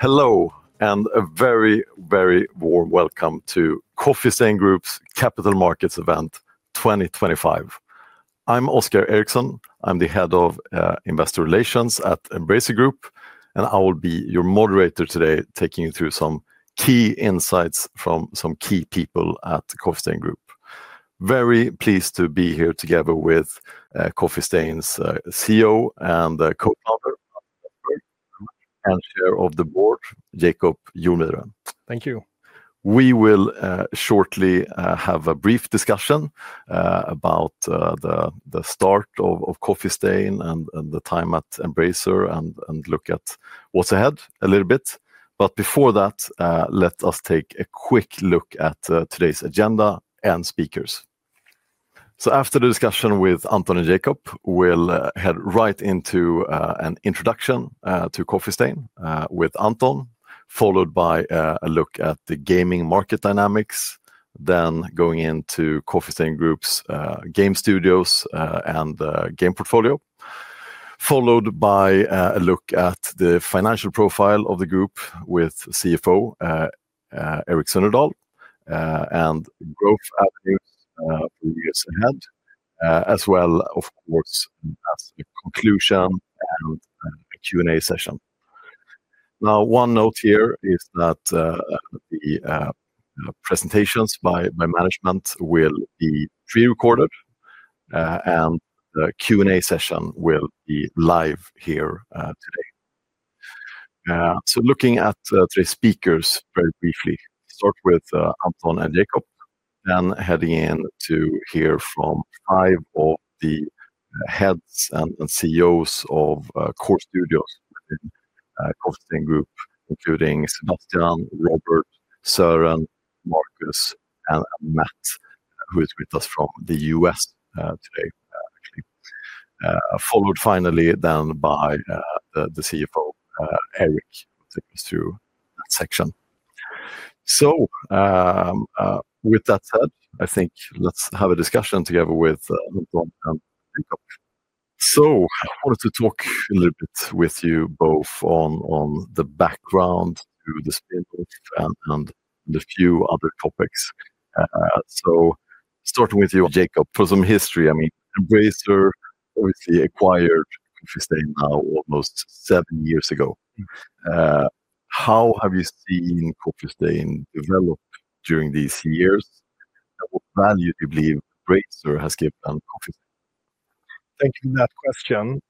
Hello, and a very, very warm welcome to Coffee Stain Group's Capital Markets Event 2025. I'm Oscar Erixon. I'm the Head of Investor Relations at Embracer Group, and I will be your mo derator today, taking you through some key insights from some key people at Coffee Stain Group. Very pleased to be here together with Coffee Stain's CEO and Co-founder and Chair of the Board, Jacob Jonmyren. Thank you. We will shortly have a brief discussion about the start of Coffee Stain and the time at Embracer and look at what's ahead a little bit. But before that, let us take a quick look at today's agenda and speakers. After the discussion with Anton and Jacob, we'll head right into an introduction to Coffee Stain with Anton, followed by a look at the gaming market dynamics, then going into Coffee Stain Group's game studios and game portfolio. Followed by a look at the financial profile of the group with CFO Erik Sunnerdahl and growth avenues for the years ahead. As well, of course, as a conclusion and a Q&A session. One note here is that the presentations by management will be pre-recorded, and the Q&A session will be live here today. Looking at today's speakers very briefly. Start with Anton and Jacob, then heading in to hear from five of the heads and CEOs of core studios, Coffee Stain Group, including Sebastian, Robert, Søren, Marcus, and Matt, who is with us from the U.S. today, actually. Followed finally then by the CFO, Erik, take us through that section. With that said, I think let's have a discussion together with Anton and Jacob. I wanted to talk a little bit with you both on the background to the spin-off and the few other topics. Starting with you, Jacob, for some history, I mean, Embracer obviously acquired Coffee Stain now almost seven years ago. Mm. How have you seen Coffee Stain develop during these years? What value do you believe Embracer has given Coffee Stain? Thank you for that question.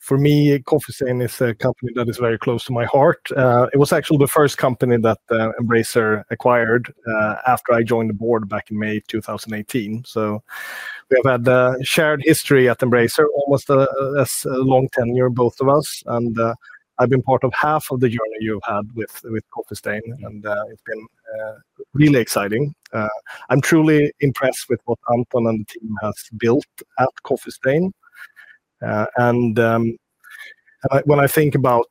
For me, Coffee Stain is a company that is very close to my heart. It was actually the first company that Embracer acquired after I joined the board back in May 2018. We have had a shared history at Embracer, almost as a long tenure, both of us. I've been part of half of the journey you've had with Coffee Stain. It's been really exciting. I'm truly impressed with what Anton and the team has built at Coffee Stain. When I think about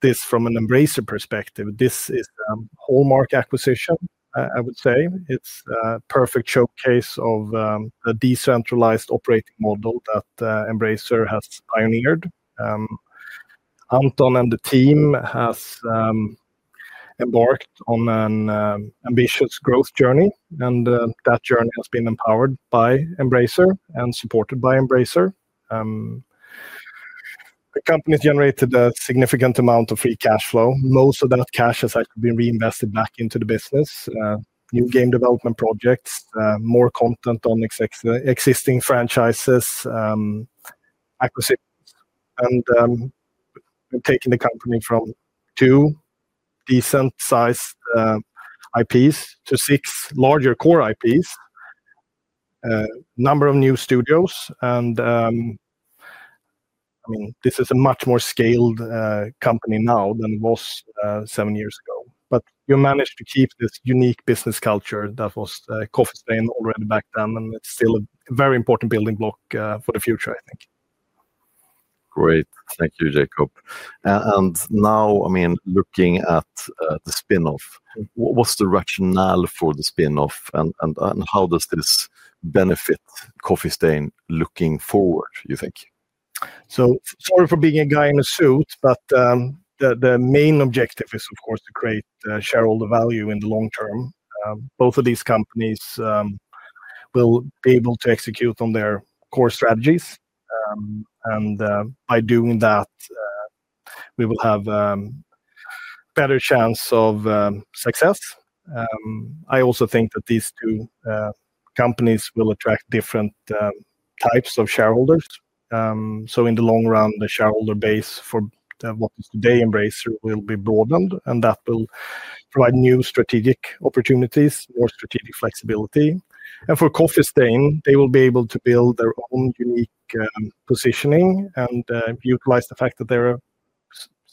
this from an Embracer perspective, this is a hallmark acquisition, I would say. It's a perfect showcase of the decentralized operating model that Embracer has pioneered. Anton and the team has embarked on an ambitious growth journey, and that journey has been empowered by Embracer and supported by Embracer. The company's generated a significant amount of free cash flow. Most of that cash has actually been reinvested back into the business, new game development projects, more content on existing franchises, acquisitions, and taking the company from two decent-sized IPs to six larger core IPs, number of new studios, and... I mean, this is a much more scaled company now than it was seven years ago. You managed to keep this unique business culture that was Coffee Stain already back then, and it's still a very important building block for the future, I think. Great. Thank you, Jacob. Now, I mean, looking at the spin-off, what's the rationale for the spin-off, and how does this benefit Coffee Stain looking forward, you think? Sorry for being a guy in a suit, the main objective is, of course, to create shareholder value in the long term. Both of these companies will be able to execute on their core strategies. By doing that, we will have better chance of success. I also think that these two companies will attract different types of shareholders. In the long run, the shareholder base for what is today Embracer will be broadened, and that will provide new strategic opportunities, more strategic flexibility. For Coffee Stain, they will be able to build their own unique positioning and utilize the fact that they're a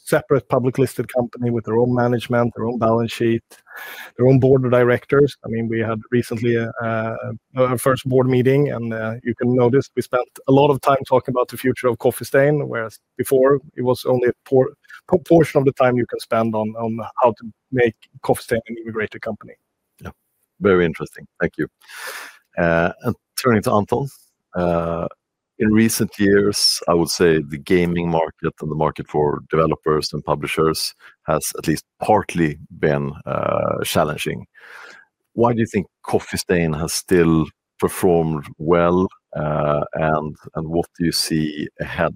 separate public listed company with their own management, their own balance sheet, their own board of directors. I mean, we had recently a first board meeting, you can notice we spent a lot of time talking about the future of Coffee Stain, whereas before, it was only a proportion of the time you can spend on how to make Coffee Stain an even greater company. Yeah. Very interesting. Thank you. Turning to Anton. In recent years, I would say the gaming market and the market for developers and publishers has at least partly been challenging. Why do you think Coffee Stain has still performed well and what do you see ahead?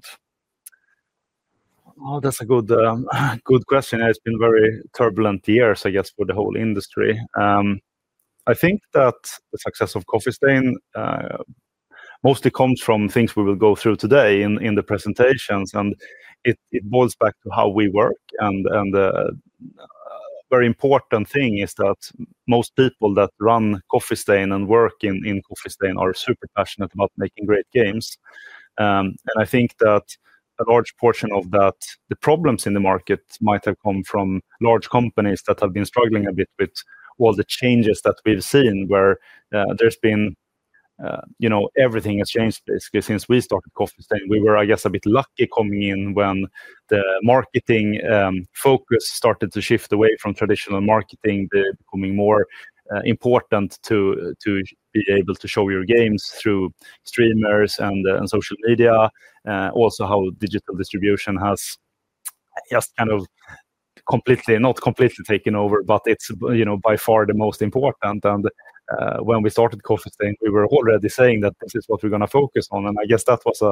That's a good question. It's been very turbulent years, I guess, for the whole industry. I think that the success of Coffee Stain mostly comes from things we will go through today in the presentations. It boils back to how we work. A very important thing is that most people that run Coffee Stain and work in Coffee Stain are super passionate about making great games. I think that a large portion of that, the problems in the market might have come from large companies that have been struggling a bit with all the changes that we've seen, where there's been, you know, everything has changed basically since we started Coffee Stain. We were, I guess, a bit lucky coming in when the marketing focus started to shift away from traditional marketing to becoming more important to be able to show your games through streamers and social media. Also, how digital distribution has just kind of completely, not completely taken over, but it's, you know, by far the most important. When we started Coffee Stain, we were already saying that this is what we're gonna focus on, and I guess that was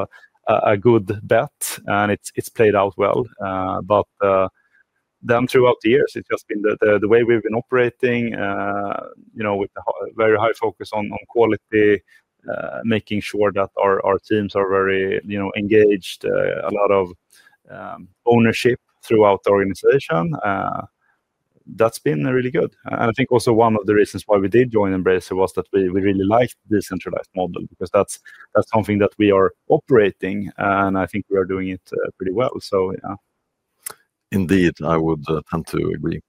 a good bet, and it's played out well. Then throughout the years, it's just been the way we've been operating, you know, with a very high focus on quality, making sure that our teams are very, you know, engaged, a lot of ownership throughout the organization. That's been really good. I think also one of the reasons why we did join Embracer was that we really liked the centralized model, because that's something that we are operating, and I think we are doing it pretty well, yeah. Indeed, I would tend to agree.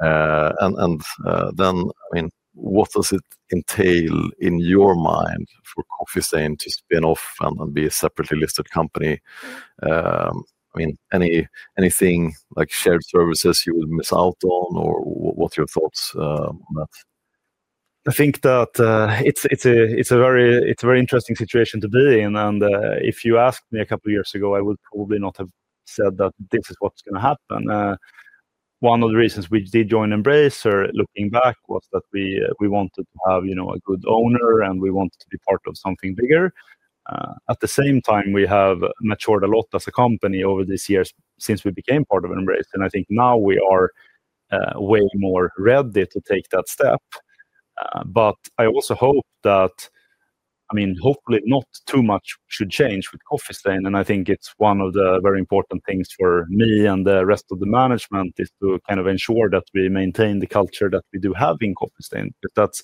Then, I mean, what does it entail in your mind for Coffee Stain to spin off and be a separately listed company? I mean, anything, like, shared services you would miss out on, or what's your thoughts on that? I think that, it's a very interesting situation to be in. If you asked me a couple of years ago, I would probably not have said that this is what's gonna happen. One of the reasons we did join Embracer, looking back, was that we wanted to have, you know, a good owner, and we wanted to be part of something bigger. At the same time, we have matured a lot as a company over these years since we became part of Embracer, and I think now we are way more ready to take that step. I also hope that... I mean, hopefully not too much should change with Coffee Stain, and I think it's one of the very important things for me and the rest of the management, is to kind of ensure that we maintain the culture that we do have in Coffee Stain. That's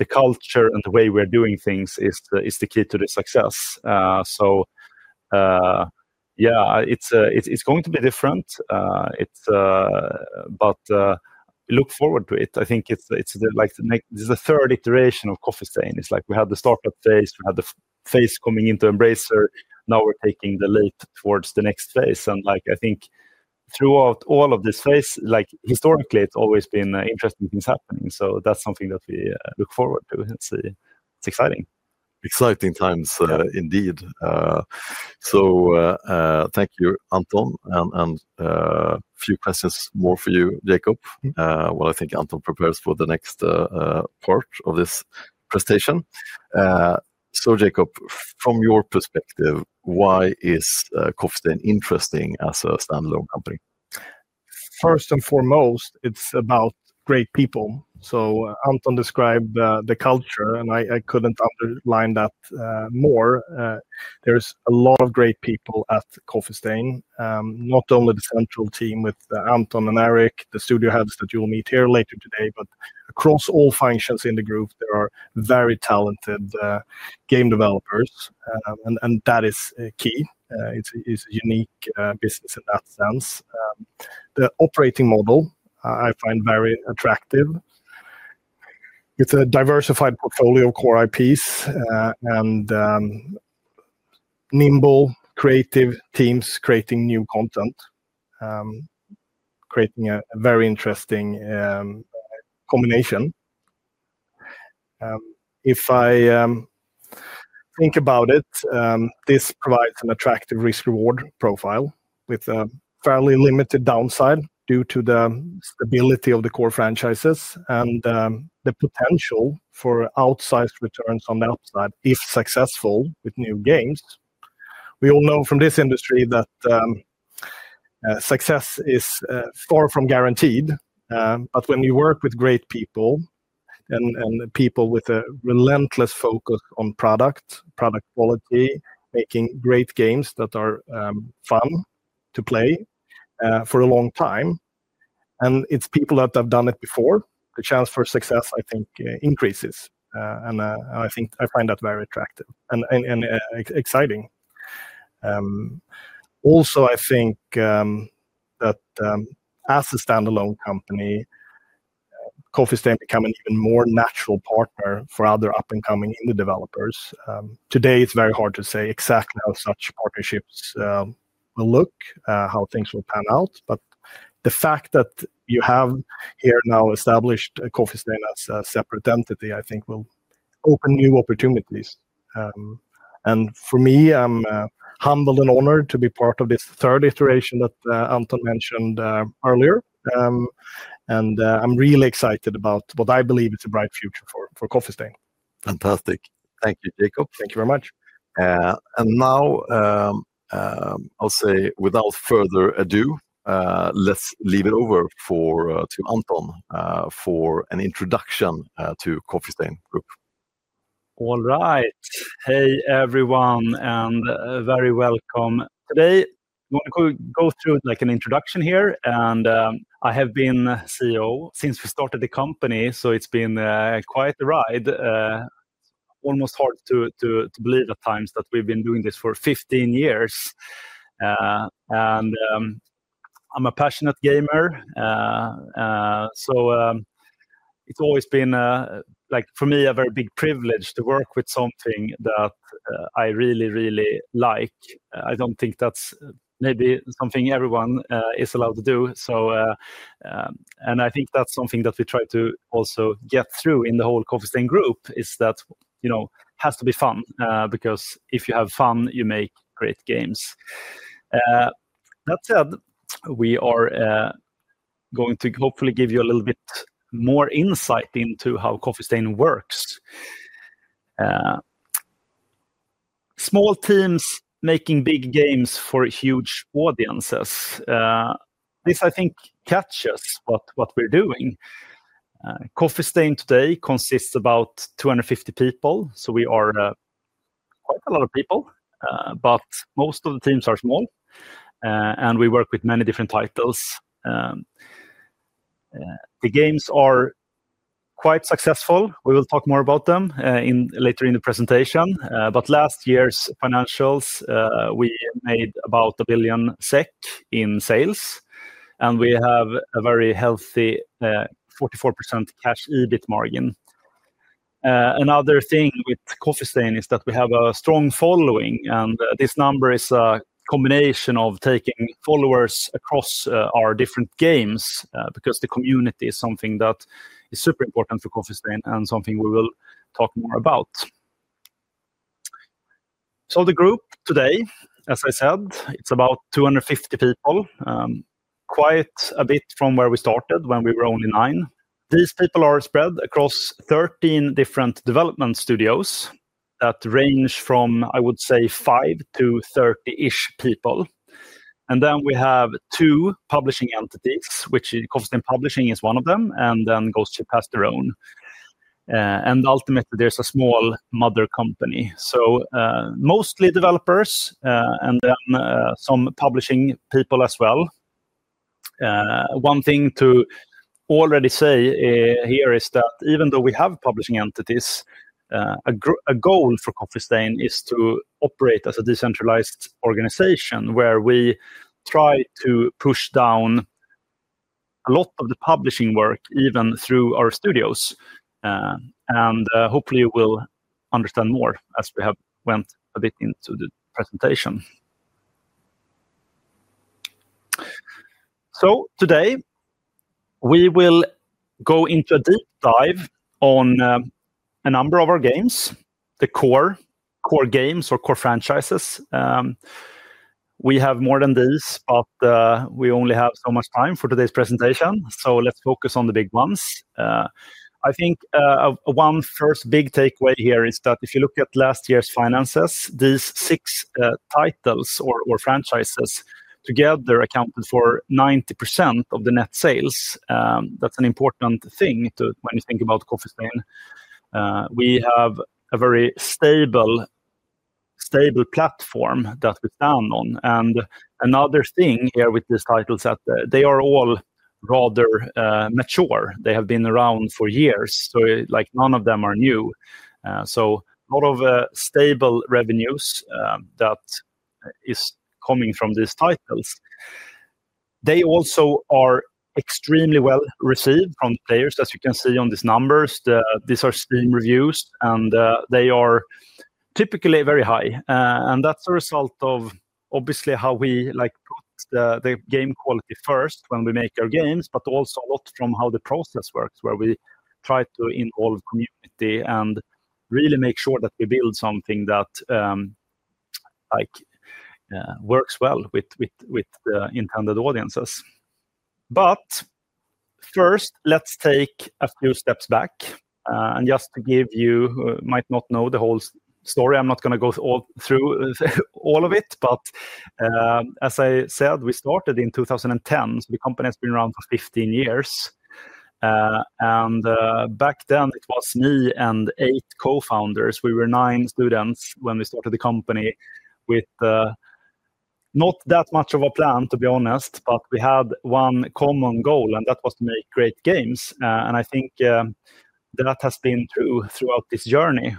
the culture and the way we're doing things is the key to the success. Yeah, it's going to be different. We look forward to it. I think it's the, like, this is the third iteration of Coffee Stain. It's like we had the startup phase, we had the phase coming into Embracer, now we're taking the leap towards the next phase. Like, I think throughout all of this phase, like, historically, it's always been interesting things happening, so that's something that we look forward to and see. It's exciting. Exciting times. Yeah... indeed. Thank you, Anton. A few questions more for you, Jacob. Mm-hmm. While I think Anton prepares for the next part of this presentation. Jacob, from your perspective, why is Coffee Stain interesting as a standalone company? First and foremost, it's about great people. Anton described the culture, and I couldn't underline that more. There's a lot of great people at Coffee Stain, not only the central team with Anton and Erik, the studio heads that you will meet here later today, but across all functions in the group, there are very talented game developers. That is key. It's a unique business in that sense. The operating model, I find very attractive. It's a diversified portfolio of core IPs, and nimble creative teams creating new content, creating a very interesting combination. If I think about it, this provides an attractive risk-reward profile, with a fairly limited downside due to the stability of the core franchises and the potential for outsized returns on the upside, if successful with new games. We all know from this industry that success is far from guaranteed. When you work with great people and people with a relentless focus on product quality, making great games that are fun to play for a long time, and it's people that have done it before, the chance for success, I think, increases. I think I find that very attractive and exciting. Also, I think that as a standalone company, Coffee Stain become an even more natural partner for other up-and-coming indie developers. Today it's very hard to say exactly how such partnerships will look, how things will pan out. The fact that you have here now established a Coffee Stain as a separate entity, I think will open new opportunities. For me, I'm humbled and honored to be part of this third iteration that Anton mentioned earlier. I'm really excited about what I believe is a bright future for Coffee Stain. Fantastic. Thank you, Jacob. Thank you very much. Now, I'll say without further ado, let's leave it over for to Anton, for an introduction to Coffee Stain Group. All right. Hey, everyone, and very welcome. Today, we're gonna go through, like, an introduction here. I have been CEO since we started the company, so it's been quite a ride. Almost hard to believe at times that we've been doing this for 15 years. I'm a passionate gamer. It's always been, like, for me, a very big privilege to work with something that I really, really like. I don't think that's maybe something everyone is allowed to do. I think that's something that we try to also get through in the whole Coffee Stain Group, is that, you know, it has to be fun, because if you have fun, you make great games. That said, we are going to hopefully give you a little bit more insight into how Coffee Stain works. Small teams making big games for huge audiences. This, I think, captures what we're doing. Coffee Stain today consists about 250 people, so we are quite a lot of people. Most of the teams are small, and we work with many different titles. The games are quite successful. We will talk more about them later in the presentation. Last year's financials, we made about 1 billion SEK in sales, and we have a very healthy 44% Cash EBIT margin. Another thing with Coffee Stain is that we have a strong following, and this number is a combination of taking followers across our different games. Because the community is something that is super important for Coffee Stain, and something we will talk more about. The group today, as I said, it's about 250 people, quite a bit from where we started when we were only nine. These people are spread across 13 different development studios that range from, I would say, five to 30-ish people. Then we have two publishing entities, which Coffee Stain Publishing is one of them, and then Ghost Ship Games. Ultimately, there's a small mother company. Mostly developers, and then some publishing people as well. One thing to already say here is that even though we have publishing entities, a goal for Coffee Stain is to operate as a decentralized organization, where we try to push down a lot of the publishing work, even through our studios. Hopefully, you will understand more as we have went a bit into the presentation. Today, we will go into a deep dive on a number of our games, the core games or core franchises. We have more than this, but we only have so much time for today's presentation, so let's focus on the big ones. I think one first big takeaway here is that if you look at last year's finances, these six titles or franchises together accounted for 90% of the net sales. That's an important thing when you think about Coffee Stain. We have a very stable platform that we stand on. Another thing here with these titles that they are all rather mature. They have been around for years, so, like, none of them are new. A lot of stable revenues that is coming from these titles. They also are extremely well-received from players, as you can see on these numbers. These are Steam reviews, and they are typically very high. That's a result of obviously how we like put the game quality first when we make our games, but also a lot from how the process works, where we try to involve community and really make sure that we build something that, like, works well with the intended audiences. First, let's take a few steps back, and just to give you, who might not know the whole story, I'm not gonna go all through all of it, but as I said, we started in 2010. The company has been around for 15 years. Back then it was me and eight co-founders. We were nine students when we started the company with not that much of a plan, to be honest, but we had one common goal, that was to make great games. I think that has been true throughout this journey.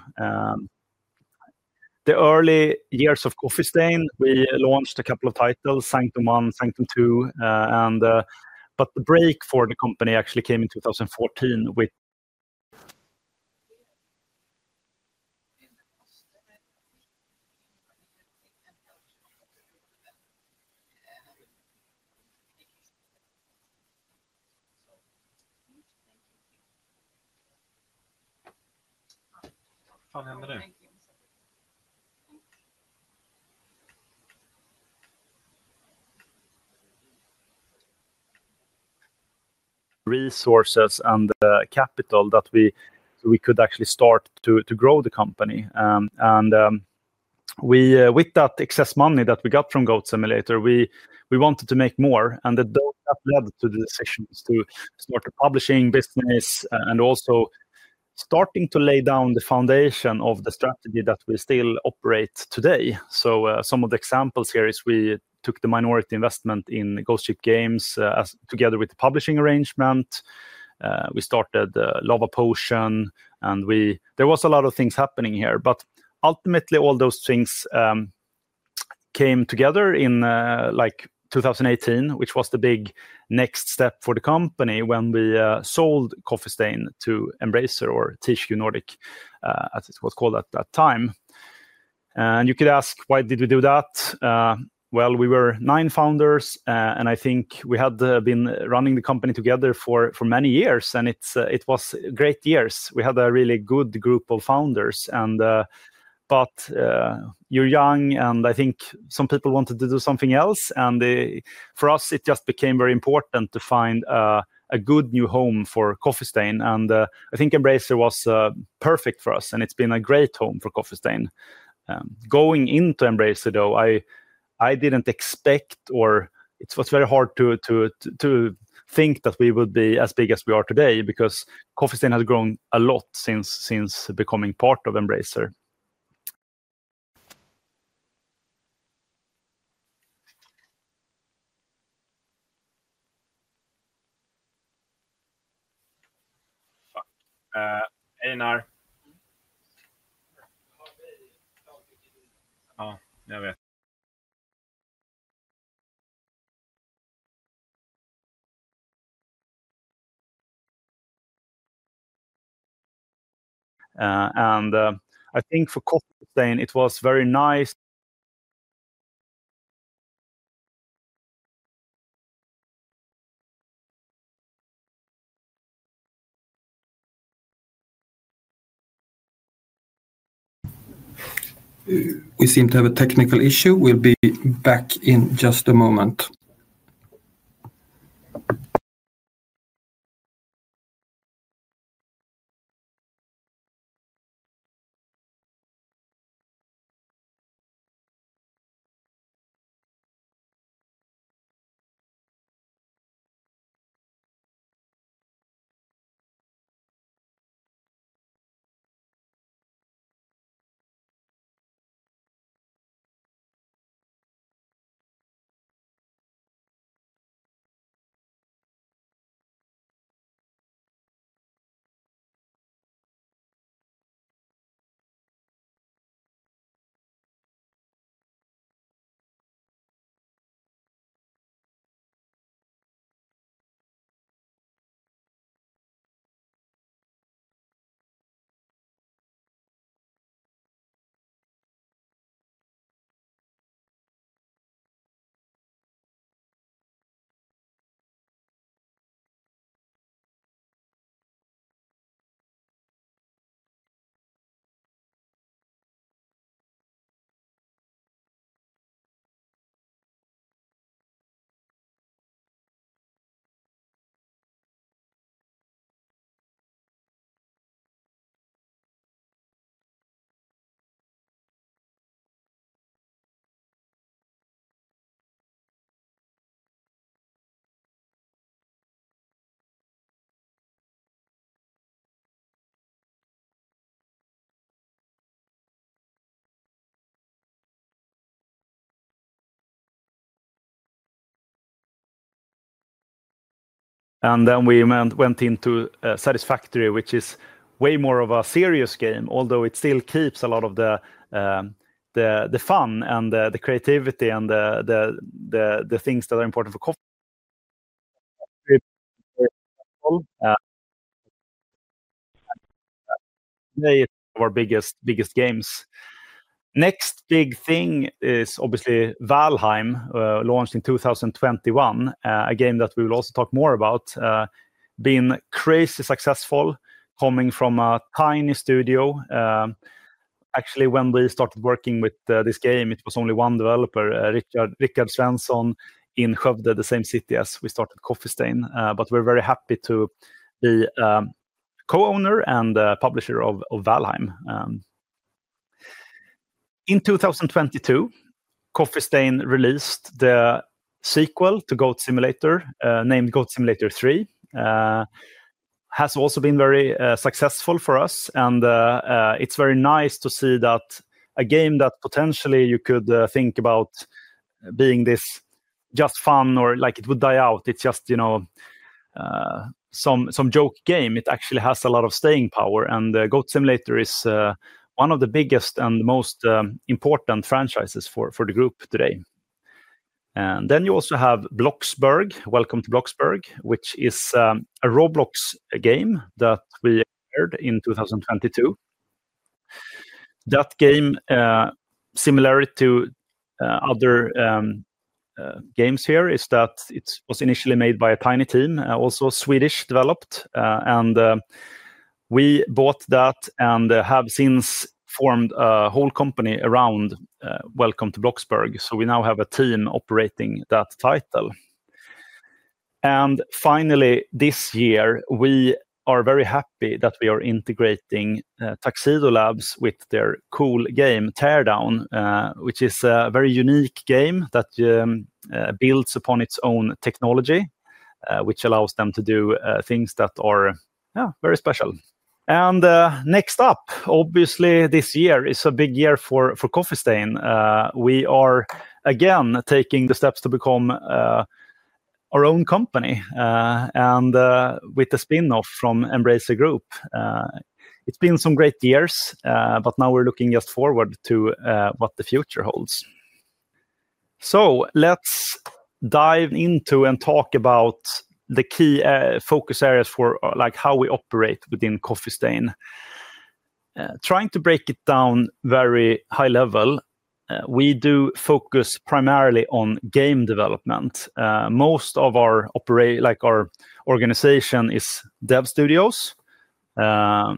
The early years of Coffee Stain, we launched a couple of titles, Sanctum 1, Sanctum 2. The break for the company actually came in 2014. resources and the capital that we could actually start to grow the company. With that excess money that we got from Goat Simulator, we wanted to make more, that led to the decisions to start a publishing business, and also starting to lay down the foundation of the strategy that we still operate today. Some of the examples here is we took the minority investment in Ghost Ship Games as together with the publishing arrangement. We started Lavapotion. There was a lot of things happening here, but ultimately, all those things came together in like 2018, which was the big next step for the company when we sold Coffee Stain to Embracer or THQ Nordic as it was called at that time. You could ask, why did we do that? Well, we were nine founders, and I think we had been running the company together for many years, and it's, it was great years. We had a really good group of founders, and, but, you're young, and I think some people wanted to do something else, and for us, it just became very important to find, a good new home for Coffee Stain. I think Embracer was perfect for us, and it's been a great home for Coffee Stain. Going into Embracer, though, I didn't expect, or it was very hard to think that we would be as big as we are today, because Coffee Stain has grown a lot since becoming part of Embracer. I think for Coffee Stain, it was very nice- We seem to have a technical issue. We'll be back in just a moment. We went into Satisfactory, which is way more of a serious game, although it still keeps a lot of the fun and the creativity and the things that are important for Coffee. They are our biggest games. Next big thing is obviously Valheim, launched in 2021, a game that we will also talk more about, being crazy successful, coming from a tiny studio. Actually, when we started working with this game, it was only one developer, Rickard Svensson, in Skövde, the same city as we started Coffee Stain. We're very happy to be co-owner and publisher of Valheim. In 2022, Coffee Stain released the sequel to Goat Simulator, named Goat Simulator 3. Has also been very successful for us, and it's very nice to see that a game that potentially you could think about being this just fun or, like, it would die out. It's just, you know, some joke game. It actually has a lot of staying power, and Goat Simulator is one of the biggest and most important franchises for the group today. Then you also have Bloxburg, Welcome to Bloxburg, which is a Roblox game that we acquired in 2022. That game, similarity to other games here is that it was initially made by a tiny team, also Swedish developed. And we bought that, and have since formed a whole company around Welcome to Bloxburg, so we now have a team operating that title. Finally, this year, we are very happy that we are integrating Tuxedo Labs with their cool game, Teardown, which is a very unique game that builds upon its own technology, which allows them to do things that are very special. Next up, obviously, this year is a big year for Coffee Stain. We are, again, taking the steps to become our own company with the spin-off from Embracer Group. It's been some great years, but now we're looking just forward to what the future holds. Let's dive into and talk about the key focus areas for how we operate within Coffee Stain. Trying to break it down very high level, we do focus primarily on game development. Most of our organization is dev studios. They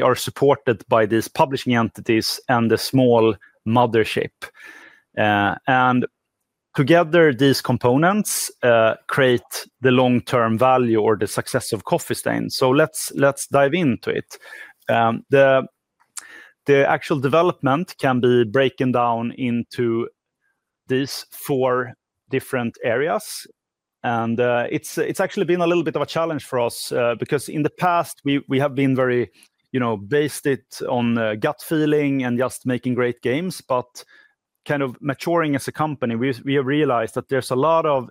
are supported by these publishing entities and the small mothership. Together, these components create the long-term value or the success of Coffee Stain. Let's dive into it. The actual development can be broken down into these four different areas, and it's actually been a little bit of a challenge for us, because in the past, we have been very, you know, based it on gut feeling and just making great games. Kind of maturing as a company, we have realized that there's a lot of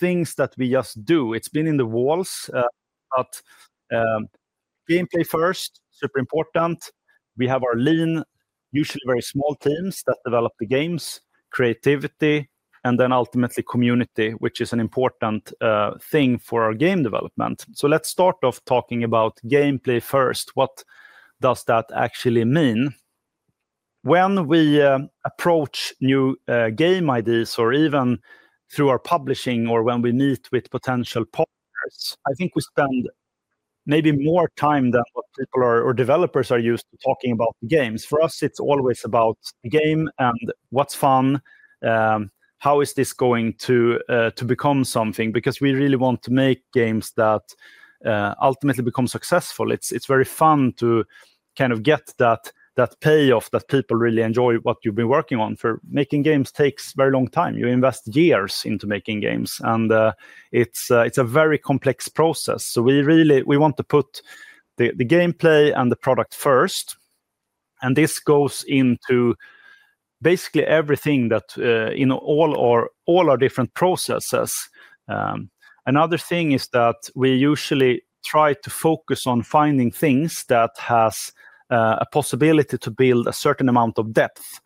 things that we just do. It's been in the walls, but gameplay first, super important. We have our lean, usually very small teams that develop the games, creativity, and then ultimately community, which is an important thing for our game development. Let's start off talking about gameplay first. What does that actually mean? When we approach new game ideas or even through our publishing or when we meet with potential partners, I think we spend maybe more time than what people or developers are used to talking about the games. For us, it's always about the game and what's fun, how is this going to become something? Because we really want to make games that ultimately become successful. It's very fun to kind of get that payoff, that people really enjoy what you've been working on, for making games takes very long time. You invest years into making games, it's a very complex process. We want to put the gameplay and the product first, and this goes into basically everything that in all our different processes. Another thing is that we usually try to focus on finding things that has a possibility to build a certain amount of depth.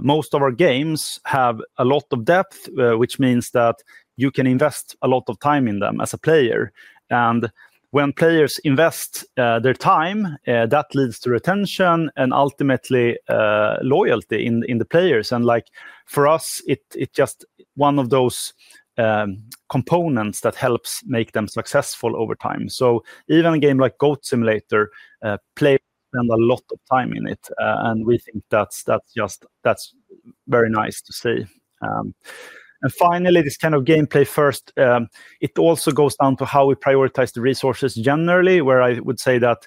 Most of our games have a lot of depth, which means that you can invest a lot of time in them as a player. When players invest their time, that leads to retention and ultimately loyalty in the players. Like, for us, it just one of those components that helps make them successful over time. Even a game like Goat Simulator, players spend a lot of time in it, and we think that's just, that's very nice to see. Finally, this kind of gameplay first, it also goes down to how we prioritize the resources generally, where I would say that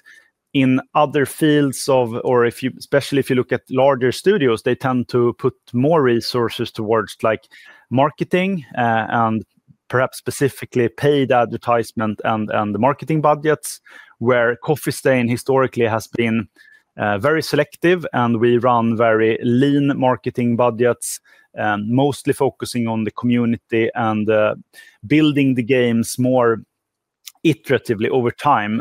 in other fields or if you, especially if you look at larger studios, they tend to put more resources towards, like, marketing, and perhaps specifically paid advertisement and the marketing budgets, where Coffee Stain historically has been very selective, and we run very lean marketing budgets, mostly focusing on the community and building the games more iteratively over time.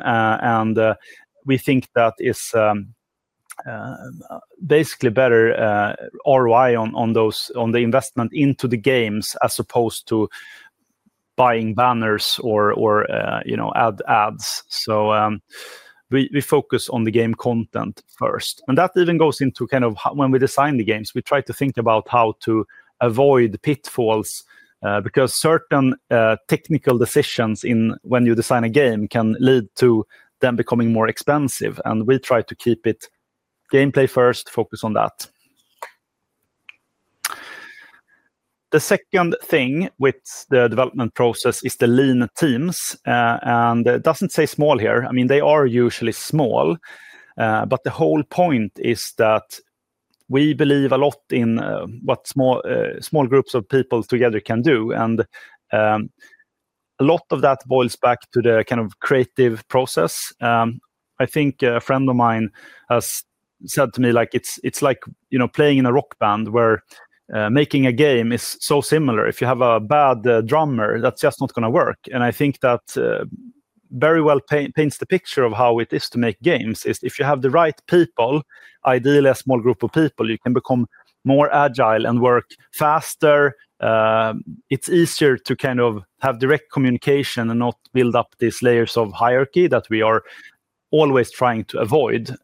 basically better ROI on the investment into the games, as opposed to buying banners or, you know, ads. We focus on the game content first, and that even goes into when we design the games, we try to think about how to avoid pitfalls, because certain technical decisions in when you design a game can lead to them becoming more expensive, and we try to keep it gameplay first, focus on that. The second thing with the development process is the lean teams, and it doesn't say small here. I mean, they are usually small, but the whole point is that we believe a lot in what small groups of people together can do, and a lot of that boils back to the kind of creative process. I think a friend of mine has said to me, like, it's like, you know, playing in a rock band, where making a game is so similar. If you have a bad drummer, that's just not gonna work, and I think that very well paints the picture of how it is to make games, is if you have the right people, ideally, a small group of people, you can become more agile and work faster. It's easier to kind of have direct communication and not build up these layers of hierarchy that we are always trying to avoid.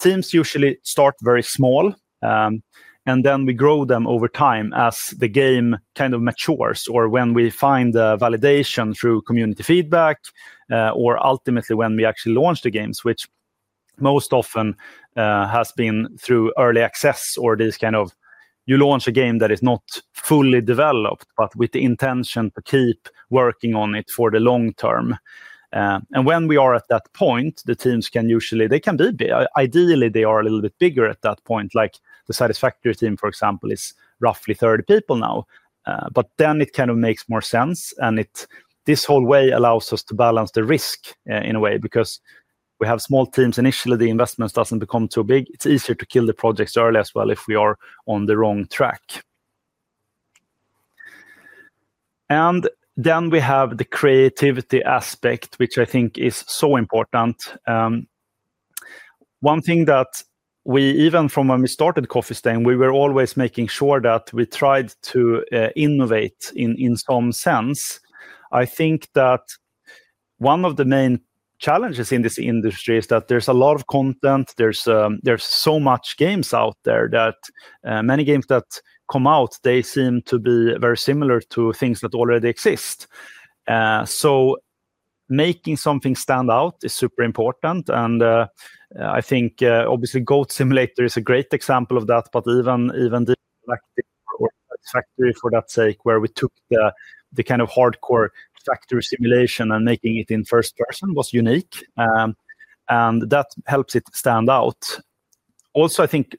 Teams usually start very small, and then we grow them over time as the game kind of matures, or when we find the validation through community feedback, or ultimately when we actually launch the games, which most often, has been through early access or this kind of you launch a game that is not fully developed, but with the intention to keep working on it for the long term. When we are at that point, the teams can usually, they can be big. Ideally, they are a little bit bigger at that point, like the Satisfactory team, for example, is roughly 30 people now. Then it kind of makes more sense, and this whole way allows us to balance the risk in a way, because we have small teams. Initially, the investment doesn't become too big. It's easier to kill the projects early as well if we are on the wrong track. Then we have the creativity aspect, which I think is so important. One thing that we, even from when we started Coffee Stain, we were always making sure that we tried to innovate in some sense. I think that one of the main challenges in this industry is that there's a lot of content, there's so much games out there that many games that come out, they seem to be very similar to things that already exist. So making something stand out is super important, I think, obviously, Goat Simulator is a great example of that, but even Satisfactory, for that sake, where we took the kind of hardcore factory simulation and making it in first person was unique. That helps it stand out. Also, I think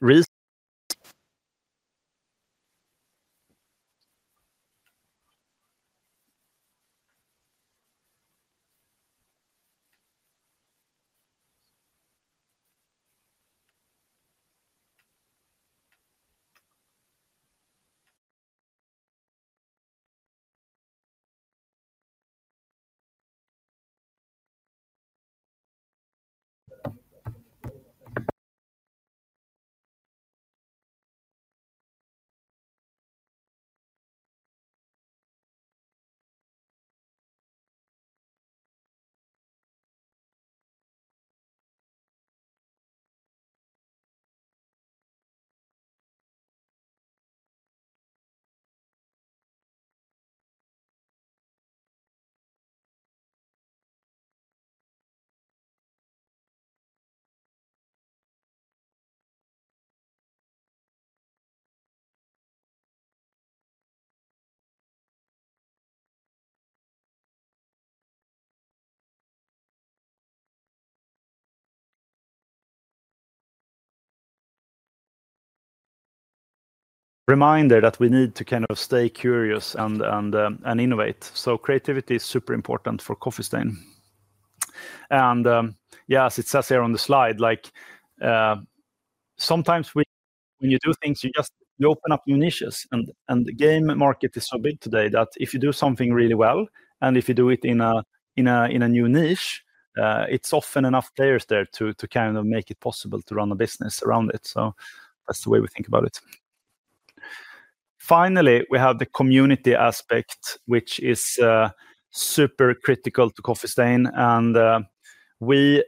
reminder that we need to kind of stay curious and innovate. Creativity is super important for Coffee Stain. Yeah, as it says here on the slide, like, sometimes when you do things, you just open up new niches and the game market is so big today that if you do something really well, and if you do it in a new niche, it's often enough players there to kind of make it possible to run a business around it. That's the way we think about it. Finally, we have the community aspect, which is super critical to Coffee Stain, and we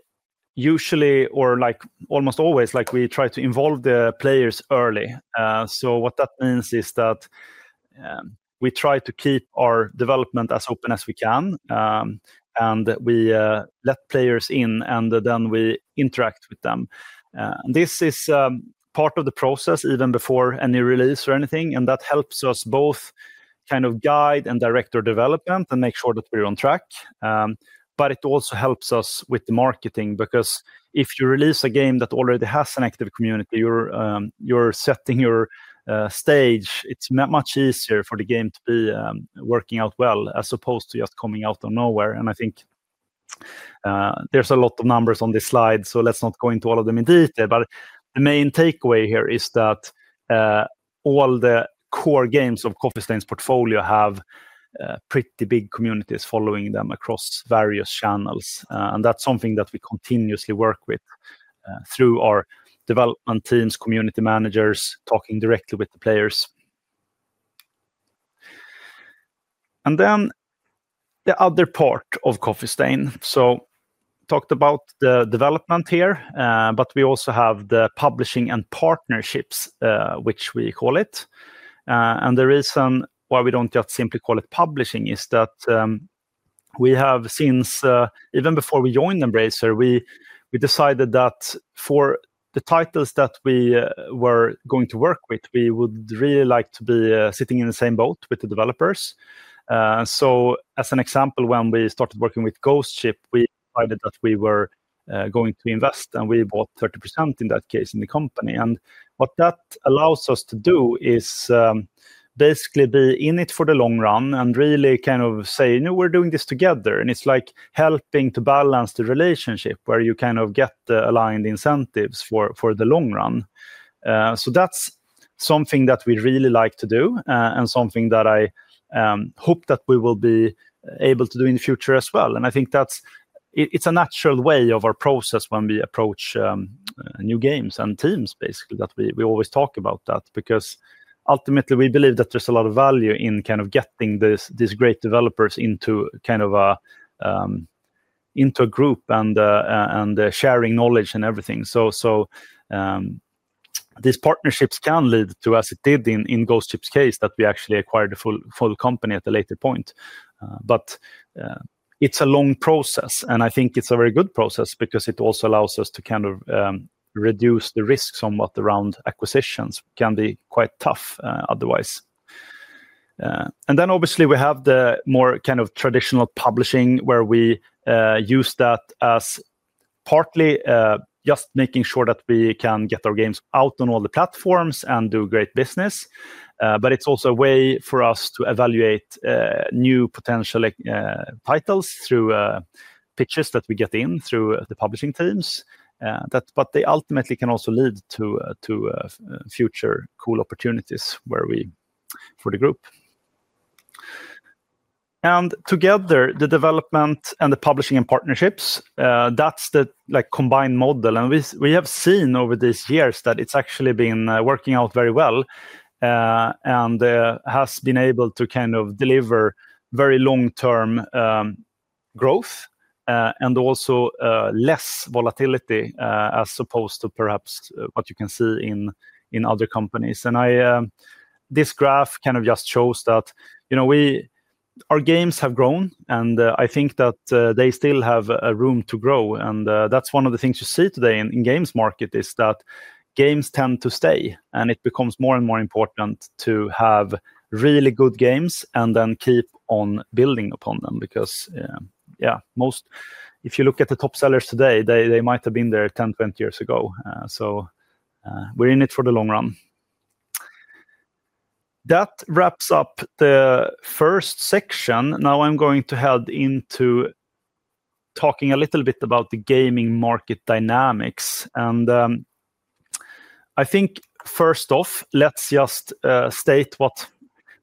usually or like almost always, like, we try to involve the players early. What that means is that we try to keep our development as open as we can, and we let players in, we interact with them. This is part of the process, even before any release or anything, that helps us both kind of guide and direct our development and make sure that we're on track. It also helps us with the marketing, because if you release a game that already has an active community, you're setting your stage. It's much easier for the game to be working out well, as opposed to just coming out of nowhere. I think there's a lot of numbers on this slide, let's not go into all of them in detail. The main takeaway here is that all the core games of Coffee Stain's portfolio have pretty big communities following them across various channels. That's something that we continuously work with through our development teams, community managers, talking directly with the players. The other part of Coffee Stain, so talked about the development here, but we also have the publishing and partnerships, which we call it. The reason why we don't just simply call it publishing is that we have since Even before we joined Embracer, we decided that for the titles that we were going to work with, we would really like to be sitting in the same boat with the developers. As an example, when we started working with Ghost Ship, we decided that we were going to invest, and we bought 30%, in that case, in the company. What that allows us to do is basically be in it for the long run and really kind of say, "You know, we're doing this together." It's like helping to balance the relationship where you kind of get the aligned incentives for the long run. That's something that we really like to do, and something that I hope that we will be able to do in the future as well. I think that's it's a natural way of our process when we approach new games and teams, basically, that we always talk about that. Ultimately, we believe that there's a lot of value in kind of getting these great developers into kind of a, into a group, and sharing knowledge and everything. These partnerships can lead to, as it did in Ghost Ship's case, that we actually acquired the full company at a later point. It's a long process, and I think it's a very good process because it also allows us to kind of, reduce the risks somewhat around acquisitions, can be quite tough, otherwise. Then obviously, we have the more kind of traditional publishing, where we, use that as partly, just making sure that we can get our games out on all the platforms and do great business. It's also a way for us to evaluate, new potential, like, titles through, pitches that we get in through, the publishing teams. That, they ultimately can also lead to future cool opportunities where we for the group. Together, the development and the publishing and partnerships, that's the, like, combined model. We've, we have seen over these years that it's actually been working out very well, and has been able to kind of deliver very long-term growth, and also less volatility, as opposed to perhaps, what you can see in other companies. I, this graph kind of just shows that, you know, our games have grown, and I think that they still have room to grow. That's one of the things you see today in games market, is that games tend to stay, and it becomes more and more important to have really good games, and then keep on building upon them. Because, yeah, if you look at the top sellers today, they might have been there 10, 20 years ago. We're in it for the long run. That wraps up the first section. Now, I'm going to head into talking a little bit about the gaming market dynamics. I think, first off, let's just state what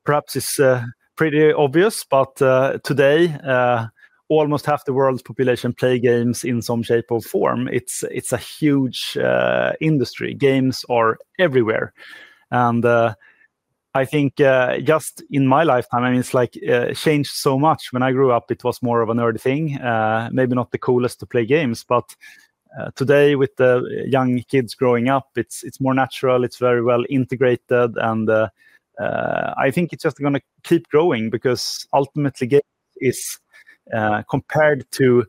perhaps is pretty obvious. Today, almost half the world's population play games in some shape or form. It's, it's a huge industry. Games are everywhere. I think, just in my lifetime, I mean, it's, like, changed so much. When I grew up, it was more of a nerdy thing, maybe not the coolest to play games, but today, with the young kids growing up, it's more natural, it's very well-integrated. I think it's just gonna keep growing, because ultimately, game is compared to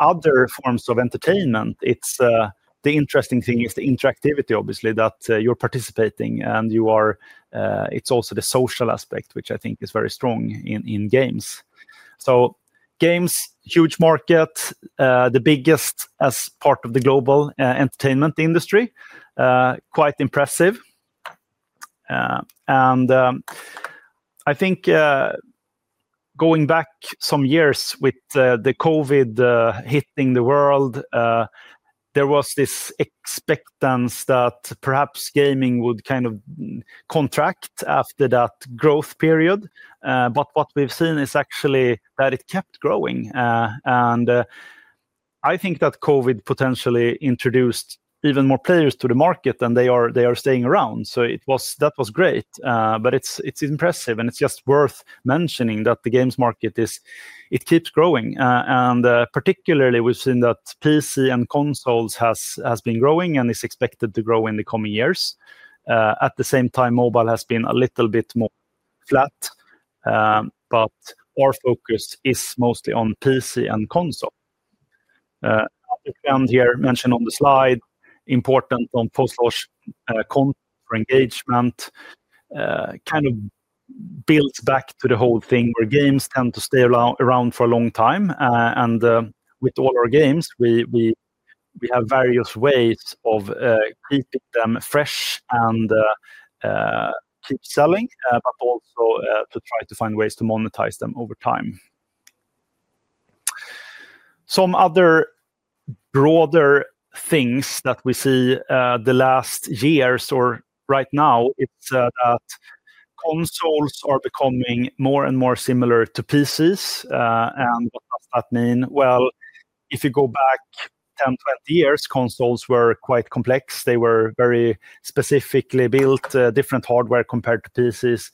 other forms of entertainment, it's the interesting thing is the interactivity, obviously, that you're participating, and it's also the social aspect, which I think is very strong in games. Games, huge market, the biggest as part of the global, entertainment industry, quite impressive. I think going back some years with the COVID, hitting the world, there was this expectancy that perhaps gaming would kind of contract after that growth period. What we've seen is actually that it kept growing. I think that COVID potentially introduced even more players to the market than they are, they are staying around. That was great, but it's impressive, and it's just worth mentioning that the games market keeps growing. Particularly, we've seen that PC and consoles has been growing, and is expected to grow in the coming years. At the same time, mobile has been a little bit more flat, but our focus is mostly on PC and console. Here, mentioned on the slide, important on post-launch, engagement, kind of builds back to the whole thing, where games tend to stay around for a long time. With all our games, we, we have various ways of keeping them fresh and keep selling, but also to try to find ways to monetize them over time. Some other broader things that we see the last years or right now, it's that consoles are becoming more and more similar to PCs. What does that mean? Well, if you go back 10, 20 years, consoles were quite complex. They were very specifically built, different hardware compared to PCs.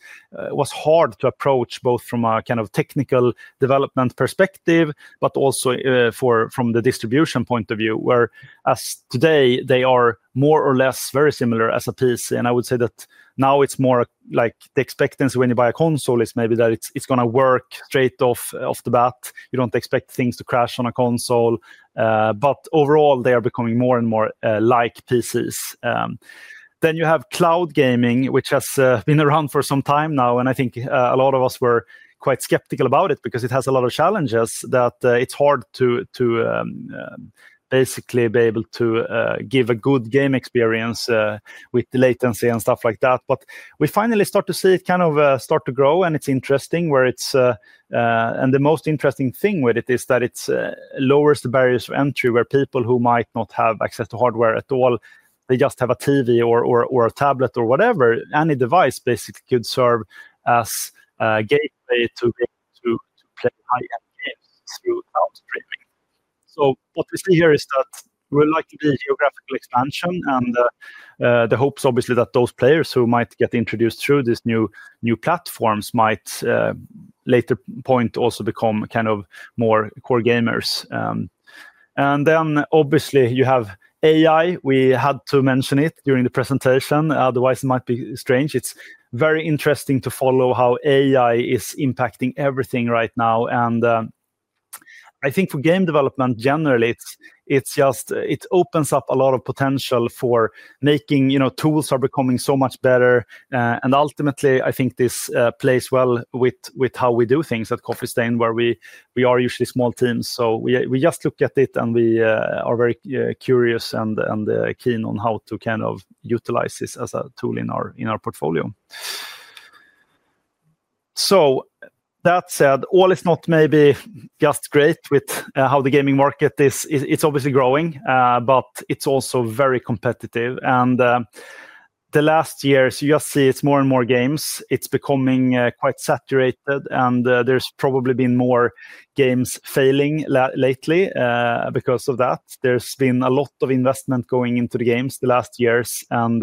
It was hard to approach, both from a kind of technical development perspective, but also from the distribution point of view, whereas today, they are more or less very similar as a PC. I would say that now it's more like the expectancy when you buy a console is maybe that it's gonna work straight off the bat. You don't expect things to crash on a console, but overall, they are becoming more and more like PCs. You have cloud gaming, which has been around for some time now, and I think a lot of us were quite skeptical about it because it has a lot of challenges, that it's hard to basically be able to give a good game experience with the latency and stuff like that. We finally start to see it kind of start to grow, and it's interesting where it's, and the most interesting thing with it is that it lowers the barriers to entry, where people who might not have access to hardware at all, they just have a TV or a tablet or whatever, any device basically could serve as a gateway to be, to play high-end games throughout streaming. What we see here is that we're likely to be a geographical expansion, and the hopes obviously that those players who might get introduced through this new platforms might later point also become kind of more core gamers. Obviously, you have AI. We had to mention it during the presentation, otherwise, it might be strange. It's very interesting to follow how AI is impacting everything right now. I think for game development, generally, it's just, it opens up a lot of potential for making, you know, tools are becoming so much better. Ultimately, I think this plays well with how we do things at Coffee Stain, where we are usually small teams. We just look at it, and we are very curious and keen on how to kind of utilize this as a tool in our portfolio. That said, all is not maybe just great with how the gaming market is. It's obviously growing, but it's also very competitive. The last year, so you just see it's more and more games. It's becoming quite saturated, and there's probably been more games failing lately because of that. There's been a lot of investment going into the games the last years, and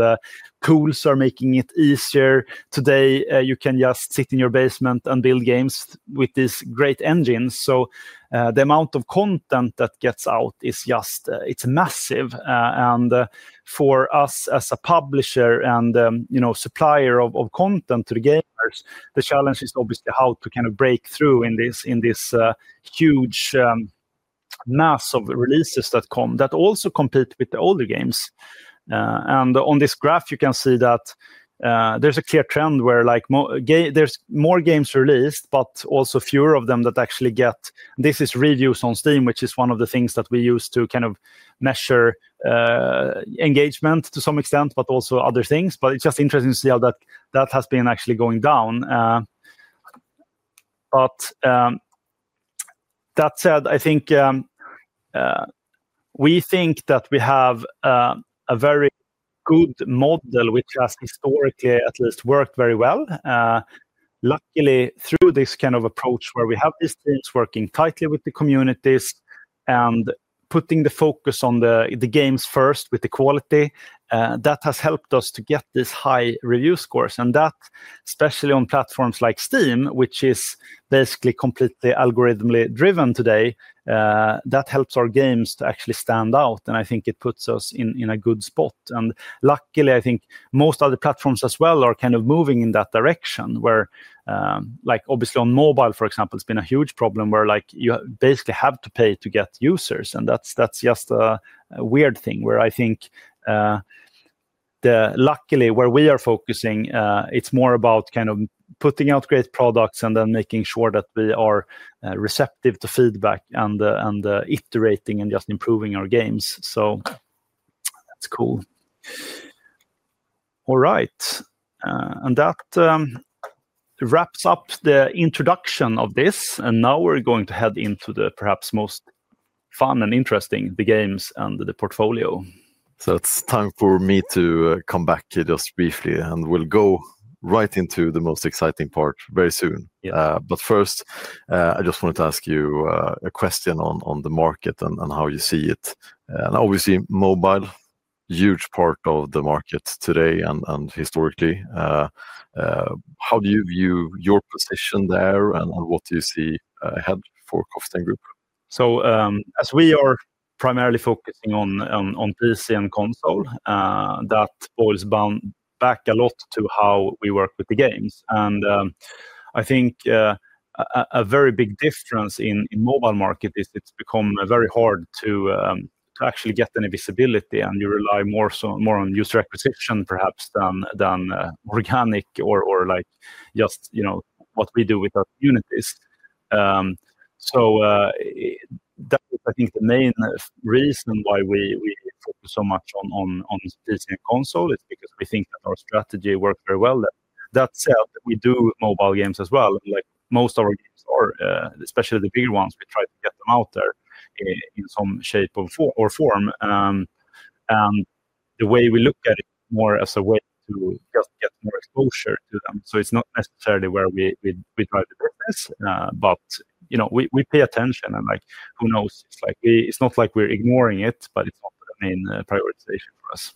tools are making it easier. Today, you can just sit in your basement and build games with this great engine. The amount of content that gets out is just it's massive. For us as a publisher and, you know, supplier of content to the gamers, the challenge is obviously how to kind of break through in this, in this huge mass of releases that come, that also compete with the older games. On this graph, you can see that there's a clear trend where like there's more games released, but also fewer of them that actually get... This is reviews on Steam, which is one of the things that we use to kind of measure, engagement to some extent, but also other things. It's just interesting to see how that has been actually going down. That said, I think we think that we have a very good model which has historically, at least, worked very well. Luckily, through this kind of approach, where we have these teams working tightly with the communities and putting the focus on the games first, with the quality, that has helped us to get this high review scores. That, especially on platforms like Steam, which is basically completely algorithmically driven today, that helps our games to actually stand out, and I think it puts us in a good spot. Luckily, I think most other platforms as well are kind of moving in that direction, where obviously on mobile, for example, it's been a huge problem where you basically have to pay to get users, and that's just a weird thing, where I think luckily, where we are focusing, it's more about kind of putting out great products and then making sure that we are receptive to feedback and iterating and just improving our games. That's cool. All right, that wraps up the introduction of this, now we're going to head into the perhaps most fun and interesting, the games and the portfolio. It's time for me to come back here just briefly, and we'll go right into the most exciting part very soon. Yeah. First, I just wanted to ask you a question on the market and how you see it. Obviously, mobile, huge part of the market today and historically. How do you view your position there, and what do you see ahead for Coffee Stain Group? As we are primarily focusing on, on PC and console, that boils down, back a lot to how we work with the games. I think a very big difference in mobile market is it's become very hard to actually get any visibility, and you rely more so, more on user acquisition, perhaps, than organic or like just, you know, what we do with our unit is. That is, I think, the main reason why we focus so much on, on PC and console, is because we think that our strategy works very well. That said, we do mobile games as well, like most of our games or, especially the bigger ones, we try to get them out there in some shape or form. The way we look at it more as a way to just get more exposure to them. It's not necessarily where we, we try to do this, but, you know, we pay attention, and like, who knows? It's not like we're ignoring it, but it's not the main prioritization for us.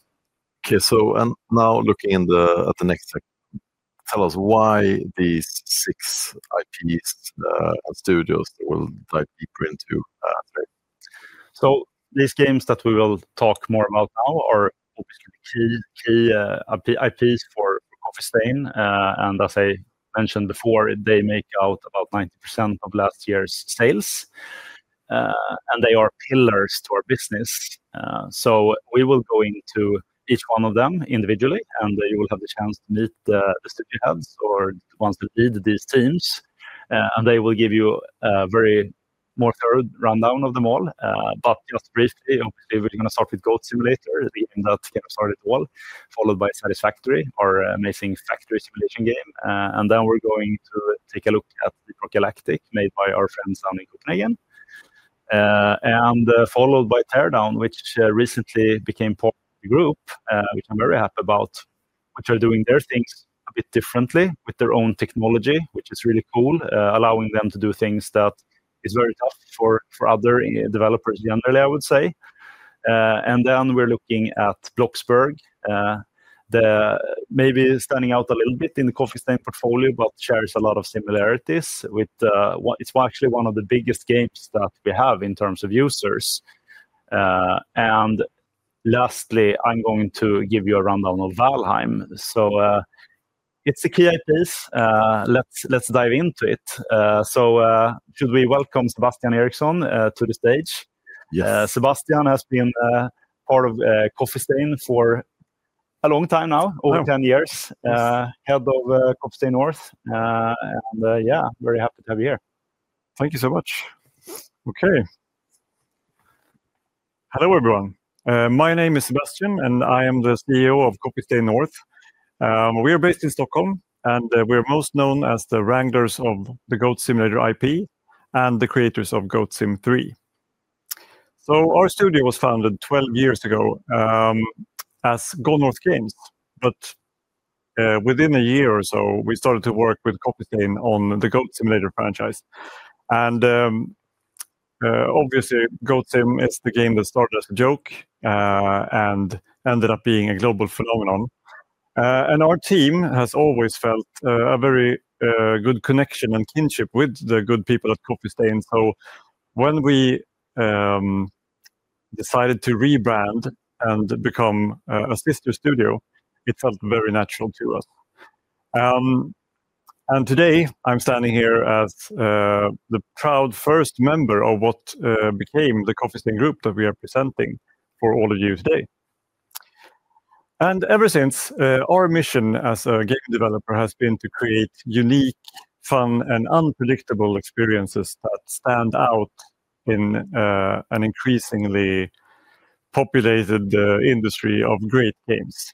Now looking at the next slide, tell us why these six IPs, studios that we'll dive deeper into today. These games that we will talk more about now are obviously key IPs for Coffee Stain. As I mentioned before, they make out about 90% of last year's sales, and they are pillars to our business. We will go into each one of them individually, and you will have the chance to meet the studio heads or the ones that lead these teams. They will give you a more thorough rundown of them all. But just briefly, we're going to start with Goat Simulator, and that get us started well, followed by Satisfactory, our amazing factory simulation game. Then we're going to take a look at Deep Rock Galactic, made by our friends down in Copenhagen. Followed by Teardown, which recently became part of the group, which I'm very happy about, which are doing their things a bit differently with their own technology, which is really cool, allowing them to do things that is very tough for other developers generally, I would say. We're looking at Bloxburg, that maybe standing out a little bit in the Coffee Stain portfolio, but shares a lot of similarities with. It's actually one of the biggest games that we have in terms of users. Lastly, I'm going to give you a rundown of Valheim. It's a key piece. Let's, let's dive into it. Should we welcome Sebastian Eriksson to the stage? Yes. Sebastian has been part of Coffee Stain for a long time now. I am. over 10 years. Yes. head of Coffee Stain North. Yeah, very happy to have you here. Thank you so much. Okay. Hello, everyone. My name is Sebastian, and I am the CEO of Coffee Stain North. We are based in Stockholm, and we are most known as the wranglers of the Goat Simulator IP, and the creators of Goat Simulator 3. Our studio was founded 12 years ago, as Gone North Games, but within a year or so, we started to work with Coffee Stain on the Goat Simulator franchise. Obviously, Goat Sim is the game that started as a joke, and ended up being a global phenomenon. Our team has always felt a very good connection and kinship with the good people at Coffee Stain. When we decided to rebrand and become a sister studio, it felt very natural to us. Today, I'm standing here as the proud first member of what became the Coffee Stain Group that we are presenting for all of you today. Ever since, our mission as a game developer has been to create unique, fun, and unpredictable experiences that stand out in an increasingly populated industry of great games.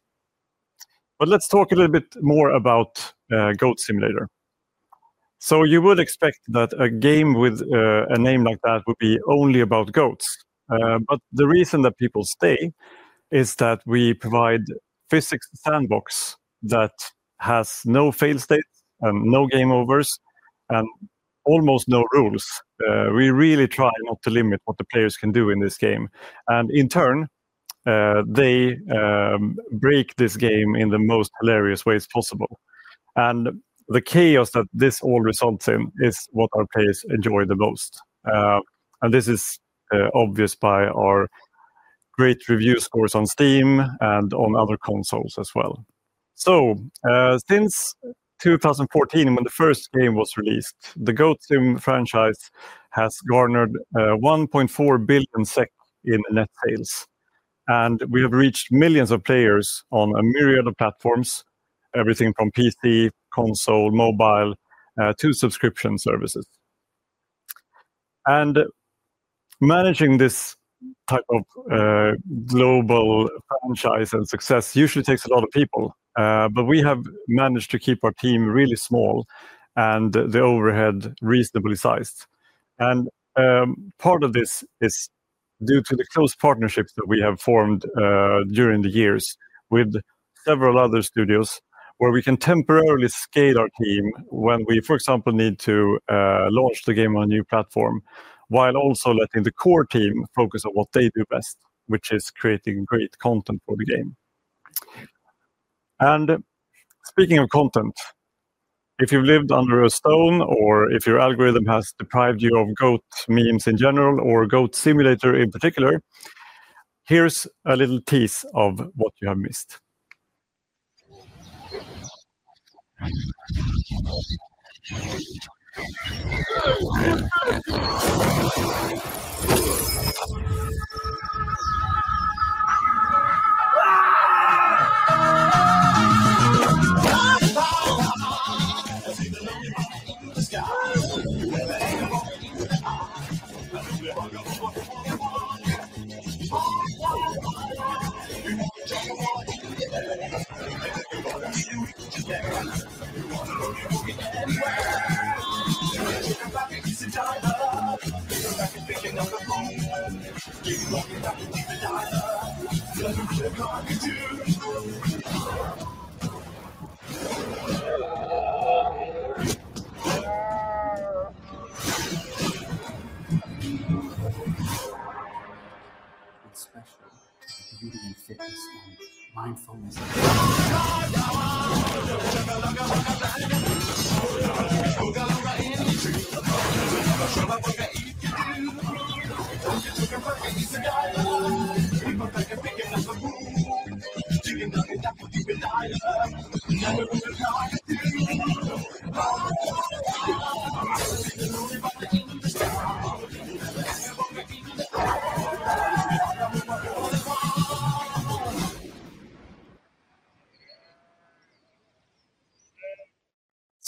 Let's talk a little bit more about Goat Simulator. You would expect that a game with a name like that would be only about goats. The reason that people stay is that we provide physics sandbox that has no fail states, and no game overs, and almost no rules. We really try not to limit what the players can do in this game, and in turn, they break this game in the most hilarious ways possible. The chaos that this all results in is what our players enjoy the most. This is obvious by our great review scores on Steam and on other consoles as well. Since 2014, when the first game was released, the Goat Sim franchise has garnered 1.4 billion SEK in net sales, and we have reached millions of players on a myriad of platforms, everything from PC, console, mobile, to subscription services. Managing this type of global franchise and success usually takes a lot of people, but we have managed to keep our team really small and the overhead reasonably sized. Part of this is due to the close partnerships that we have formed during the years with several other studios, where we can temporarily scale our team when we, for example, need to launch the game on a new platform, while also letting the core team focus on what they do best, which is creating great content for the game. Speaking of content, if you've lived under a stone or if your algorithm has deprived you of goat memes in general or Goat Simulator in particular, here's a little tease of what you have missed.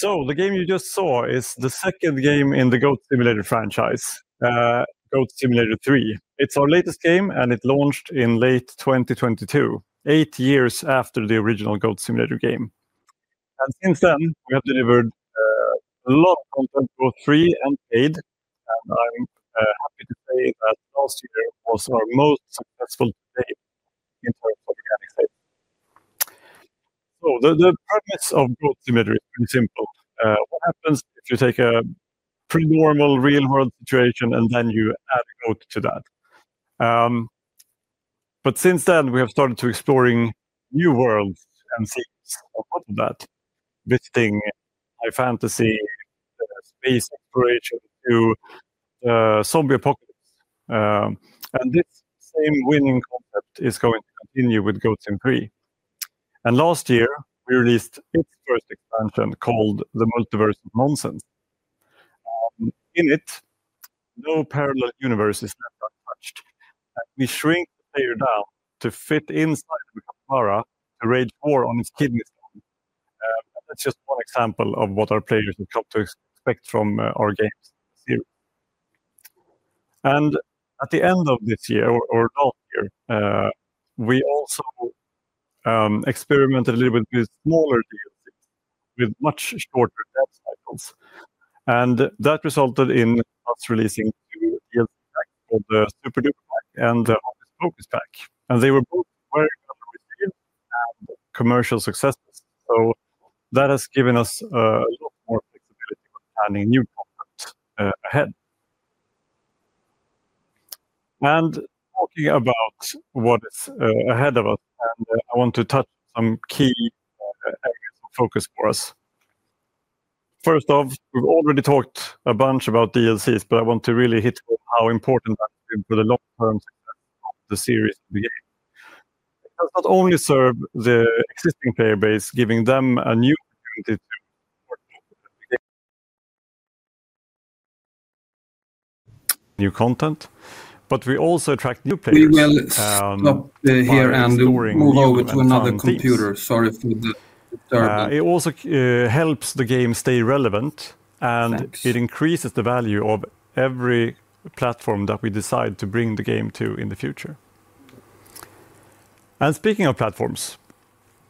The game you just saw is the second game in the Goat Simulator franchise, Goat Simulator 3. It's our latest game, and it launched in late 2022, eight years after the original Goat Simulator game. Since then, we have delivered a lot of content for three and eight, and I'm happy to say that last year was our most successful day in terms of organic sales. The premise of Goat Simulator is pretty simple. What happens if you take a pretty normal real world situation, and then you add a goat to that? Since then, we have started to exploring new worlds and things like that, visiting high fantasy, space exploration to zombie apocalypse. This same winning concept is going to continue with Goat Sim 3. Last year, we released its first expansion called The Multiverse of Nonsense. In it, no parallel universe is left untouched. We shrink the player down to fit inside the camera to raid war on his kidneys. That's just one example of what our players have come to expect from our games here. At the end of this year or last year, we also experimented a little bit with smaller DLCs, with much shorter dev cycles, and that resulted in us releasing two DLCs, the Super Duper Pack and the Office Folk Pack. They were both very commercial successes. That has given us a lot more flexibility planning new products ahead. Talking about what is ahead of us, I want to touch some key areas of focus for us. First off, we've already talked a bunch about DLCs, but I want to really hit on how important that is for the long term, the series of the game. It does not only serve the existing player base, giving them a new opportunity new content, but we also attract new players. We will stop here and move over to another computer. Sorry for the disturbance. It also helps the game stay relevant. Thanks. It increases the value of every platform that we decide to bring the game to in the future. Speaking of platforms,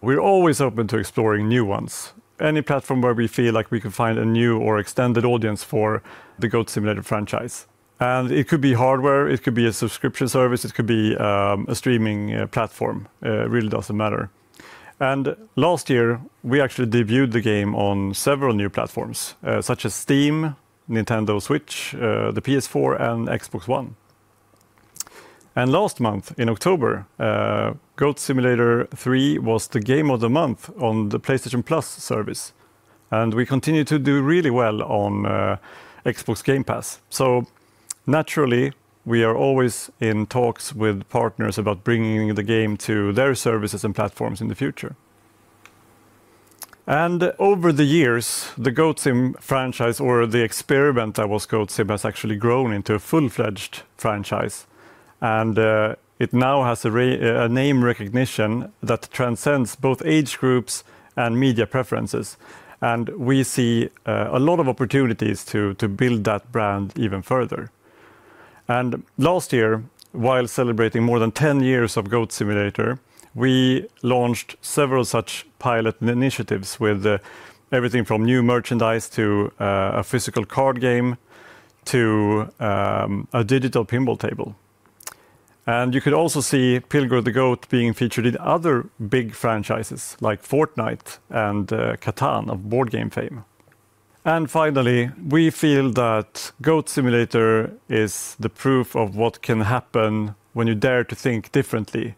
we're always open to exploring new ones. Any platform where we feel like we can find a new or extended audience for the Goat Simulator franchise, and it could be hardware, it could be a subscription service, it could be a streaming platform. It really doesn't matter. Last year, we actually debuted the game on several new platforms, such as Steam, Nintendo Switch, the PS4, and Xbox One. Last month, in October, Goat Simulator 3 was the Game of the Month on the PlayStation Plus service, and we continue to do really well on Xbox Game Pass. Naturally, we are always in talks with partners about bringing the game to their services and platforms in the future. Over the years, the Goat Sim franchise, or the experiment that was Goat Sim, has actually grown into a full-fledged franchise, and it now has a name recognition that transcends both age groups and media preferences, and we see a lot of opportunities to build that brand even further. Last year, while celebrating more than 10 years of Goat Simulator, we launched several such pilot initiatives with everything from new merchandise to a physical card game, to a digital pinball table. You could also see Pilgor the Goat being featured in other big franchises like Fortnite and Catan of board game fame. Finally, we feel that Goat Simulator is the proof of what can happen when you dare to think differently.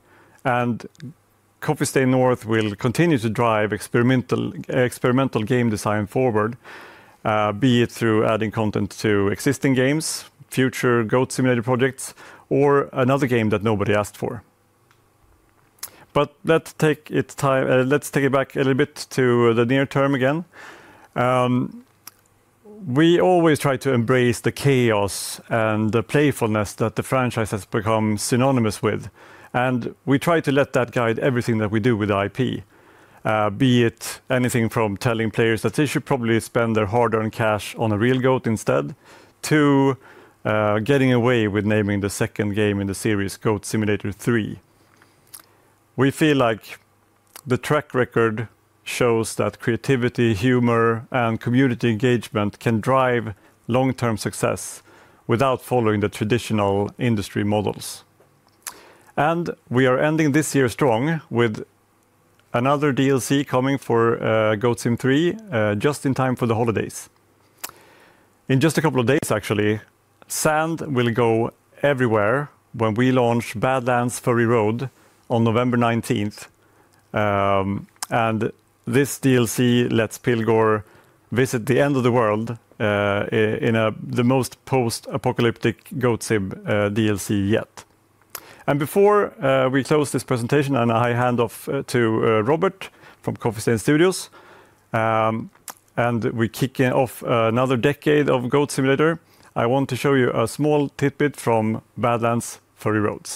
Coffee Stain North will continue to drive experimental game design forward, be it through adding content to existing games, future Goat Simulator projects, or another game that nobody asked for. Let's take it back a little bit to the near term again. We always try to embrace the chaos and the playfulness that the franchise has become synonymous with, and we try to let that guide everything that we do with the IP. Be it anything from telling players that they should probably spend their hard-earned cash on a real goat instead, to getting away with naming the second game in the series, Goat Simulator 3. We feel like the track record shows that creativity, humor, and community engagement can drive long-term success without following the traditional industry models. We are ending this year strong with another DLC coming for Goat Sim 3 just in time for the holidays. In just a couple of days, actually, Sand will go everywhere when we launch Baadlands: Furry Road on November 19th. This DLC lets Pilgor visit the end of the world in the most post-apocalyptic Goat Sim DLC yet. Before we close this presentation, and I hand off to Robert Lazić from Coffee Stain Studios, and we kick off another decade of Goat Simulator, I want to show you a small tidbit from Baadlands: Furry Road.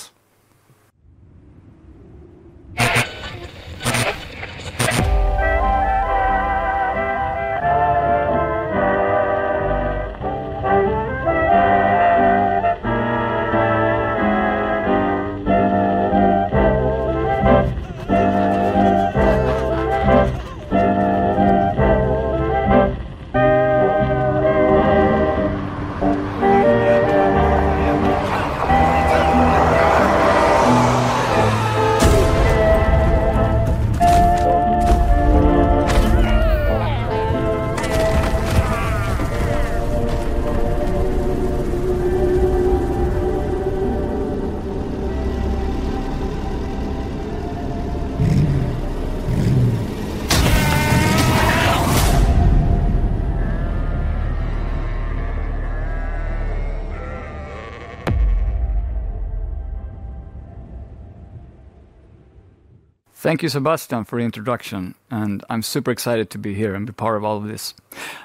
Thank you, Sebastian, for the introduction, and I'm super excited to be here and be part of all of this.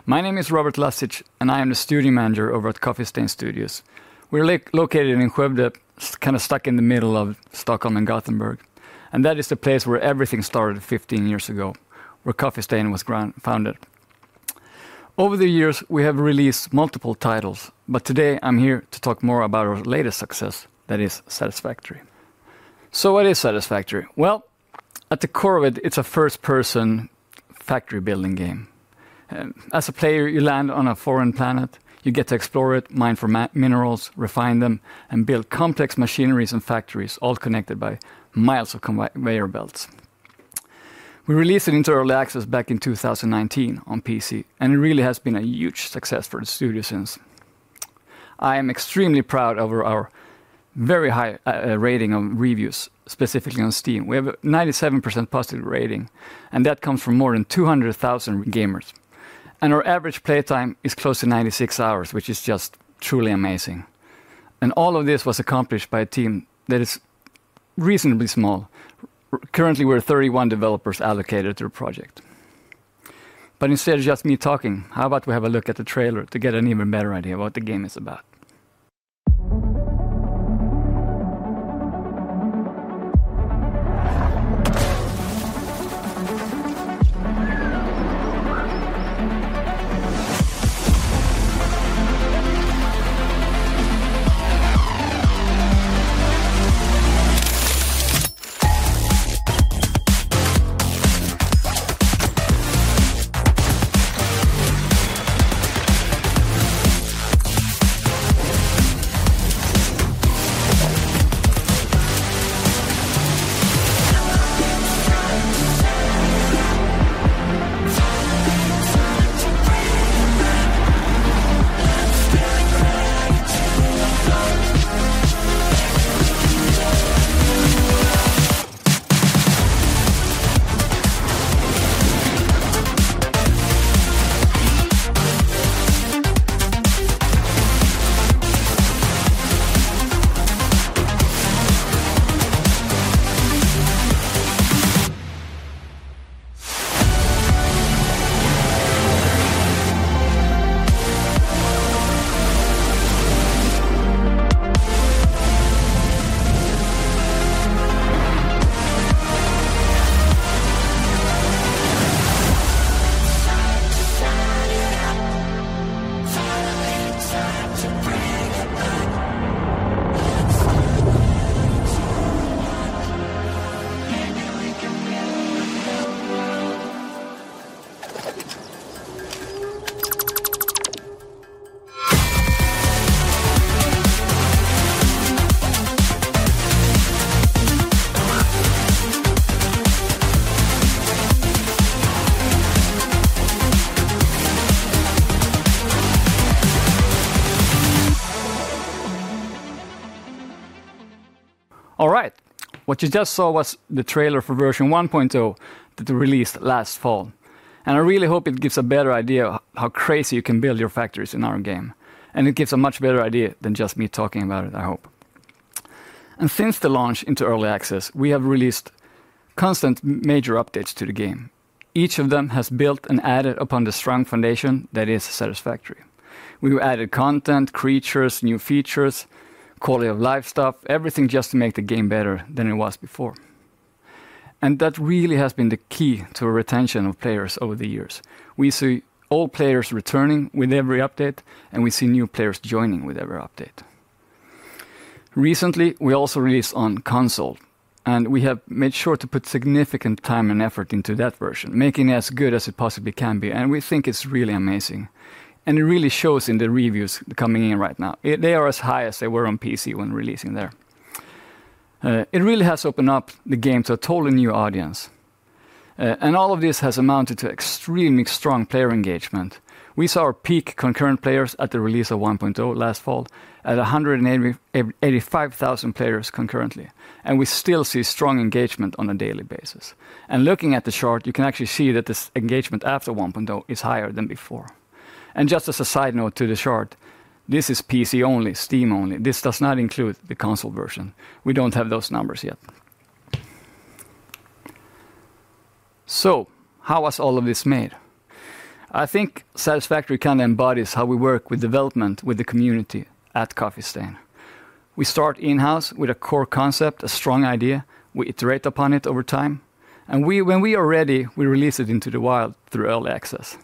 My name is Robert Lazić, and I am the studio manager over at Coffee Stain Studios. We're located in Skövde, kind of stuck in the middle of Stockholm and Gothenburg, and that is the place where everything started 15 years ago, where Coffee Stain was founded. Over the years, we have released multiple titles, but today I'm here to talk more about our latest success, that is Satisfactory. What is Satisfactory? Well, at the core of it's a first-person factory building game. As a player, you land on a foreign planet. You get to explore it, mine for minerals, refine them, and build complex machineries and factories, all connected by miles of conveyor belts. We released it into early access back in 2019 on PC. It really has been a huge success for the studio since. I am extremely proud of our very high rating on reviews, specifically on Steam. We have a 97% positive rating, that comes from more than 200,000 gamers. Our average play time is close to 96 hours, which is just truly amazing. All of this was accomplished by a team that is reasonably small. Currently, we're 31 developers allocated to the project. Instead of just me talking, how about we have a look at the trailer to get an even better idea what the game is about? All right. What you just saw was the trailer for version 1.0, that we released last fall, I really hope it gives a better idea how crazy you can build your factories in our game, it gives a much better idea than just me talking about it, I hope. Since the launch into early access, we have released constant major updates to the game. Each of them has built and added upon the strong foundation that is Satisfactory. We've added content, creatures, new features, quality of life stuff, everything just to make the game better than it was before. That really has been the key to retention of players over the years. We see old players returning with every update, and we see new players joining with every update. Recently, we also released on console, we have made sure to put significant time and effort into that version, making it as good as it possibly can be, and we think it's really amazing. It really shows in the reviews coming in right now. They are as high as they were on PC when releasing there. It really has opened up the game to a totally new audience, and all of this has amounted to extremely strong player engagement. We saw our peak concurrent players at the release of 1.0 last fall at 185,000 players concurrently, and we still see strong engagement on a daily basis. Looking at the chart, you can actually see that this engagement after 1.0 is higher than before. Just as a side note to the chart, this is PC only, Steam only. This does not include the console version. We don't have those numbers yet. How was all of this made? I think Satisfactory kind of embodies how we work with development with the community at Coffee Stain. We start in-house with a core concept, a strong idea. We iterate upon it over time, and when we are ready, we release it into the wild through early access.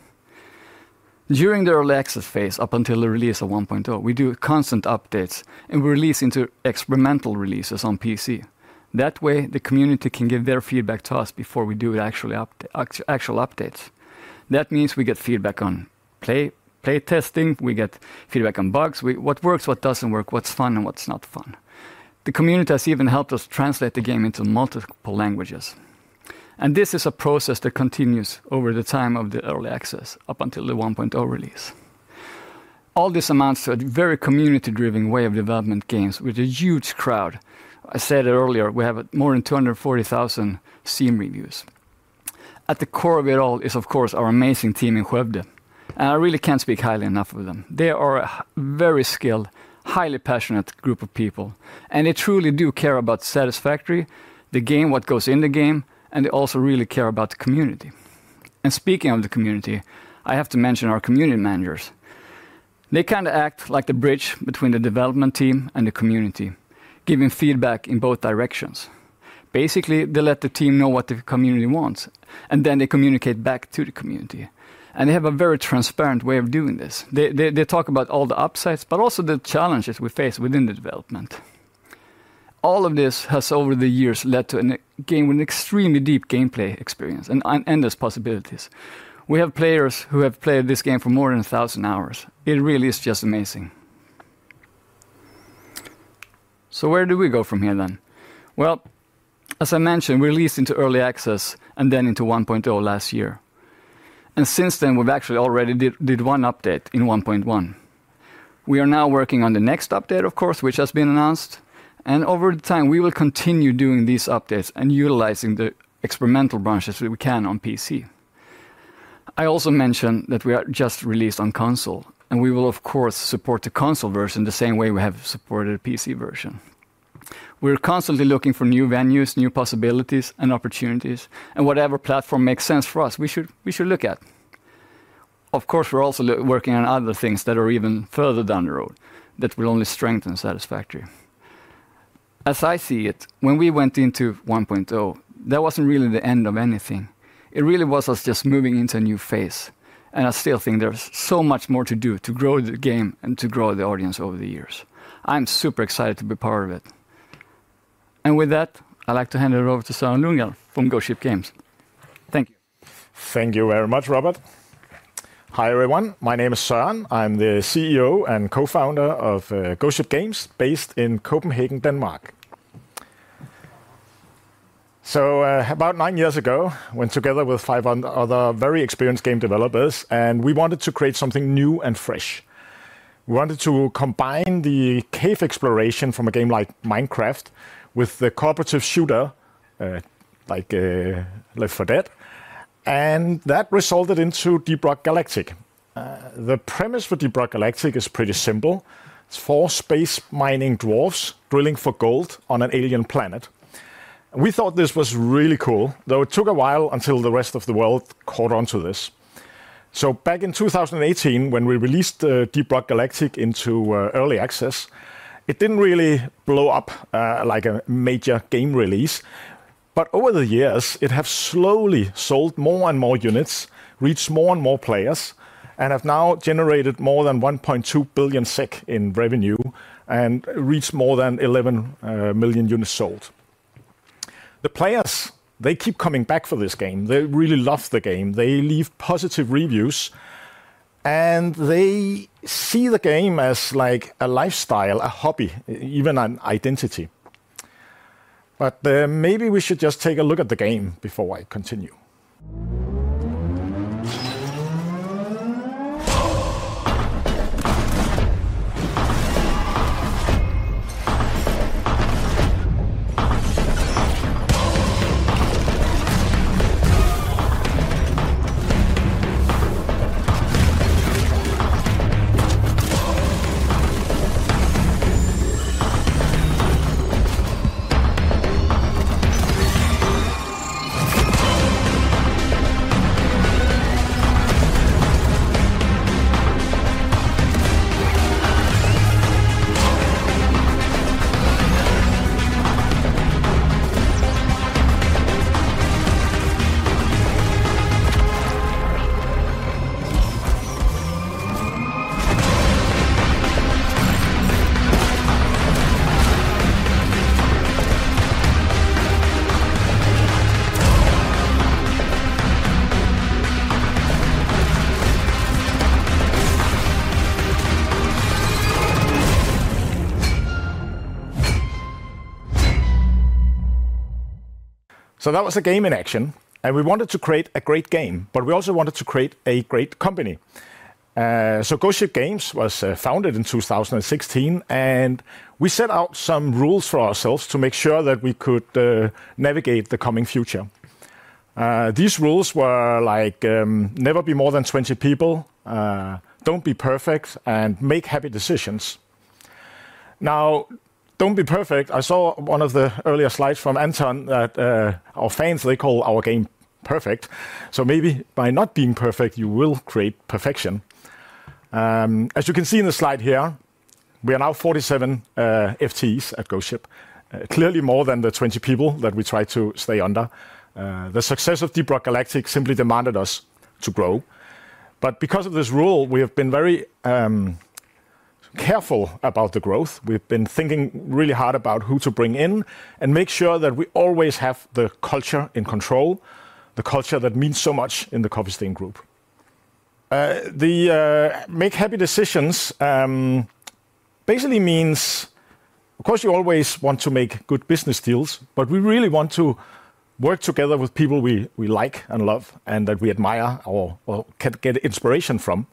During the early access phase, up until the release of 1.0, we do constant updates and we release into experimental releases on PC. That way, the community can give their feedback to us before we do it actually actual updates. That means we get feedback on play testing, we get feedback on bugs, what works, what doesn't work, what's fun and what's not fun. The community has even helped us translate the game into multiple languages. This is a process that continues over the time of the early access, up until the 1.0 release. All this amounts to a very community-driven way of development games with a huge crowd. I said it earlier, we have more than 240,000 Steam reviews. At the core of it all is, of course, our amazing team in Skövde, and I really can't speak highly enough of them. They are a very skilled, highly passionate group of people, and they truly do care about Satisfactory, the game, what goes in the game, and they also really care about the community. Speaking of the community, I have to mention our community managers. They kind of act like the bridge between the development team and the community, giving feedback in both directions. Basically, they let the team know what the community wants, and then they communicate back to the community, and they have a very transparent way of doing this. They talk about all the upsides, but also the challenges we face within the development. All of this has, over the years, led to an game with an extremely deep gameplay experience and endless possibilities. We have players who have played this game for more than 1,000 hours. It really is just amazing. Where do we go from here, then? Well, as I mentioned, we released into early access and then into 1.0 last year, and since then, we've actually already did one update in 1.1. We are now working on the next update, of course, which has been announced, and over the time, we will continue doing these updates and utilizing the experimental branches we can on PC. I also mentioned that we are just released on console, and we will of course, support the console version the same way we have supported the PC version. We're constantly looking for new venues, new possibilities and opportunities, and whatever platform makes sense for us, we should look at. Of course, we're also working on other things that are even further down the road that will only strengthen Satisfactory. As I see it, when we went into 1.0, that wasn't really the end of anything. It really was us just moving into a new phase, and I still think there's so much more to do to grow the game and to grow the audience over the years. I'm super excited to be part of it. With that, I'd like to hand it over to Søren Lundgaard from Ghost Ship Games. Thank you. Thank you very much, Robert. Hi, everyone. My name is Søren. I'm the CEO and co-founder of Ghost Ship Games, based in Copenhagen, Denmark. About nine years ago, I went together with five other very experienced game developers, and we wanted to create something new and fresh. We wanted to combine the cave exploration from a game like Minecraft with the cooperative shooter, like Left 4 Dead, and that resulted into Deep Rock Galactic. The premise for Deep Rock Galactic is pretty simple: it's four space mining dwarves drilling for gold on an alien planet. We thought this was really cool, though it took a while until the rest of the world caught on to this. Back in 2018, when we released Deep Rock Galactic into early access, it didn't really blow up like a major game release, but over the years, it have slowly sold more and more units, reached more and more players, and have now generated more than 1.2 billion SEK in revenue and reached more than 11 million units sold. The players, they keep coming back for this game. They really love the game. They leave positive reviews, and they see the game as like a lifestyle, a hobby, even an identity. Maybe we should just take a look at the game before I continue. That was the game in action, and we wanted to create a great game, but we also wanted to create a great company. Ghost Ship Games was founded in 2016, and we set out some rules for ourselves to make sure that we could navigate the coming future. These rules were like, never be more than 20 people, don't be perfect, and make happy decisions. Don't be perfect. I saw one of the earlier slides from Anton that our fans, they call our game perfect. Maybe by not being perfect, you will create perfection. As you can see in the slide here, we are now 47 FTs at Ghost Ship. Clearly more than the 20 people that we try to stay under. The success of Deep Rock Galactic simply demanded us to grow. Because of this rule, we have been very careful about the growth. We've been thinking really hard about who to bring in and make sure that we always have the culture in control, the culture that means so much in the Coffee Stain Group. The make happy decisions basically means, of course, you always want to make good business deals, but we really want to work together with people we like and love, and that we admire or can get inspiration from.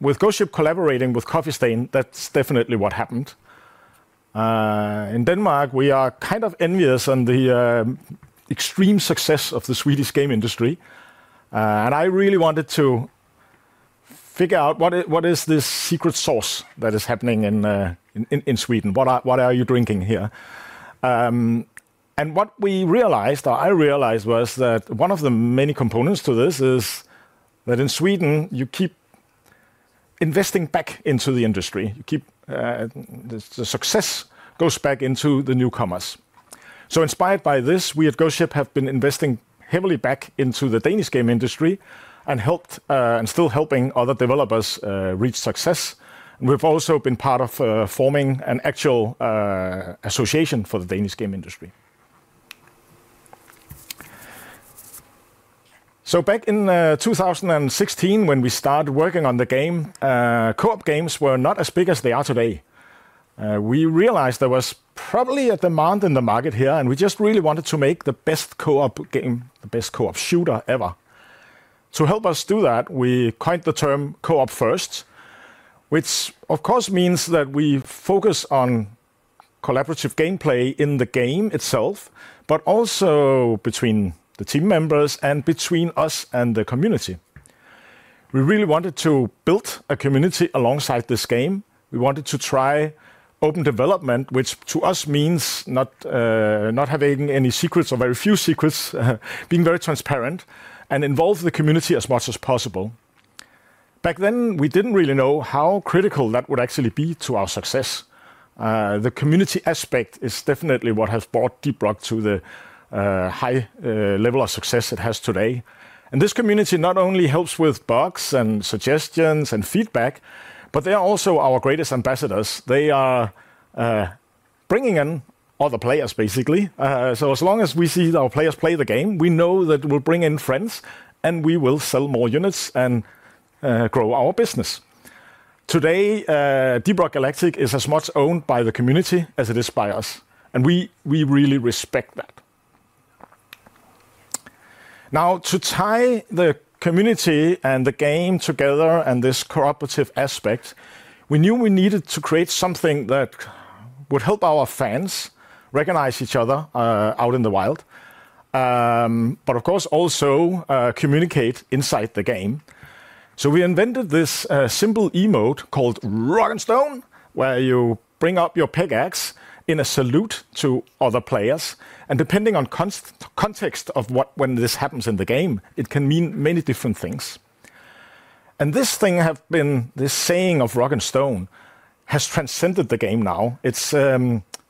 With Ghost Ship collaborating with Coffee Stain, that's definitely what happened. In Denmark, we are kind of envious on the extreme success of the Swedish game industry. I really wanted to figure out what is this secret sauce that is happening in Sweden? What are you drinking here? What we realized, or I realized, was that one of the many components to this is that in Sweden, you keep investing back into the industry. You keep the success goes back into the newcomers. Inspired by this, we at Ghost Ship have been investing heavily back into the Danish game industry and helped and still helping other developers reach success. We've also been part of forming an actual association for the Danish game industry. Back in 2016, when we started working on the game, co-op games were not as big as they are today. We realized there was probably a demand in the market here, and we just really wanted to make the best co-op game, the best co-op shooter ever. To help us do that, we coined the term co-op first, which of course, means that we focus on collaborative gameplay in the game itself, but also between the team members and between us and the community. We really wanted to build a community alongside this game. We wanted to try open development, which to us means not having any secrets or very few secrets, being very transparent and involve the community as much as possible. Back then, we didn't really know how critical that would actually be to our success. The community aspect is definitely what has brought Deep Rock to the high level of success it has today. This community not only helps with bugs and suggestions and feedback, but they are also our greatest ambassadors. They are bringing in other players, basically. As long as we see our players play the game, we know that we'll bring in friends, and we will sell more units and grow our business. Today, Deep Rock Galactic is as much owned by the community as it is by us, and we really respect that. To tie the community and the game together and this cooperative aspect, we knew we needed to create something that would help our fans recognize each other out in the wild, but of course, also communicate inside the game. We invented this simple emote called Rock and Stone, where you bring up your pickaxe in a salute to other players, and depending on context of what when this happens in the game, it can mean many different things. This thing have been, this saying of Rock and Stone, has transcended the game now. It's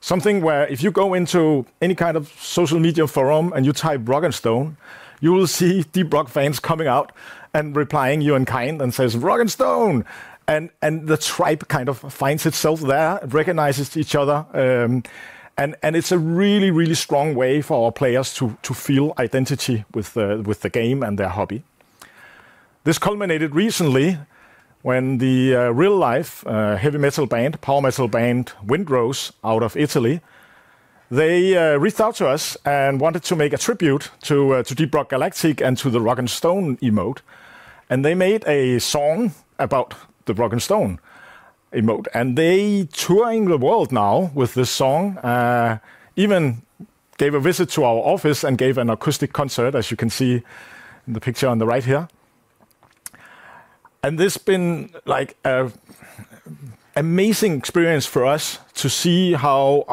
something where if you go into any kind of social media forum and you type Rock and Stone, you will see Deep Rock fans coming out and replying you in kind and says, "Rock and Stone!" The tribe kind of finds itself there and recognizes each other, and it's a really, really strong way for our players to feel identity with the game and their hobby. This culminated recently when the real-life heavy metal band, power metal band, Wind Rose, out of Italy, they reached out to us and wanted to make a tribute to Deep Rock Galactic and to the Rock and Stone emote. They made a song about the Rock and Stone emote. They touring the world now with this song. Even gave a visit to our office and gave an acoustic concert, as you can see in the picture on the right here. This been like an amazing experience for us to see how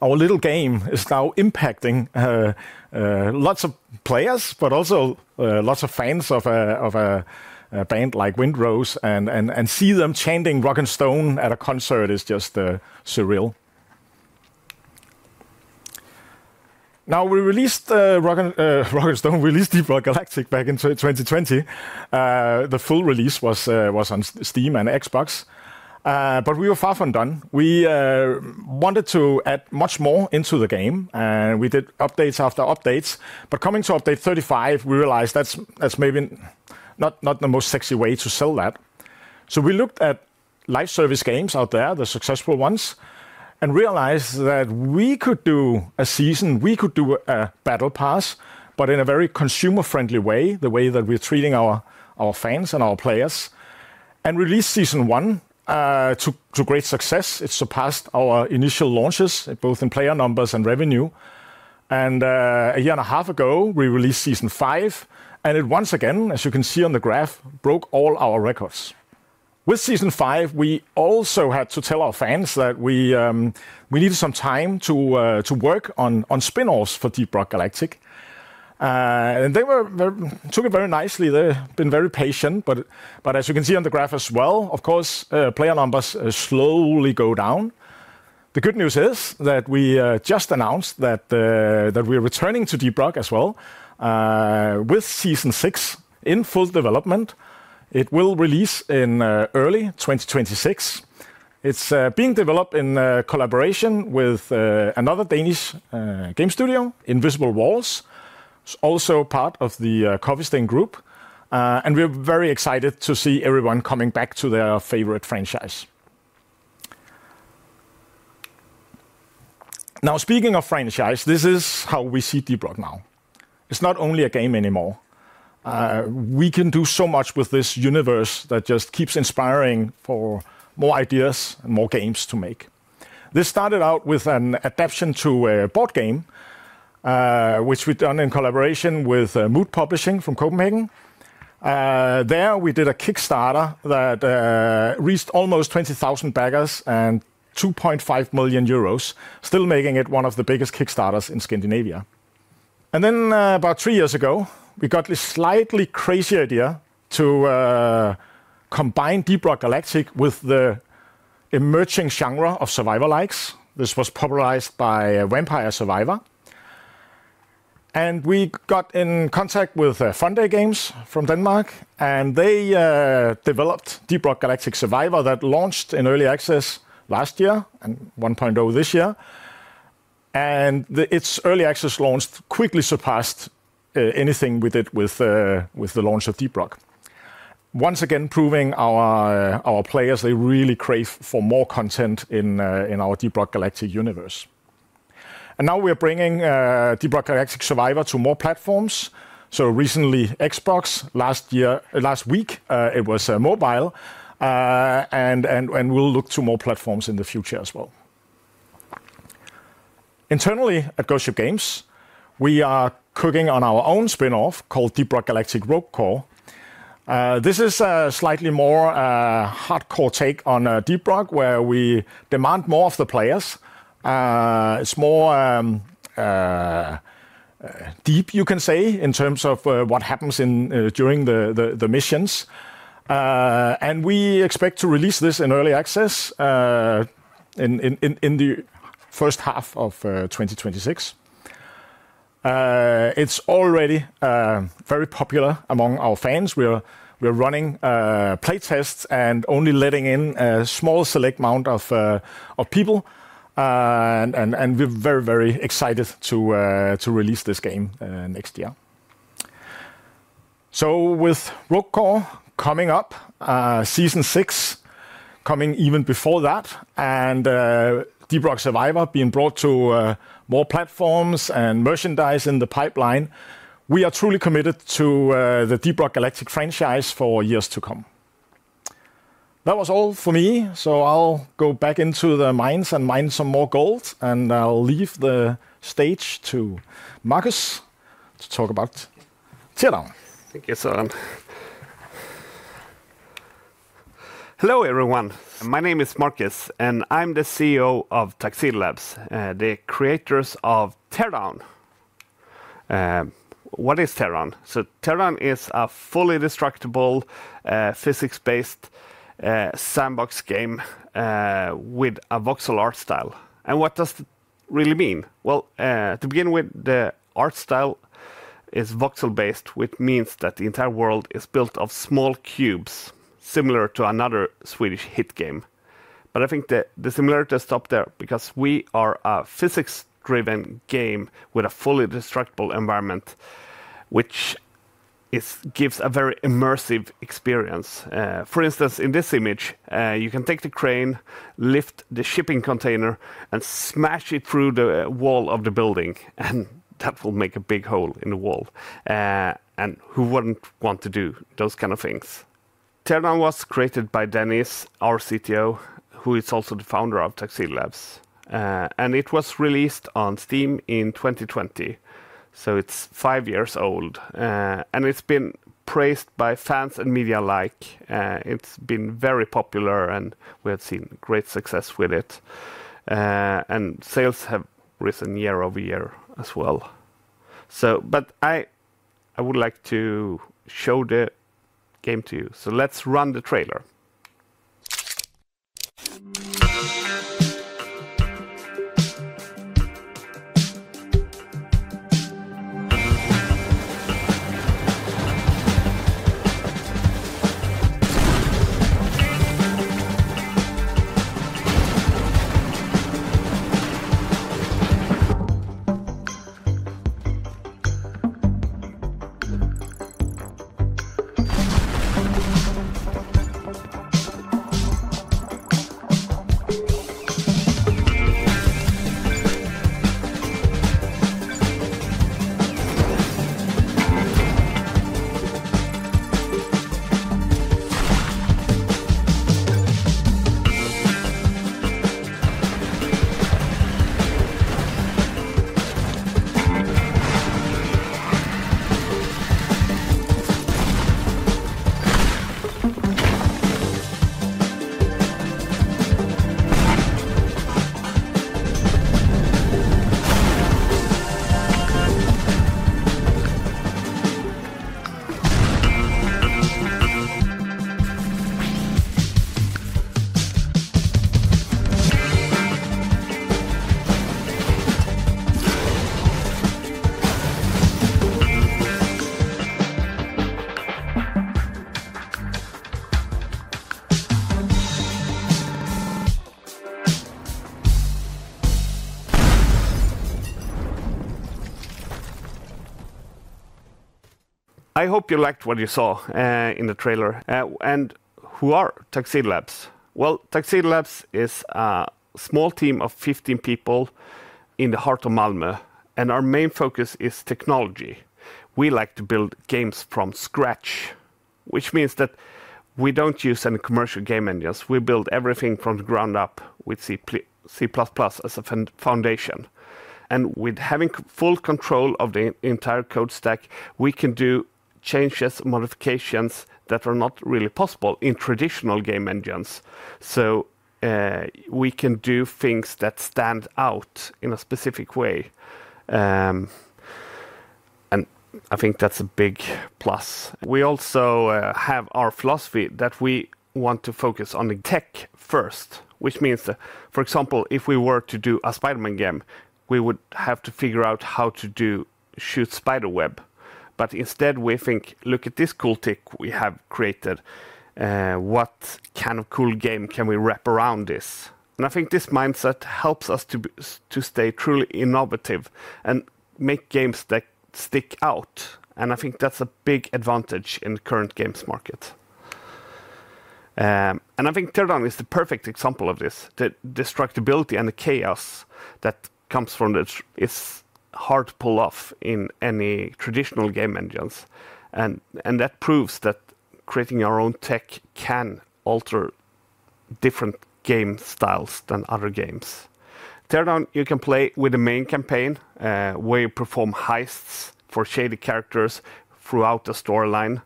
our little game is now impacting lots of players, but also lots of fans of a band like Wind Rose and see them chanting Rock and Stone at a concert is just surreal. Now, we released Rock and Stone. We released Deep Rock Galactic back in 2020. The full release was on Steam and Xbox, we were far from done. We wanted to add much more into the game, and we did updates after updates, but coming to update 35, we realized that's maybe not the most sexy way to sell that. We looked at live service games out there, the successful ones, and realized that we could do a season, we could do a battle pass, but in a very consumer-friendly way, the way that we're treating our fans and our players. Released season 1 to great success. It surpassed our initial launches, both in player numbers and revenue. A year and a half ago, we released Season Five, and it once again, as you can see on the graph, broke all our records. With Season Five, we also had to tell our fans that we needed some time to work on spin-offs for Deep Rock Galactic. They took it very nicely. They've been very patient, but as you can see on the graph as well, of course, player numbers slowly go down. The good news is that we just announced that we're returning to Deep Rock as well with Season 6 in full development. It will release in early 2026. It's being developed in collaboration with another Danish game studio, Invisible Walls. It's also part of the Coffee Stain Holding. We're very excited to see everyone coming back to their favorite franchise. Speaking of franchise, this is how we see Deep Rock now. It's not only a game anymore. We can do so much with this universe that just keeps inspiring for more ideas and more games to make. This started out with an adaption to a board game, which we've done in collaboration with Mood Publishing from Copenhagen. There, we did a Kickstarter that reached almost 20,000 backers and 2.5 million euros, still making it one of the biggest Kickstarters in Scandinavia. About three years ago, we got this slightly crazy idea to combine Deep Rock Galactic with the emerging genre of survival-likes. This was popularized by Vampire Survivors. We got in contact with Funday Games from Denmark, and they developed Deep Rock Galactic: Survivor that launched in early access last year, and 1.0 this year. Its early access launch quickly surpassed anything with the launch of Deep Rock. Once again, proving our players, they really crave for more content in our Deep Rock Galactic universe. Now we're bringing Deep Rock Galactic: Survivor to more platforms, so recently, Xbox last week, it was mobile. We'll look to more platforms in the future as well. Internally, at Ghost Ship Games, we are cooking on our own spin-off called Deep Rock Galactic: Rogue Core. This is a slightly more hardcore take on Deep Rock, where we demand more of the players. It's more deep, you can say, in terms of what happens in during the missions. We expect to release this in early access in the first half of 2026. It's already very popular among our fans. We're running play tests and only letting in a small select amount of people. We're very excited to release this game next year. With Rogue Core coming up, Season 6 coming even before that, and Deep Rock Survivor being brought to more platforms and merchandise in the pipeline, we are truly committed to the Deep Rock Galactic franchise for years to come. That was all for me, I'll go back into the mines and mine some more gold, and I'll leave the stage to Marcus to talk about Teardown. Thank you, Søren. Hello, everyone. My name is Marcus, and I'm the CEO of Tuxedo Labs, the creators of Teardown. What is Teardown? Teardown is a fully destructible, physics-based, sandbox game, with a voxel art style. What does it really mean? Well, to begin with, the art style is voxel-based, which means that the entire world is built of small cubes, similar to another Swedish hit game. I think the similarities stop there, because we are a physics-driven game with a fully destructible environment, which is, gives a very immersive experience. For instance, in this image, you can take the crane, lift the shipping container, and smash it through the wall of the building, and that will make a big hole in the wall. Who wouldn't want to do those kind of things? Teardown was created by Dennis, our CTO, who is also the founder of Tuxedo Labs, and it was released on Steam in 2020. It's five years old. It's been praised by fans and media alike. It's been very popular, and we have seen great success with it. Sales have risen year-over-year as well. I would like to show the game to you. Let's run the trailer. I hope you liked what you saw in the trailer. Who are Tuxedo Labs? Well, Tuxedo Labs is a small team of 15 people in the heart of Malmö, and our main focus is technology. We like to build games from scratch, which means that we don't use any commercial game engines. We build everything from the ground up with C++ as a foundation. With having full control of the entire code stack, we can do changes, modifications that are not really possible in traditional game engines. We can do things that stand out in a specific way. I think that's a big plus. We also have our philosophy that we want to focus on the tech first, which means that, for example, if we were to do a Spider-Man game, we would have to figure out how to shoot spider web. Instead, we think, "Look at this cool tech we have created, what kind of cool game can we wrap around this?" I think this mindset helps us to stay truly innovative and make games that stick out, and I think that's a big advantage in the current games market. I think Teardown is the perfect example of this. The destructibility and the chaos that comes from it is hard to pull off in any traditional game engines, and that proves that creating our own tech can alter different game styles than other games. Teardown, you can play with the main campaign, where you perform heists for shady characters throughout the storyline.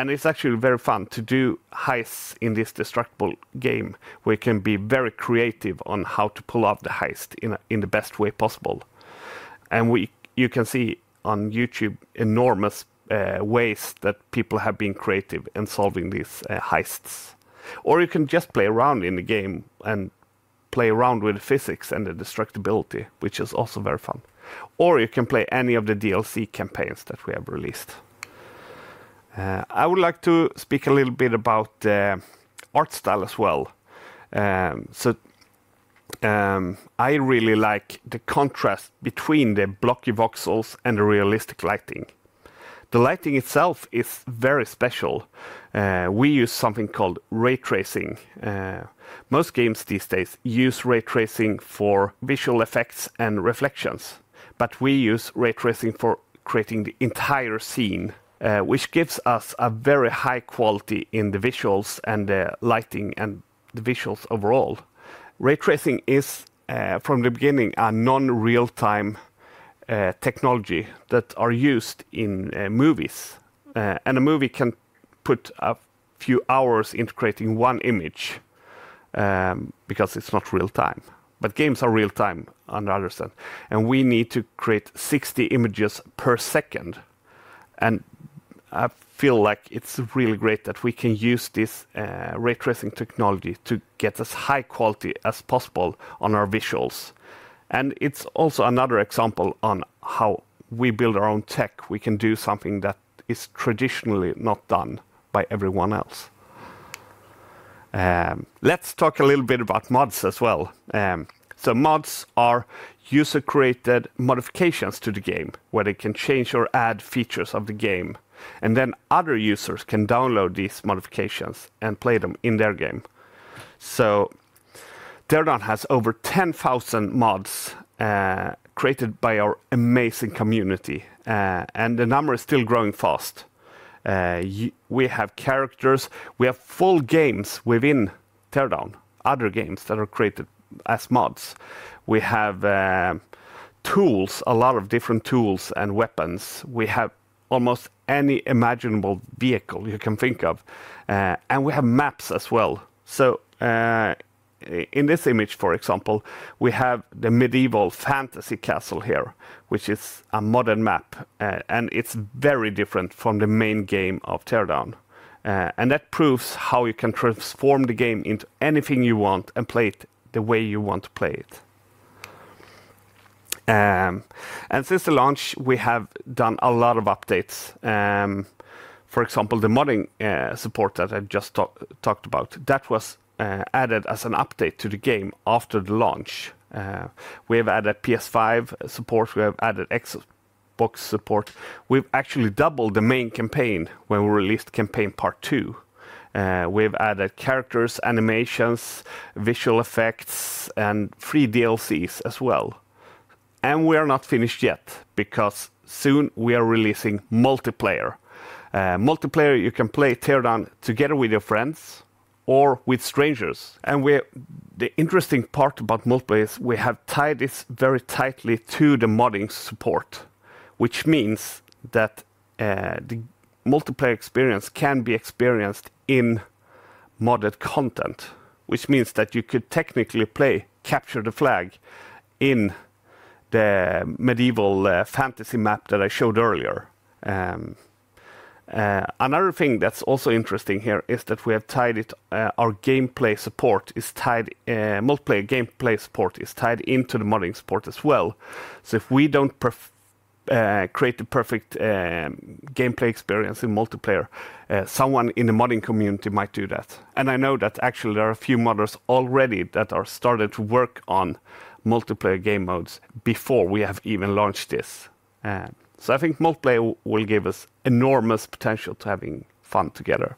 It's actually very fun to do heists in this destructible game, where you can be very creative on how to pull off the heist in the best way possible. You can see on YouTube, enormous ways that people have been creative in solving these heists. You can just play around in the game and play around with physics and the destructibility, which is also very fun. You can play any of the DLC campaigns that we have released. I would like to speak a little bit about the art style as well. I really like the contrast between the blocky voxels and the realistic lighting. The lighting itself is very special. We use something called ray tracing. Most games these days use ray tracing for visual effects and reflections, but we use ray tracing for creating the entire scene, which gives us a very high quality in the visuals and the lighting and the visuals overall. Ray tracing is, from the beginning, a non-real-time technology that are used in movies. A movie can put a few hours into creating one image because it's not real time. Games are real time, on the other side, and we need to create 60 images per second. I feel like it's really great that we can use this ray tracing technology to get as high quality as possible on our visuals. It's also another example on how we build our own tech. We can do something that is traditionally not done by everyone else. Let's talk a little bit about mods as well. Mods are user-created modifications to the game, where they can change or add features of the game, and then other users can download these modifications and play them in their game. Teardown has over 10,000 mods, created by our amazing community, and the number is still growing fast. We have characters, we have full games within Teardown, other games that are created as mods. We have tools, a lot of different tools and weapons. We have almost any imaginable vehicle you can think of, and we have maps as well. In this image, for example, we have the medieval fantasy castle here, which is a modern map, and it's very different from the main game of Teardown. That proves how you can transform the game into anything you want and play it the way you want to play it. Since the launch, we have done a lot of updates. For example, the modding support that I just talked about, that was added as an update to the game after the launch. We have added PS5 support, we have added Xbox support. We've actually doubled the main campaign when we released campaign part 2. We've added characters, animations, visual effects, and free DLCs as well. We are not finished yet, because soon we are releasing multiplayer. Multiplayer, you can play Teardown together with your friends or with strangers. The interesting part about multiplayer is we have tied this very tightly to the modding support, which means that the multiplayer experience can be experienced in modded content, which means that you could technically play Capture the Flag in the medieval fantasy map that I showed earlier. Another thing that's also interesting here is that we have tied it, our gameplay support is tied, multiplayer gameplay support is tied into the modding support as well. If we don't create the perfect gameplay experience in multiplayer, someone in the modding community might do that. I know that actually there are a few modders already that are started to work on multiplayer game modes before we have even launched this. I think multiplayer will give us enormous potential to having fun together.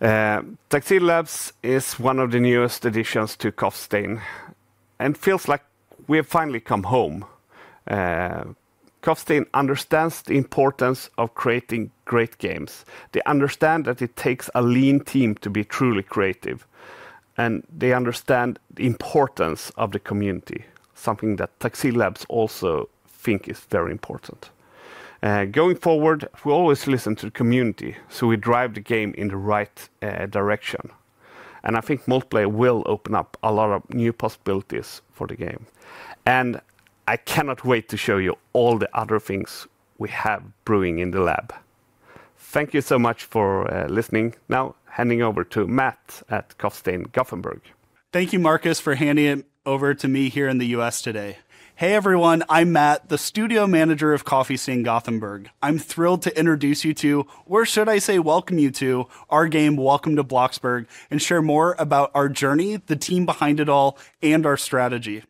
Tuxedo Labs is one of the newest additions to Coffee Stain, and it feels like we have finally come home. Coffee Stain understands the importance of creating great games. They understand that it takes a lean team to be truly creative, and they understand the importance of the community, something that Tuxedo Labs also think is very important. Going forward, we'll always listen to the community, so we drive the game in the right direction. I think multiplayer will open up a lot of new possibilities for the game. I cannot wait to show you all the other things we have brewing in the lab. Thank you so much for listening. Now, handing over to Matt at Coffee Stain, Gothenburg. Thank you, Marcus, for handing it over to me here in the U.S. today. Hey, everyone, I'm Matt, the studio manager of Coffee Stain, Gothenburg. I'm thrilled to introduce you to, or should I say, welcome you to our game, Welcome to Bloxburg, and share more about our journey, the team behind it all, and our strategy.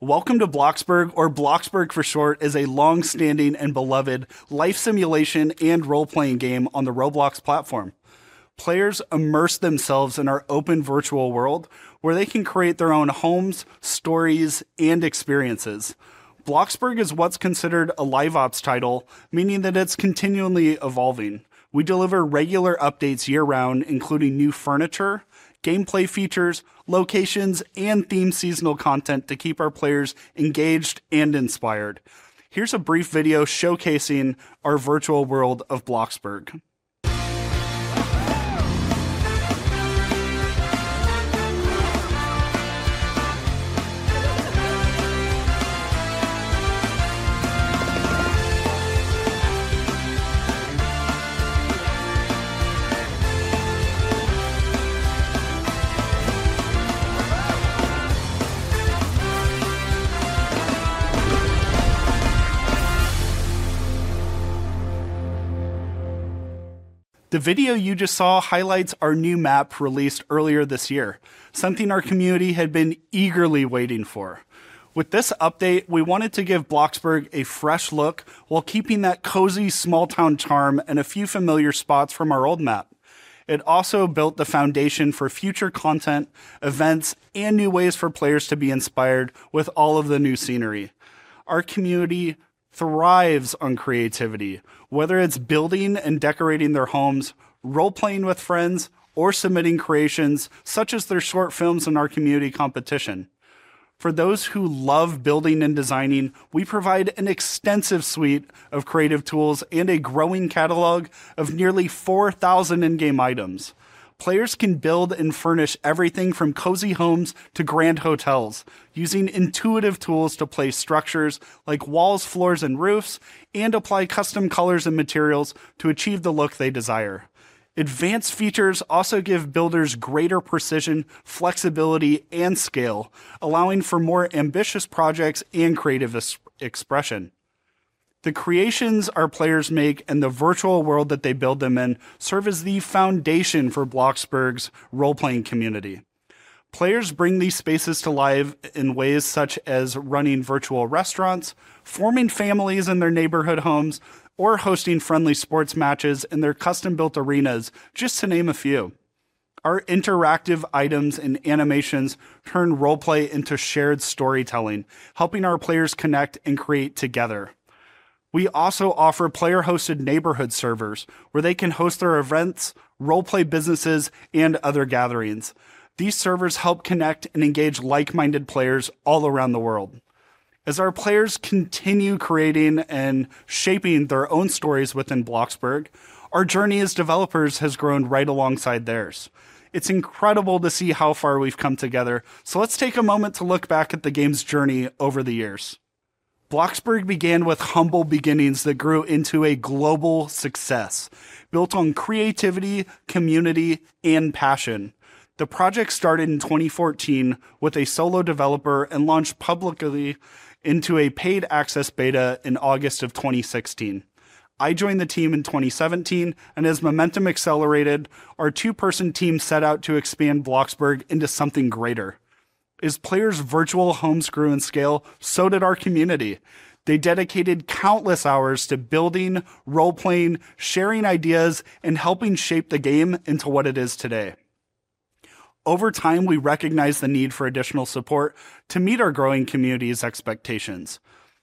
Welcome to Bloxburg, or Bloxburg for short, is a long-standing and beloved life simulation and role-playing game on the Roblox platform. Players immerse themselves in our open virtual world, where they can create their own homes, stories, and experiences. Bloxburg is what's considered a live ops title, meaning that it's continually evolving. We deliver regular updates year-round, including new furniture, gameplay features, locations, and themed seasonal content to keep our players engaged and inspired. Here's a brief video showcasing our virtual world of Bloxburg. The video you just saw highlights our new map released earlier this year, something our community had been eagerly waiting for. With this update, we wanted to give Bloxburg a fresh look while keeping that cozy, small-town charm and a few familiar spots from our old map. It also built the foundation for future content, events, and new ways for players to be inspired with all of the new scenery. Our community thrives on creativity, whether it's building and decorating their homes, role-playing with friends, or submitting creations, such as their short films in our community competition. For those who love building and designing, we provide an extensive suite of creative tools and a growing catalog of nearly 4,000 in-game items. Players can build and furnish everything from cozy homes to grand hotels, using intuitive tools to place structures like walls, floors, and roofs, and apply custom colors and materials to achieve the look they desire. Advanced features also give builders greater precision, flexibility, and scale, allowing for more ambitious projects and creative expression. The creations our players make and the virtual world that they build them in serve as the foundation for Bloxburg's role-playing community. Players bring these spaces to life in ways such as running virtual restaurants, forming families in their neighborhood homes, or hosting friendly sports matches in their custom-built arenas, just to name a few. Our interactive items and animations turn role-play into shared storytelling, helping our players connect and create together. We also offer player-hosted neighborhood servers, where they can host their events, role-play businesses, and other gatherings. These servers help connect and engage like-minded players all around the world. As our players continue creating and shaping their own stories within Bloxburg, our journey as developers has grown right alongside theirs. It's incredible to see how far we've come together. Let's take a moment to look back at the game's journey over the years. Bloxburg began with humble beginnings that grew into a global success, built on creativity, community, and passion. The project started in 2014 with a solo developer and launched publicly into a paid access beta in August of 2016. I joined the team in 2017. As momentum accelerated, our two-person team set out to expand Bloxburg into something greater. As players' virtual homes grew in scale, so did our community. They dedicated countless hours to building, role-playing, sharing ideas, and helping shape the game into what it is today. Over time, we recognized the need for additional support to meet our growing community's expectations.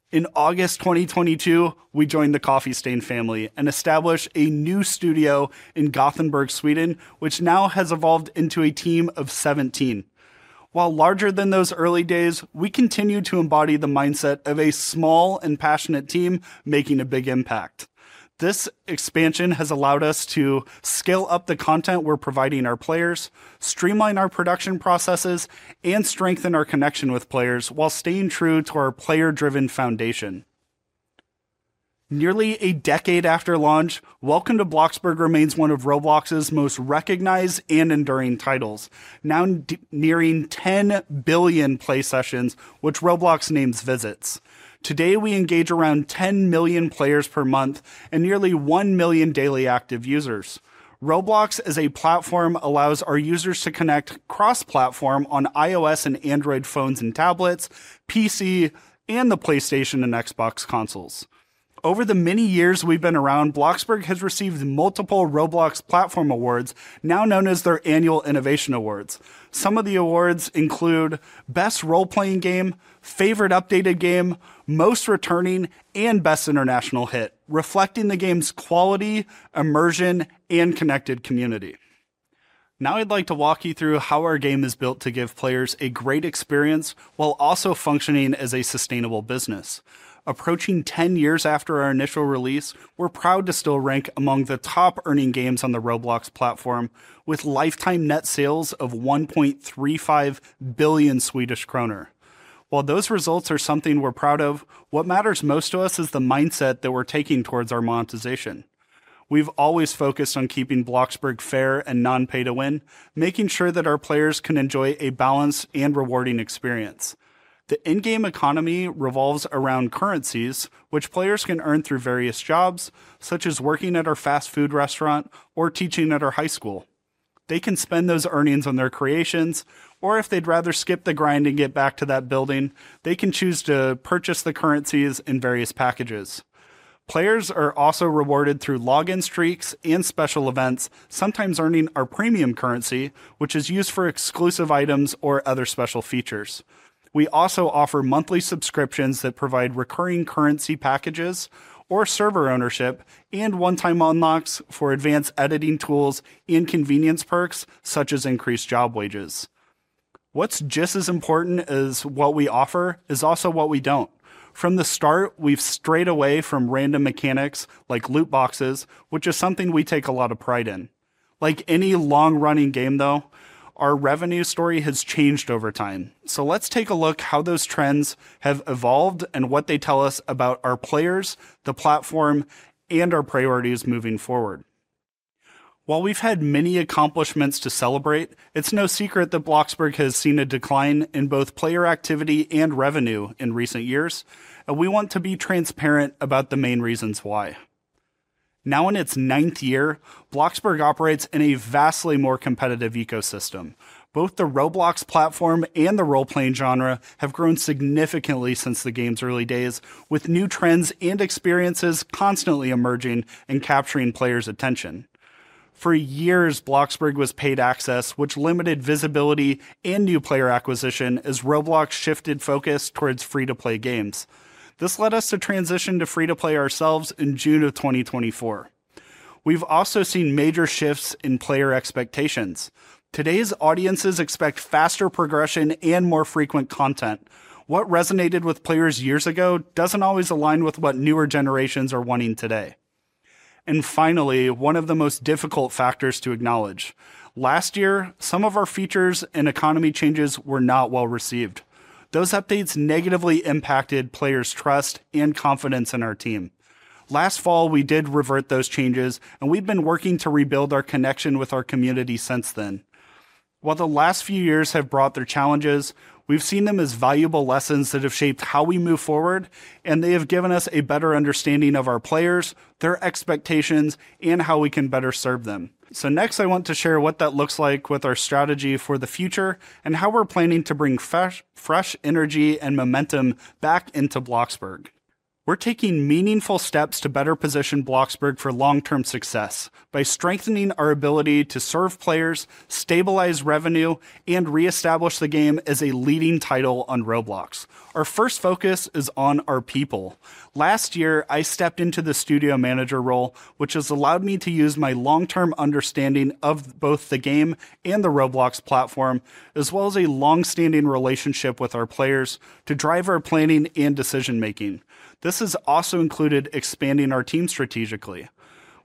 In August 2022, we joined the Coffee Stain family and established a new studio in Gothenburg, Sweden, which now has evolved into a team of 17. While larger than those early days, we continue to embody the mindset of a small and passionate team making a big impact. This expansion has allowed us to scale up the content we're providing our players, streamline our production processes, and strengthen our connection with players while staying true to our player-driven foundation. Nearly a decade after launch, Welcome to Bloxburg remains one of Roblox's most recognized and enduring titles, now nearing 10 billion play sessions, which Roblox names visits. Today, we engage around 10 million players per month and nearly 1 million daily active users. Roblox as a platform allows our users to connect cross-platform on iOS and Android phones and tablets, PC, and the PlayStation and Xbox consoles. Over the many years we've been around, Bloxburg has received multiple Roblox platform awards, now known as their Roblox Innovation Awards. Some of the awards include Best Role-Playing Game, Favorite Updated Game, Most Returning, and Best International Hit, reflecting the game's quality, immersion, and connected community. I'd like to walk you through how our game is built to give players a great experience while also functioning as a sustainable business. Approaching 10 years after our initial release, we're proud to still rank among the top-earning games on the Roblox platform, with lifetime net sales of 1.35 billion Swedish kronor. Those results are something we're proud of, what matters most to us is the mindset that we're taking towards our monetization. We've always focused on keeping Bloxburg fair and non-pay-to-win, making sure that our players can enjoy a balanced and rewarding experience. The in-game economy revolves around currencies, which players can earn through various jobs, such as working at our fast food restaurant or teaching at our high school. They can spend those earnings on their creations, or if they'd rather skip the grind and get back to that building, they can choose to purchase the currencies in various packages. Players are also rewarded through login streaks and special events, sometimes earning our premium currency, which is used for exclusive items or other special features. We also offer monthly subscriptions that provide recurring currency packages or server ownership and one-time unlocks for advanced editing tools and convenience perks, such as increased job wages. What's just as important as what we offer is also what we don't. From the start, we've strayed away from random mechanics like loot boxes, which is something we take a lot of pride in. Like any long-running game, though, our revenue story has changed over time. Let's take a look how those trends have evolved and what they tell us about our players, the platform, and our priorities moving forward. While we've had many accomplishments to celebrate, it's no secret that Bloxburg has seen a decline in both player activity and revenue in recent years, and we want to be transparent about the main reasons why. Now, in its ninth year, Bloxburg operates in a vastly more competitive ecosystem. Both the Roblox platform and the role-playing genre have grown significantly since the game's early days, with new trends and experiences constantly emerging and capturing players' attention. For years, Bloxburg was paid access, which limited visibility and new player acquisition as Roblox shifted focus towards free-to-play games. This led us to transition to free-to-play ourselves in June of 2024. We've also seen major shifts in player expectations. Today's audiences expect faster progression and more frequent content. What resonated with players years ago doesn't always align with what newer generations are wanting today. Finally, one of the most difficult factors to acknowledge: last year, some of our features and economy changes were not well-received. Those updates negatively impacted players' trust and confidence in our team. Last fall, we did revert those changes, and we've been working to rebuild our connection with our community since then. While the last few years have brought their challenges, we've seen them as valuable lessons that have shaped how we move forward, and they have given us a better understanding of our players, their expectations, and how we can better serve them. Next, I want to share what that looks like with our strategy for the future and how we're planning to bring fresh energy and momentum back into Bloxburg. We're taking meaningful steps to better position Bloxburg for long-term success by strengthening our ability to serve players, stabilize revenue, and reestablish the game as a leading title on Roblox. Our first focus is on our people. Last year, I stepped into the studio manager role, which has allowed me to use my long-term understanding of both the game and the Roblox platform, as well as a long-standing relationship with our players, to drive our planning and decision-making. This has also included expanding our team strategically.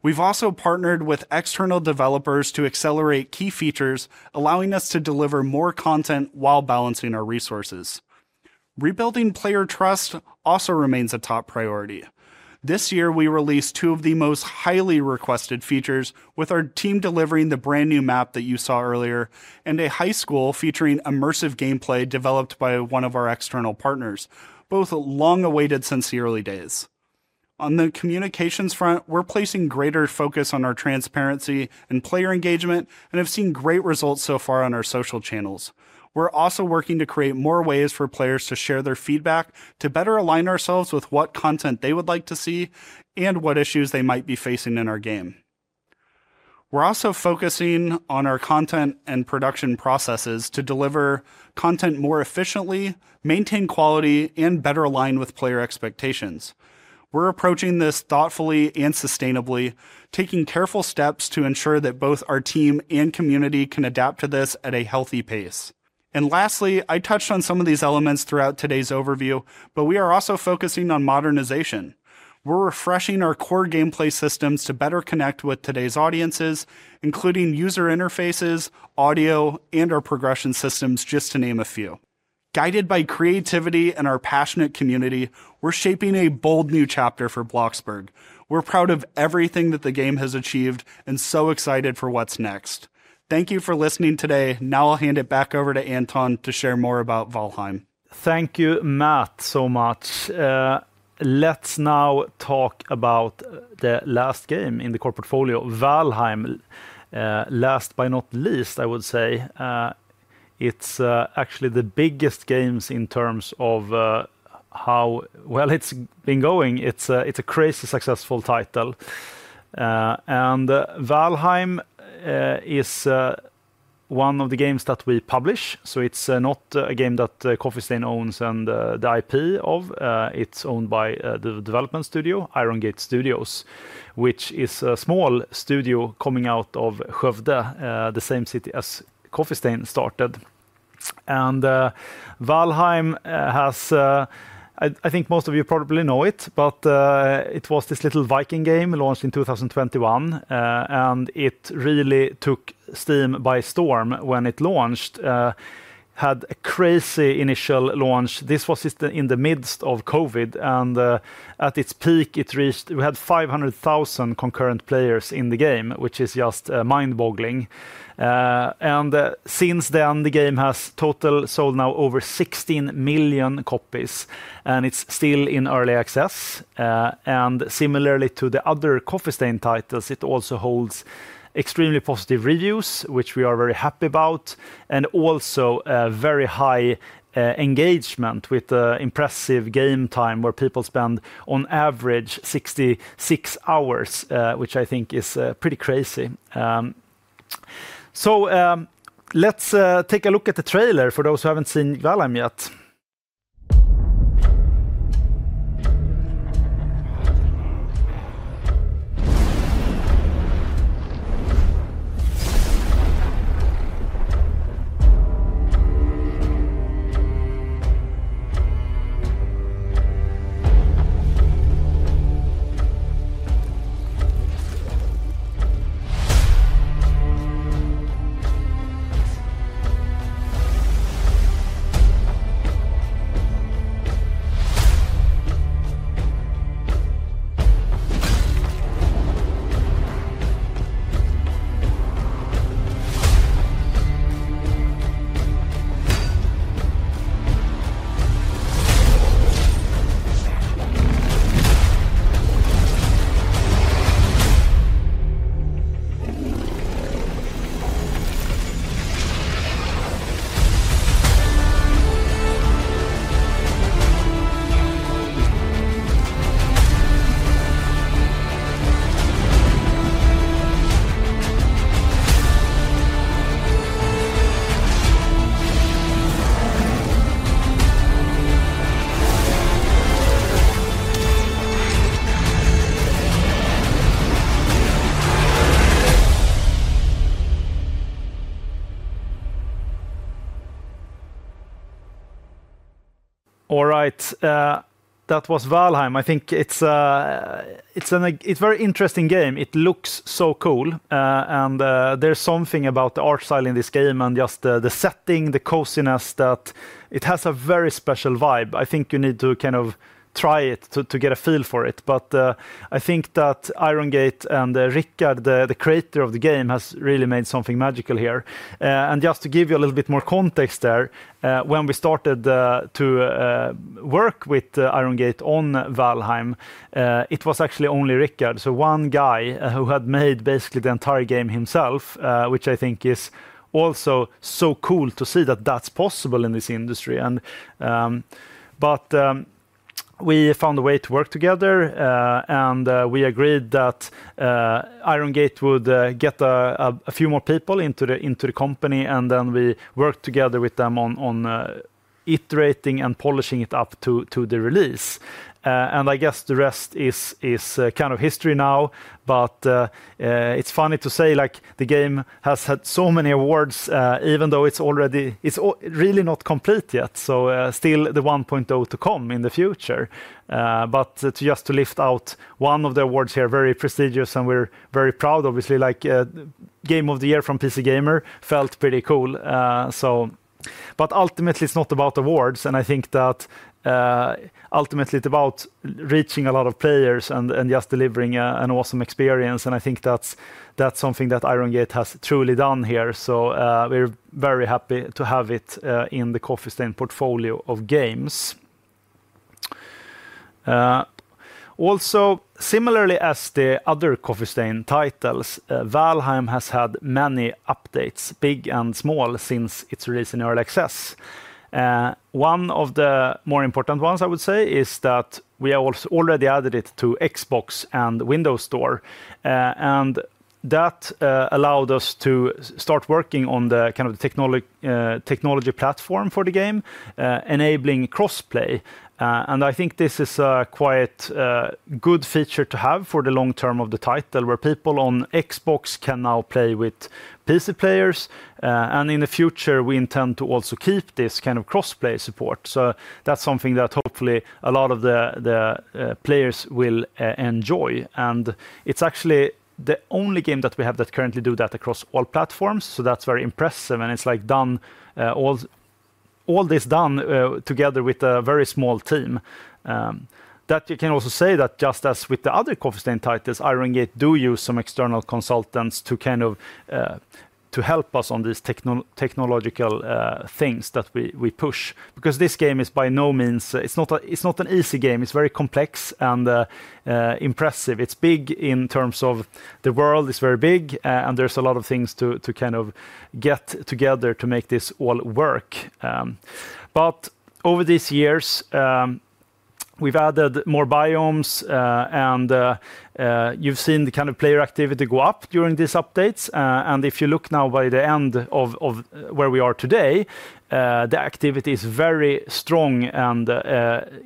We've also partnered with external developers to accelerate key features, allowing us to deliver more content while balancing our resources. Rebuilding player trust also remains a top priority. This year, we released two of the most highly requested features, with our team delivering the brand-new map that you saw earlier and a high school featuring immersive gameplay developed by one of our external partners, both long awaited since the early days. On the communications front, we're placing greater focus on our transparency and player engagement and have seen great results so far on our social channels. We're also working to create more ways for players to share their feedback, to better align ourselves with what content they would like to see and what issues they might be facing in our game. We're also focusing on our content and production processes to deliver content more efficiently, maintain quality, and better align with player expectations. We're approaching this thoughtfully and sustainably, taking careful steps to ensure that both our team and community can adapt to this at a healthy pace. Lastly, I touched on some of these elements throughout today's overview, but we are also focusing on modernization. We're refreshing our core gameplay systems to better connect with today's audiences, including user interfaces, audio, and our progression systems, just to name a few. Guided by creativity and our passionate community, we're shaping a bold new chapter for Bloxburg. We're proud of everything that the game has achieved, so excited for what's next. Thank you for listening today. Now, I'll hand it back over to Anton to share more about Valheim. Thank you, Matt, so much. Let's now talk about the last game in the core portfolio, Valheim. Last but not least, I would say, it's actually the biggest games in terms of how well it's been going. It's a crazy successful title. Valheim is one of the games that we publish, so it's not a game that Coffee Stain owns and the IP of... It's owned by the development studio, Iron Gate Studio, which is a small studio coming out of Skövde, the same city as Coffee Stain started. Valheim has. I think most of you probably know it, but it was this little Viking game launched in 2021. It really took Steam by storm when it launched. Had a crazy initial launch. This was just in the midst of COVID, and at its peak, we had 500,000 concurrent players in the game, which is just mind-boggling. Since then, the game has total sold now over 16 million copies, and it's still in early access. Similarly to the other Coffee Stain titles, it also holds extremely positive reviews, which we are very happy about, and also, a very high engagement with impressive game time, where people spend, on average, 66 hours, which I think is pretty crazy. Let's take a look at the trailer for those who haven't seen Valheim yet. All right. That was Valheim. I think it's a very interesting game. It looks so cool. There's something about the art style in this game and just the setting, the coziness, that it has a very special vibe. I think you need to kind of try it to get a feel for it. I think that Iron Gate and Rickard, the creator of the game, has really made something magical here. Just to give you a little bit more context there, when we started to work with Iron Gate on Valheim, it was actually only Rickard. One guy who had made basically the entire game himself, which I think is also so cool to see that that's possible in this industry. We found a way to work together, and we agreed that Iron Gate would get a few more people into the company, and then we worked together with them on iterating and polishing it up to the release. I guess the rest is kind of history now. It's funny to say, like, the game has had so many awards, even though it's really not complete yet, so, still the one point though to come in the future. Just to lift out one of the awards here, very prestigious, and we're very proud, obviously, like, Game of the Year from PC Gamer, felt pretty cool. Ultimately, it's not about awards, and I think that ultimately it's about reaching a lot of players and just delivering an awesome experience, and I think that's something that Iron Gate has truly done here. We're very happy to have it in the Coffee Stain portfolio of games. Also, similarly as the other Coffee Stain titles, Valheim has had many updates, big and small, since its release in early access. One of the more important ones, I would say, is that we have also already added it to Xbox and Windows Store. And that allowed us to start working on the kind of technology platform for the game, enabling cross-play. I think this is a quite good feature to have for the long term of the title, where people on Xbox can now play with PC players. In the future, we intend to also keep this kind of cross-play support. That's something that hopefully a lot of the players will enjoy. It's actually the only game that we have that currently do that across all platforms, so that's very impressive, and it's, like, done all this done together with a very small team. That you can also say that just as with the other Coffee Stain titles, Iron Gate do use some external consultants to kind of to help us on this technological things that we push. This game is by no means, it's not an easy game. It's very complex and impressive. It's big in terms of the world is very big, and there's a lot of things to kind of get together to make this all work. Over these years, we've added more biomes, and you've seen the kind of player activity go up during these updates. If you look now by the end of where we are today, the activity is very strong and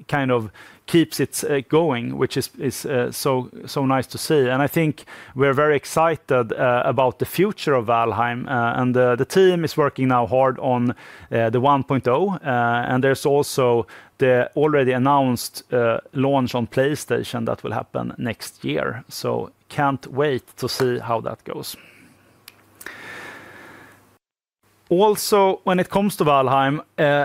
kind of keeps it going, which is so nice to see. I think we're very excited about the future of Valheim, and the team is working now hard on the 1.0. There's also the already announced launch on PlayStation that will happen next year, can't wait to see how that goes. When it comes to Valheim,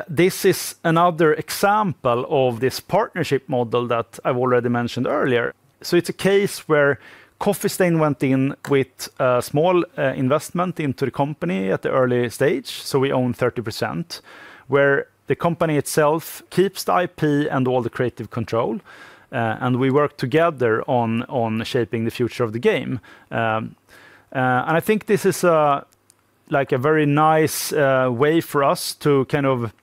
this is another example of this partnership model that I've already mentioned earlier. It's a case where Coffee Stain went in with a small investment into the company at the early stage, so we own 30%, where the company itself keeps the IP and all the creative control, and we work together on shaping the future of the game. I think this is like a very nice way for us to kind of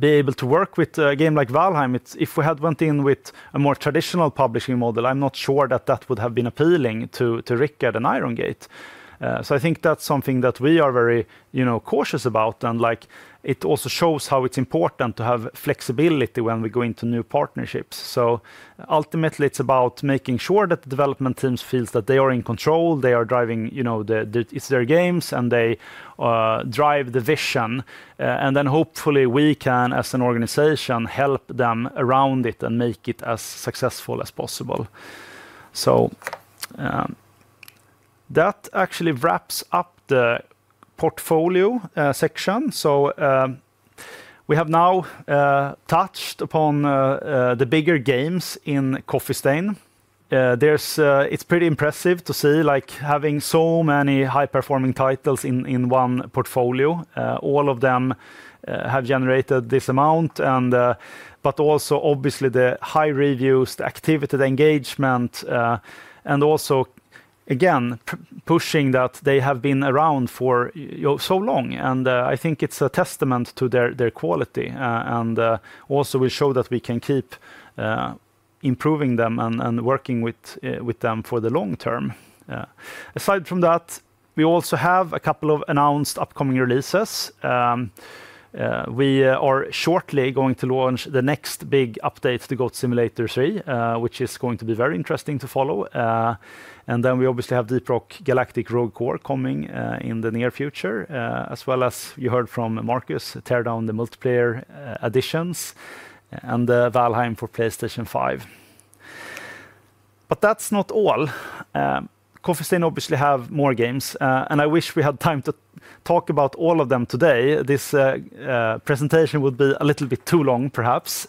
be able to work with a game like Valheim. If we had went in with a more traditional publishing model, I'm not sure that that would have been appealing to Rickard and Iron Gate. I think that's something that we are very, you know, cautious about. Like, it also shows how it's important to have flexibility when we go into new partnerships. Ultimately, it's about making sure that the development teams feels that they are in control, they are driving, you know, It's their games, and they drive the vision. Hopefully we can, as an organization, help them around it and make it as successful as possible. That actually wraps up the portfolio section. We have now touched upon the bigger games in Coffee Stain. It's pretty impressive to see, like, having so many high-performing titles in one portfolio. All of them have generated this amount but also, obviously, the high reviews, the activity, the engagement, and also, again, pushing that they have been around for so long. I think it's a testament to their quality. Also we show that we can keep improving them and working with them for the long term. Aside from that, we also have a couple of announced upcoming releases. We are shortly going to launch the next big update to Goat Simulator 3, which is going to be very interesting to follow. We obviously have Deep Rock Galactic: Rogue Core coming in the near future, as well as you heard from Marcus, Teardown, the multiplayer editions, and Valheim for PlayStation 5. That's not all. Coffee Stain obviously have more games, I wish we had time to talk about all of them today. This presentation would be a little bit too long, perhaps.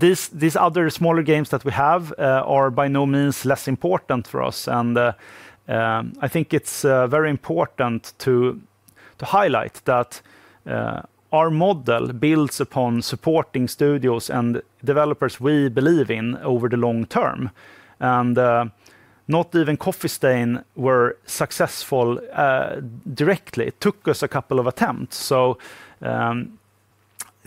These other smaller games that we have are by no means less important for us. I think it's very important to highlight that our model builds upon supporting studios and developers we believe in over the long term. Not even Coffee Stain were successful directly. It took us a couple of attempts.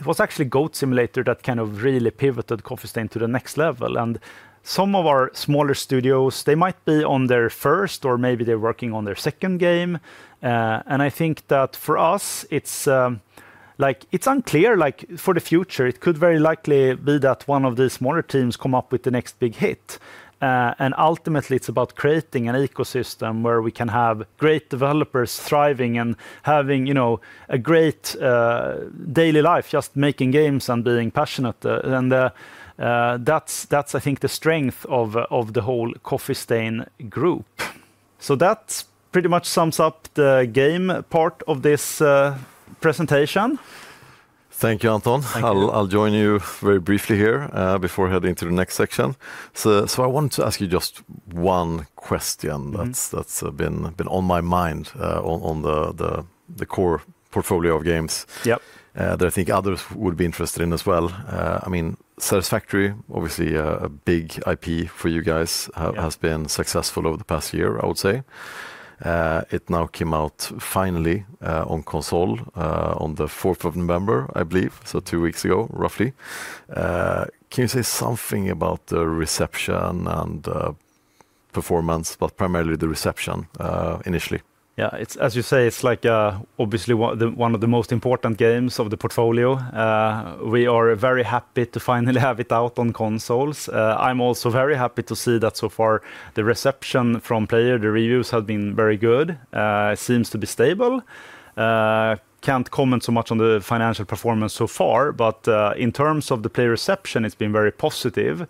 It was actually Goat Simulator that kind of really pivoted Coffee Stain to the next level. Some of our smaller studios, they might be on their first, or maybe they're working on their second game, and I think that for us, it's like, it's unclear. Like, for the future, it could very likely be that one of the smaller teams come up with the next big hit. Ultimately, it's about creating an ecosystem where we can have great developers thriving and having, you know, a great daily life, just making games and being passionate. That's, I think, the strength of the whole Coffee Stain Group. That pretty much sums up the game part of this presentation. Thank you, Anton. Thank you. I'll join you very briefly here, before heading to the next section. I wanted to ask you just one question. Mm-hmm... that's been on my mind, on the core portfolio of games. Yep that I think others would be interested in as well. I mean, Satisfactory, obviously, a big IP for you guys. Yeah... has been successful over the past year, I would say. It now came out finally on console on the fourth of November, I believe, so two weeks ago, roughly. Can you say something about the reception and performance, but primarily the reception initially? It's, as you say, it's like, obviously, one of the most important games of the portfolio. We are very happy to finally have it out on consoles. I'm also very happy to see that so far the reception from player, the reviews have been very good, seems to be stable. Can't comment so much on the financial performance so far, but, in terms of the player reception, it's been very positive.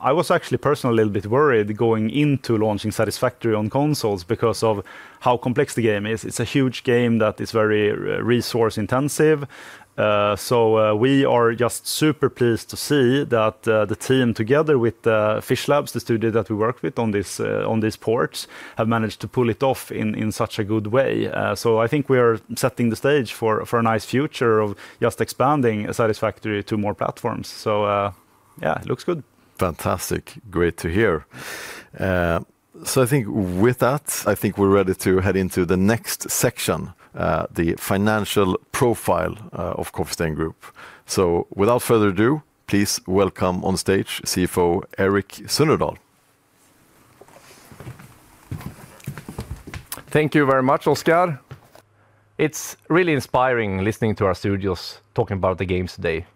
I was actually personally a little bit worried going into launching Satisfactory on consoles because of how complex the game is. It's a huge game that is very resource intensive. We are just super pleased to see that the team, together with Fishlabs, the studio that we worked with on this, on this ports, have managed to pull it off in such a good way. I think we are setting the stage for a nice future of just expanding Satisfactory to more platforms. Yeah, it looks good. Fantastic. Great to hear. I think with that, I think we're ready to head into the next section, the financial profile of Coffee Stain Group. Without further ado, please welcome on stage CFO, Erik Sunnerdahl. Thank you very much, Oscar. It's really inspiring listening to our studios talking about the games today,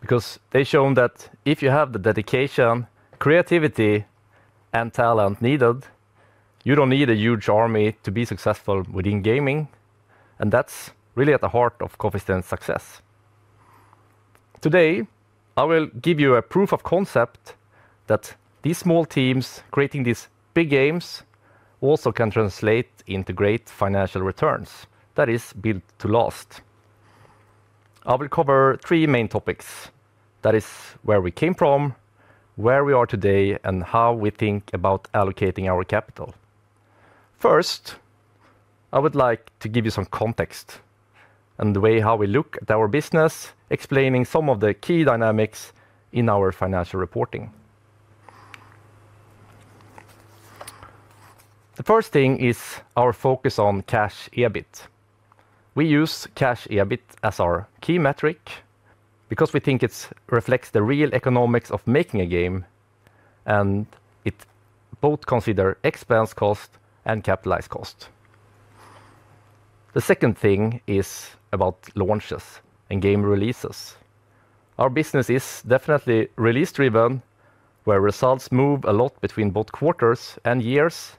because they've shown that if you have the dedication, creativity, and talent needed, you don't need a huge army to be successful within gaming, and that's really at the heart of Coffee Stain's success. Today, I will give you a proof of concept that these small teams creating these big games also can translate into great financial returns that is built to last. I will cover three main topics. That is where we came from, where we are today, and how we think about allocating our capital. First, I would like to give you some context and the way how we look at our business, explaining some of the key dynamics in our financial reporting. The first thing is our focus on Cash EBIT. We use Cash EBIT as our key metric because we think it reflects the real economics of making a game, and it both consider expense cost and capitalized cost. The second thing is about launches and game releases. Our business is definitely release-driven, where results move a lot between both quarters and years.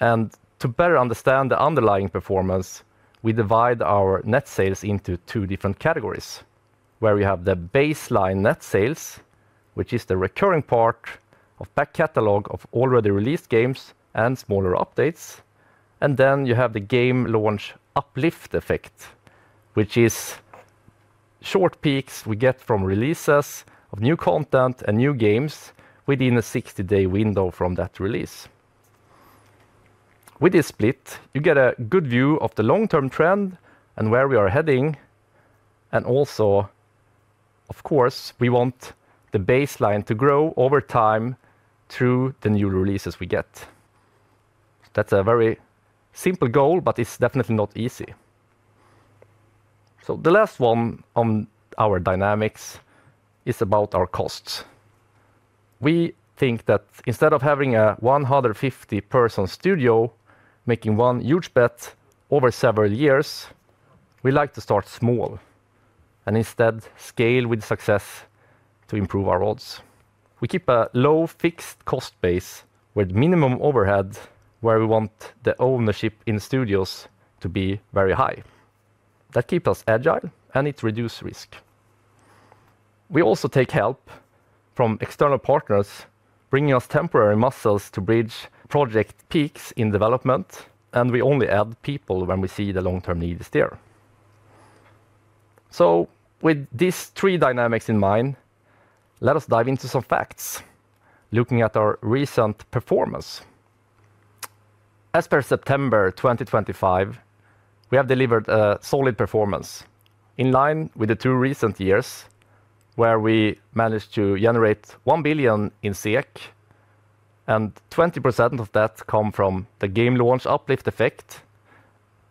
To better understand the underlying performance, we divide our net sales into two different categories, where we have the baseline net sales, which is the recurring part of back catalog of already released games and smaller updates. You have the game launch uplift effect, which is short peaks we get from releases of new content and new games within a 60-day window from that release. With this split, you get a good view of the long-term trend and where we are heading. Also, of course, we want the baseline to grow over time through the new releases we get. That's a very simple goal. It's definitely not easy. The last one on our dynamics is about our costs. We think that instead of having a 150 person studio making one huge bet over several years, we like to start small and instead scale with success to improve our odds. We keep a low fixed cost base with minimum overhead, where we want the ownership in studios to be very high. That keep us agile. It reduce risk. We also take help from external partners, bringing us temporary muscles to bridge project peaks in development. We only add people when we see the long-term need is there. With these three dynamics in mind, let us dive into some facts looking at our recent performance. As per September 2025, we have delivered a solid performance in line with the two recent years, where we managed to generate 1 billion, and 20% of that come from the game launch uplift effect.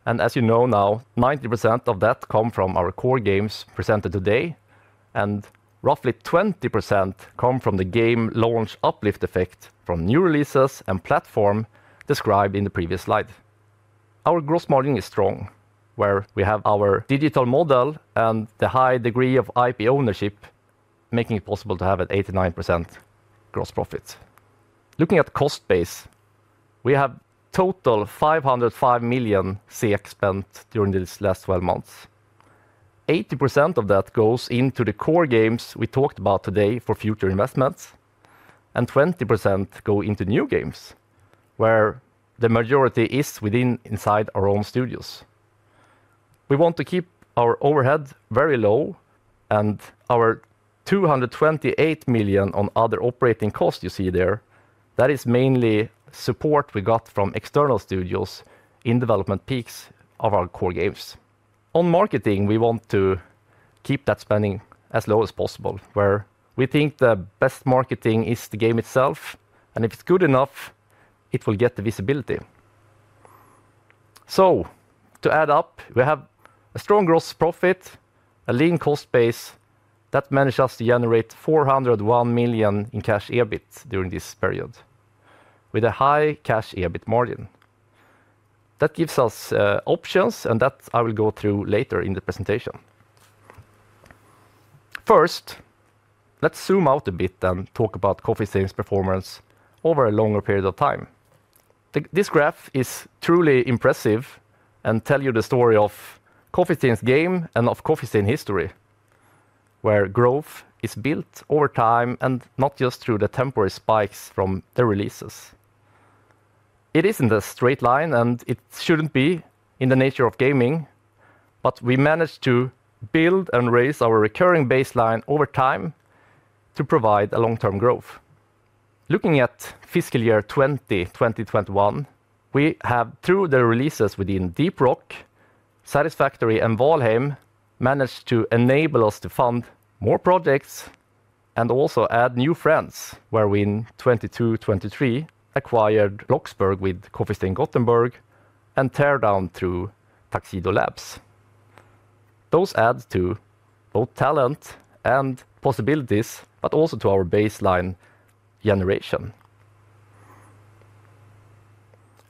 As you know now, 90% of that come from our core games presented today, and roughly 20% come from the game launch uplift effect from new releases and platform described in the previous slide. Our gross margin is strong, where we have our digital model and the high degree of IP ownership, making it possible to have an 89% gross profit. Looking at cost base, we have total 505 million spent during this last 12 months. 80% of that goes into the core games we talked about today for future investments, and 20% go into new games, where the majority is within inside our own studios. We want to keep our overhead very low and our 228 million on other operating costs you see there, that is mainly support we got from external studios in development peaks of our core games. On marketing, we want to keep that spending as low as possible, where we think the best marketing is the game itself, and if it's good enough, it will get the visibility. To add up, we have a strong gross profit, a lean cost base that manages us to generate 401 million in Cash EBIT during this period, with a high Cash EBIT margin. That gives us options. That I will go through later in the presentation. First, let's zoom out a bit and talk about Coffee Stain's performance over a longer period of time. This graph is truly impressive and tell you the story of Coffee Stain's game and of Coffee Stain history, where growth is built over time and not just through the temporary spikes from the releases. It isn't a straight line, and it shouldn't be in the nature of gaming, but we managed to build and raise our recurring baseline over time to provide a long-term growth. Looking at fiscal year 2020, 2021, we have, through the releases within Deep Rock, Satisfactory and Valheim, managed to enable us to fund more projects and also add new friends, where we in 2022, 2023, acquired Bloxburg with Coffee Stain Göteborg and Teardown through Tuxedo Labs. Those add to both talent and possibilities, but also to our baseline generation.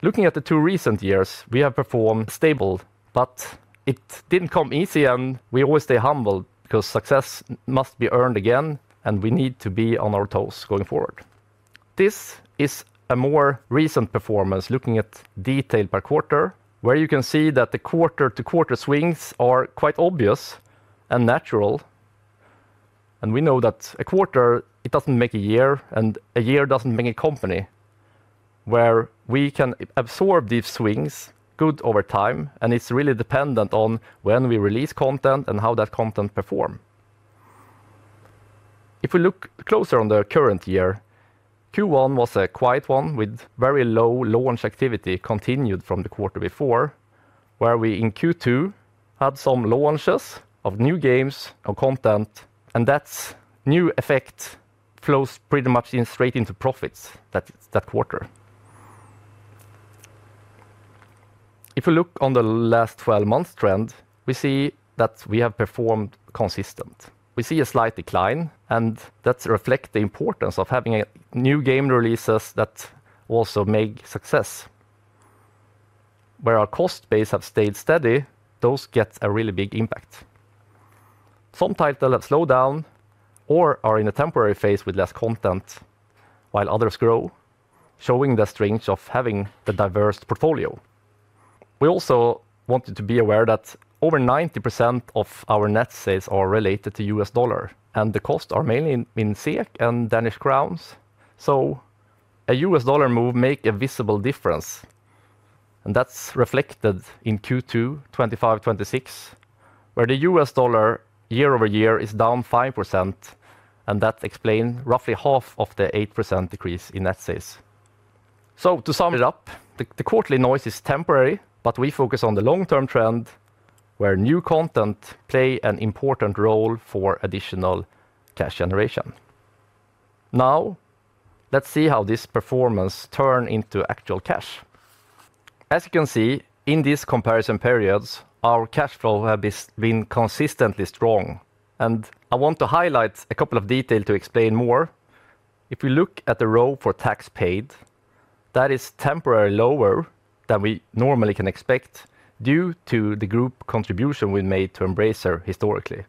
Looking at the two recent years, we have performed stable, but it didn't come easy, and we always stay humble because success must be earned again, and we need to be on our toes going forward. This is a more recent performance, looking at detail per quarter, where you can see that the quarter-to-quarter swings are quite obvious and natural, and we know that a quarter, it doesn't make a year, and a year doesn't make a company. Where we can absorb these swings good over time, and it's really dependent on when we release content and how that content perform. If we look closer on the current year, Q1 was a quiet one, with very low launch activity continued from the quarter before, where we in Q2 had some launches of new games or content. That's new effect flows pretty much in straight into profits that quarter. If we look on the last 12 months trend, we see that we have performed consistent. We see a slight decline. That reflect the importance of having a new game releases that also make success. Where our cost base have stayed steady, those get a really big impact. Some title have slowed down or are in a temporary phase with less content, while others grow, showing the strength of having the diverse portfolio. We also wanted to be aware that over 90% of our net sales are related to U.S. dollar, and the costs are mainly in SEK and Danish crowns. A U.S. dollar move make a visible difference, and that's reflected in Q2 2025, 2026, where the U.S. dollar year-over-year is down 5%, and that explain roughly half of the 8% decrease in net sales. To sum it up, the quarterly noise is temporary, but we focus on the long-term trend, where new content play an important role for additional cash generation. Let's see how this performance turn into actual cash. As you can see, in these comparison periods, our cash flow have been consistently strong, and I want to highlight a couple of detail to explain more. If you look at the row for tax paid, that is temporarily lower than we normally can expect due to the group contribution we made to Embracer historically,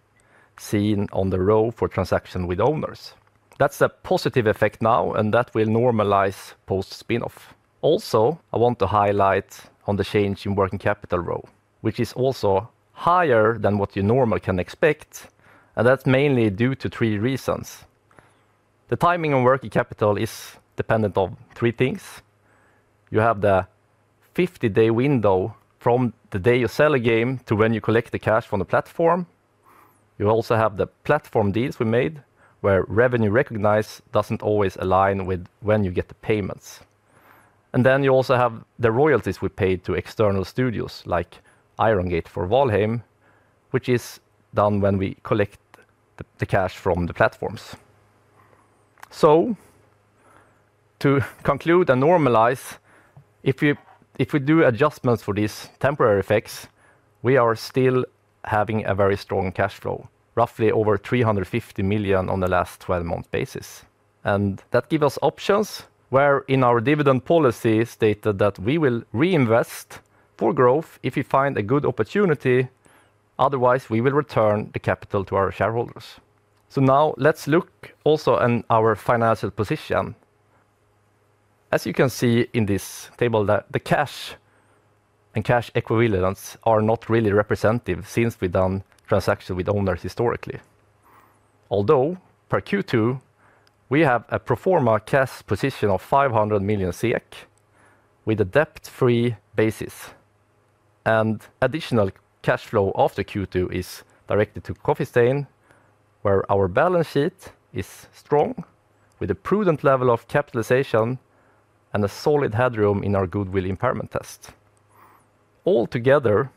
seen on the row for transaction with owners. That's a positive effect now. That will normalize post-spin-off. I want to highlight on the change in working capital row, which is also higher than what you normally can expect, and that's mainly due to three reasons. The timing of working capital is dependent on three things. You have the 50-day window from the day you sell a game to when you collect the cash from the platform. You also have the platform deals we made, where revenue recognized doesn't always align with when you get the payments. You also have the royalties we paid to external studios, like Iron Gate for Valheim, which is done when we collect the cash from the platforms. To conclude and normalize, if we do adjustments for these temporary effects, we are still having a very strong cash flow, roughly over 350 million on the last 12 months basis. That give us options, where in our dividend policy stated that we will reinvest for growth if we find a good opportunity, otherwise, we will return the capital to our shareholders. Let's look also on our financial position. As you can see in this table, the cash and cash equivalents are not really representative since we done transaction with owners historically. Although per Q2, we have a pro forma cash position of 500 million SEK, with a debt-free basis and additional cash flow of the Q2 is directed to Coffee Stain, where our balance sheet is strong, with a prudent level of capitalization and a solid headroom in our goodwill impairment test. Altogether,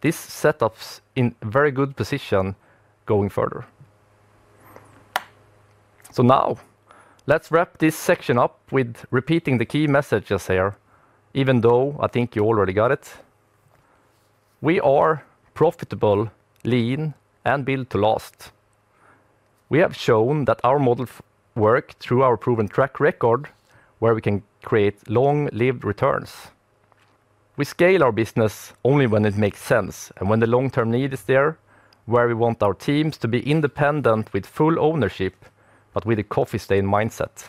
this set us in very good position going further. Now, let's wrap this section up with repeating the key messages here, even though I think you already got it. We are profitable, lean, and built to last. We have shown that our model work through our proven track record, where we can create long-lived returns. We scale our business only when it makes sense, and when the long-term need is there, where we want our teams to be independent with full ownership, but with a Coffee Stain mindset.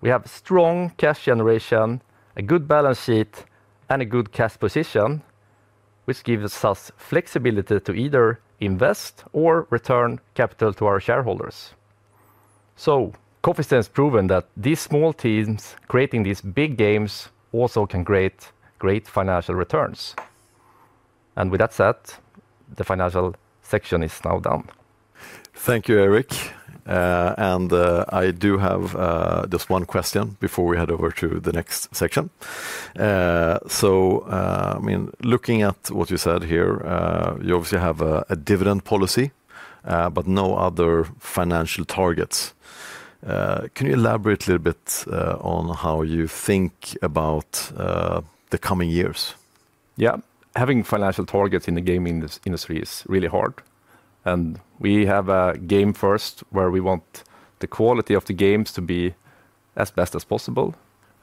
We have strong cash generation, a good balance sheet, and a good cash position, which gives us flexibility to either invest or return capital to our shareholders. Coffee Stain has proven that these small teams creating these big games also can create great financial returns. With that said, the financial section is now done. Thank you, Erik. I do have just one question before we head over to the next section. I mean, looking at what you said here, you obviously have a dividend policy, but no other financial targets. Can you elaborate a little bit on how you think about the coming years? Having financial targets in the gaming industry is really hard. We have a game first, where we want the quality of the games to be as best as possible.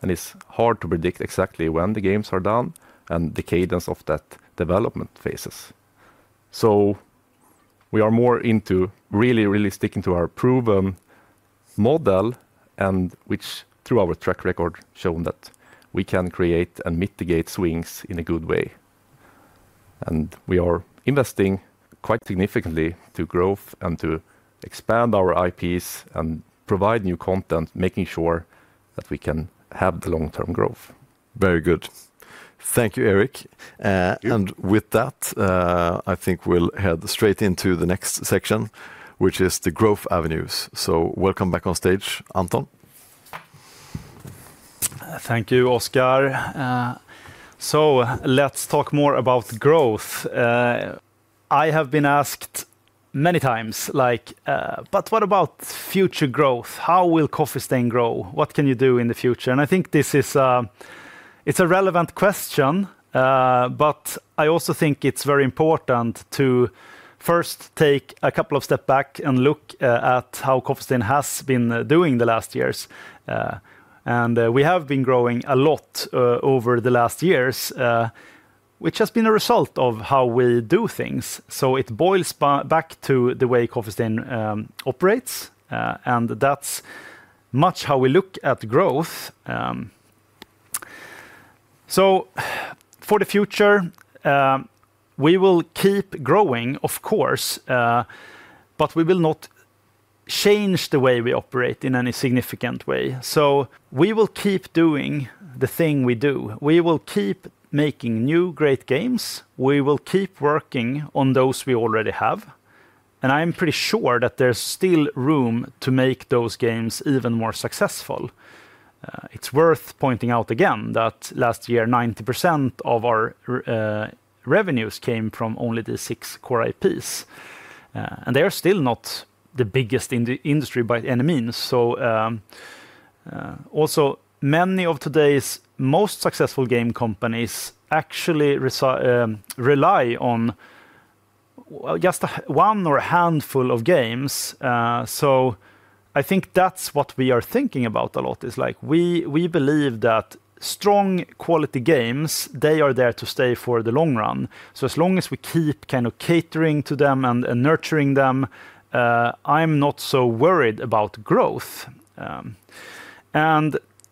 It's hard to predict exactly when the games are done and the cadence of that development phases. We are more into really sticking to our proven model, which, through our track record, shown that we can create and mitigate swings in a good way. We are investing quite significantly to growth and to expand our IPs and provide new content, making sure that we can have the long-term growth. Very good. Thank you, Erik. Yeah... With that, I think we'll head straight into the next section, which is the growth avenues. Welcome back on stage, Anton. Thank you, Oscar. Let's talk more about growth. I have been asked many times, like, "What about future growth? How will Coffee Stain grow? What can you do in the future?" I think this is, it's a relevant question, but I also think it's very important to first take a couple of step back and look at how Coffee Stain has been doing the last years. We have been growing a lot over the last years, which has been a result of how we do things. It boils back to the way Coffee Stain operates, and that's much how we look at growth. For the future, we will keep growing, of course, but we will not change the way we operate in any significant way. We will keep doing the thing we do. We will keep making new great games. We will keep working on those we already have, and I'm pretty sure that there's still room to make those games even more successful. It's worth pointing out again that last year, 90% of our revenues came from only the six core IPs, and they are still not the biggest in the industry by any means. Also, many of today's most successful game companies actually rely on just one or a handful of games. I think that's what we are thinking about a lot, is like, we believe that strong quality games, they are there to stay for the long run. As long as we keep kind of catering to them and nurturing them, I'm not so worried about growth.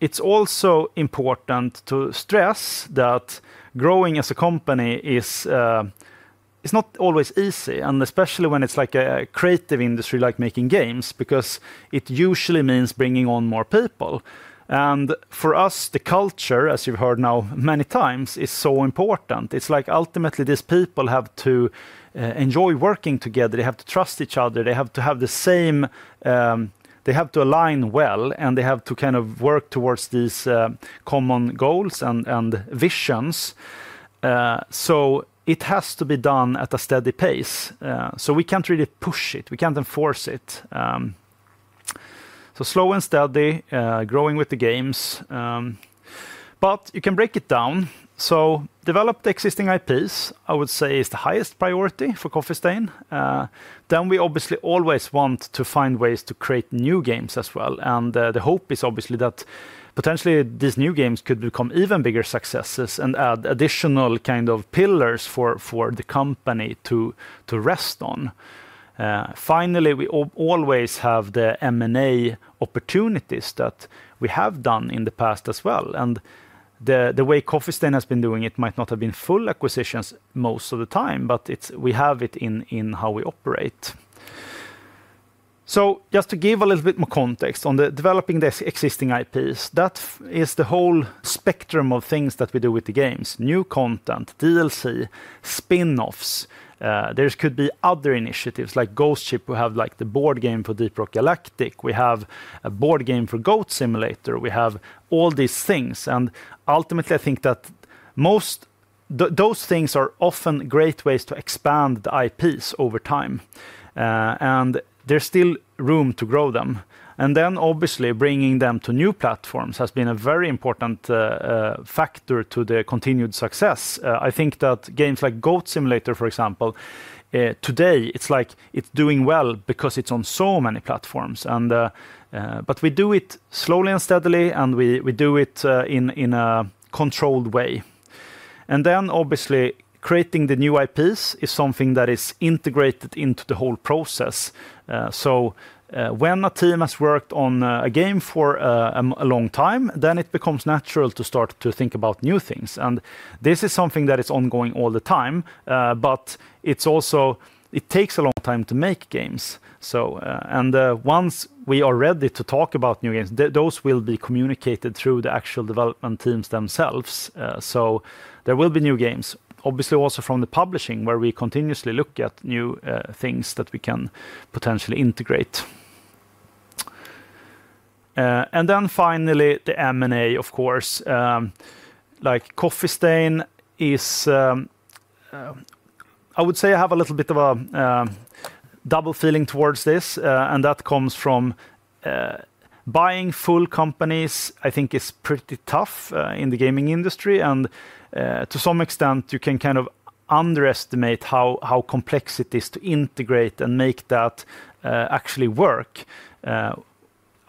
It's also important to stress that growing as a company is not always easy, and especially when it's like a creative industry, like making games, because it usually means bringing on more people. For us, the culture, as you've heard now many times, is so important. It's like, ultimately, these people have to enjoy working together. They have to trust each other. They have to have the same, they have to align well, and they have to kind of work towards these common goals and visions. It has to be done at a steady pace, so we can't really push it. We can't enforce it. Slow and steady, growing with the games, you can break it down. Develop the existing IPs, I would say is the highest priority for Coffee Stain. We obviously always want to find ways to create new games as well, the hope is obviously that potentially, these new games could become even bigger successes and add additional kind of pillars for the company to rest on. Finally, we always have the M&A opportunities that we have done in the past as well, and the way Coffee Stain has been doing it might not have been full acquisitions most of the time, but we have it in how we operate. Just to give a little bit more context on the developing the existing IPs, that is the whole spectrum of things that we do with the games: new content, DLC, spin-offs. There could be other initiatives, like Ghost Ship, we have like the board game for Deep Rock Galactic. We have a board game for Goat Simulator. We have all these things, ultimately, I think that those things are often great ways to expand the IPs over time, and there's still room to grow them. Obviously, bringing them to new platforms has been a very important factor to their continued success. I think that games like Goat Simulator, for example, today, it's like it's doing well because it's on so many platforms, but we do it slowly and steadily, and we do it in a controlled way. Obviously, creating the new IPs is something that is integrated into the whole process. When a team has worked on a game for a long time, then it becomes natural to start to think about new things. This is something that is ongoing all the time, but it takes a long time to make games. Once we are ready to talk about new games, those will be communicated through the actual development teams themselves. There will be new games, obviously, also from the publishing, where we continuously look at new things that we can potentially integrate. Finally, the M&A, of course. I would say I have a little bit of a double feeling towards this, and that comes from buying full companies I think is pretty tough in the gaming industry. To some extent, you can kind of underestimate how complex it is to integrate and make that actually work.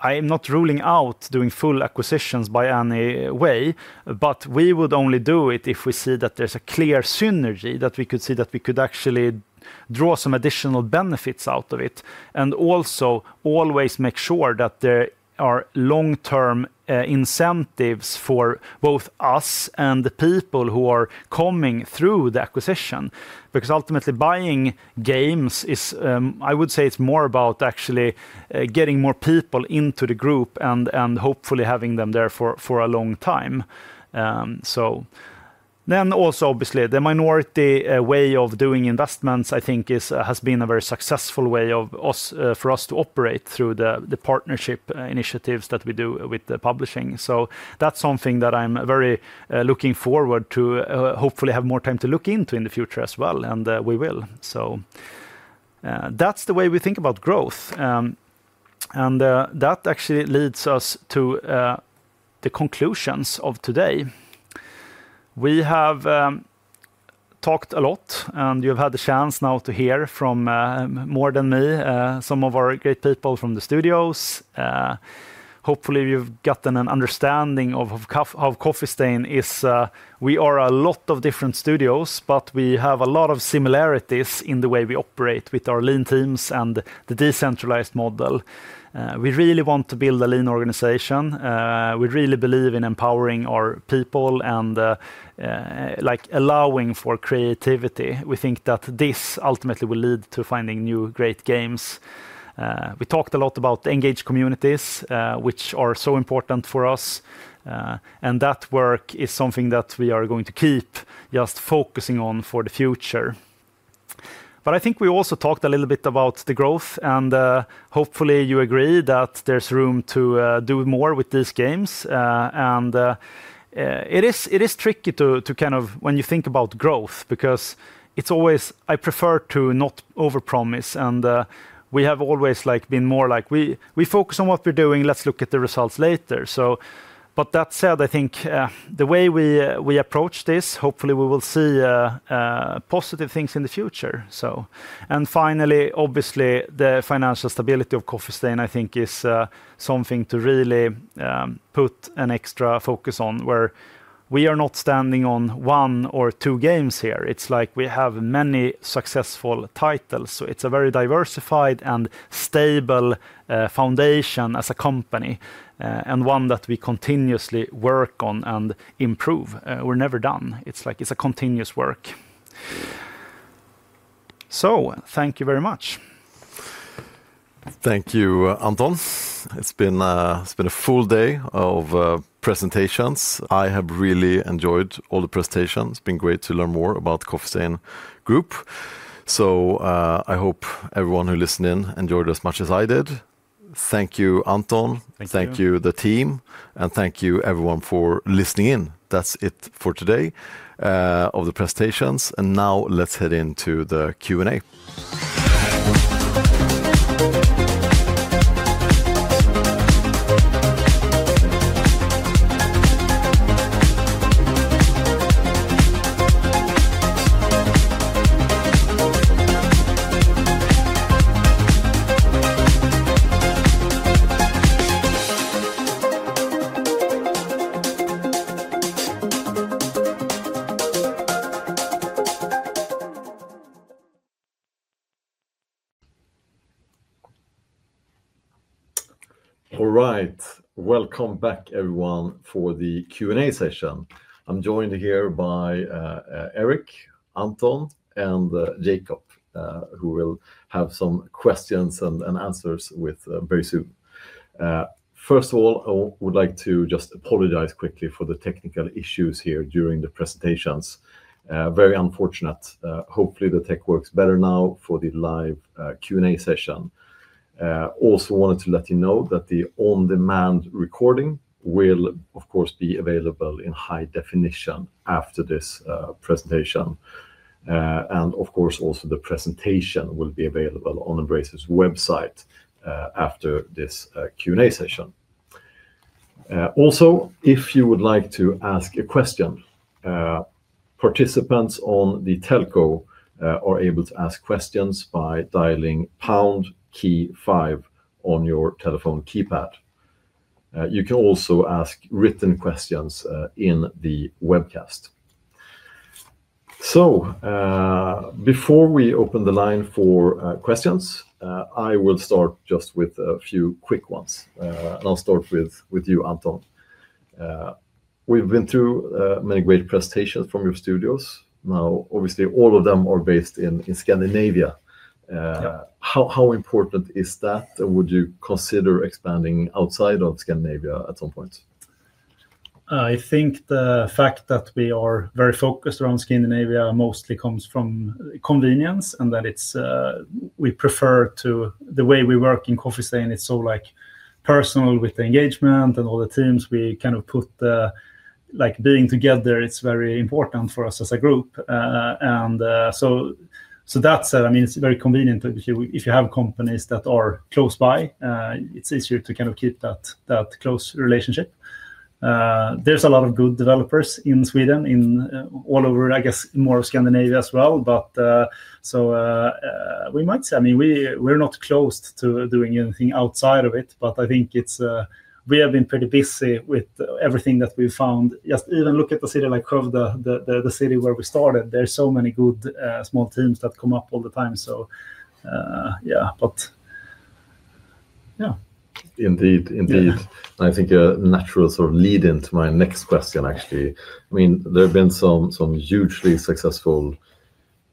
I'm not ruling out doing full acquisitions by any way, but we would only do it if we see that there's a clear synergy, that we could see that we could actually draw some additional benefits out of it. Also always make sure that there are long-term incentives for both us and the people who are coming through the acquisition. Ultimately, buying games is, I would say it's more about actually getting more people into the group and hopefully having them there for a long time. Also, obviously, the minority way of doing investments, I think is has been a very successful way of us for us to operate through the partnership initiatives that we do with the publishing. That's something that I'm very looking forward to hopefully have more time to look into in the future as well, and we will. That's the way we think about growth. That actually leads us to the conclusions of today. We have talked a lot, and you've had the chance now to hear from more than me, some of our great people from the studios. Hopefully, you've gotten an understanding of Coffee Stain is. We are a lot of different studios, but we have a lot of similarities in the way we operate with our lean teams and the decentralized model. We really want to build a lean organization. We really believe in empowering our people and like allowing for creativity. We think that this ultimately will lead to finding new, great games. We talked a lot about engaged communities, which are so important for us, and that work is something that we are going to keep just focusing on for the future. I think we also talked a little bit about the growth. Hopefully, you agree that there's room to do more with these games. It is tricky to kind of when you think about growth, because it's always I prefer to not overpromise. We have always, like, been more like we focus on what we're doing, let's look at the results later. That said, I think the way we approach this, hopefully, we will see positive things in the future. Finally, obviously, the financial stability of Coffee Stain, I think, is something to really put an extra focus on, where we are not standing on one or two games here. It's like we have many successful titles, so it's a very diversified and stable foundation as a company, and one that we continuously work on and improve. We're never done. It's like it's a continuous work. Thank you very much. Thank you, Anton. It's been a full day of presentations. I have really enjoyed all the presentations. It's been great to learn more about Coffee Stain Group. I hope everyone who listened in enjoyed it as much as I did. Thank you, Anton. Thank you. Thank you, the team, and thank you, everyone, for listening in. That's it for today of the presentations. Now let's head into the Q&A. All right. Welcome back, everyone, for the Q&A session. I'm joined here by Erik, Anton, and Jacob, who will have some questions and answers with very soon. First of all, I would like to just apologize quickly for the technical issues here during the presentations. Very unfortunate. Hopefully, the tech works better now for the live Q&A session. Also wanted to let you know that the on-demand recording will, of course, be available in high definition after this presentation. Of course, also the presentation will be available on Embracer's website after this Q&A session. Also, if you would like to ask a question, participants on the telco are able to ask questions by dialing pound key five on your telephone keypad. You can also ask written questions in the webcast. Before we open the line for questions, I will start just with a few quick ones. I'll start with you, Anton. We've been through many great presentations from your studios. Obviously, all of them are based in Scandinavia. Yeah. How important is that? Would you consider expanding outside of Scandinavia at some point? I think the fact that we are very focused around Scandinavia mostly comes from convenience, and that it's. The way we work in Coffee Stain, it's so, like, personal with engagement and all the teams. We kind of put the, like, being together. It's very important for us as a group. So that's, I mean, it's very convenient if you have companies that are close by. It's easier to kind of keep that close relationship. There's a lot of good developers in Sweden, in all over, I guess, more of Scandinavia as well. We might say, I mean, we're not closed to doing anything outside of it, but I think it's, we have been pretty busy with everything that we've found. Just even look at the city, like, of the city where we started. There are so many good small teams that come up all the time. Yeah, but yeah. Indeed. Indeed. Yeah. I think a natural sort of lead into my next question, actually. I mean, there have been some hugely successful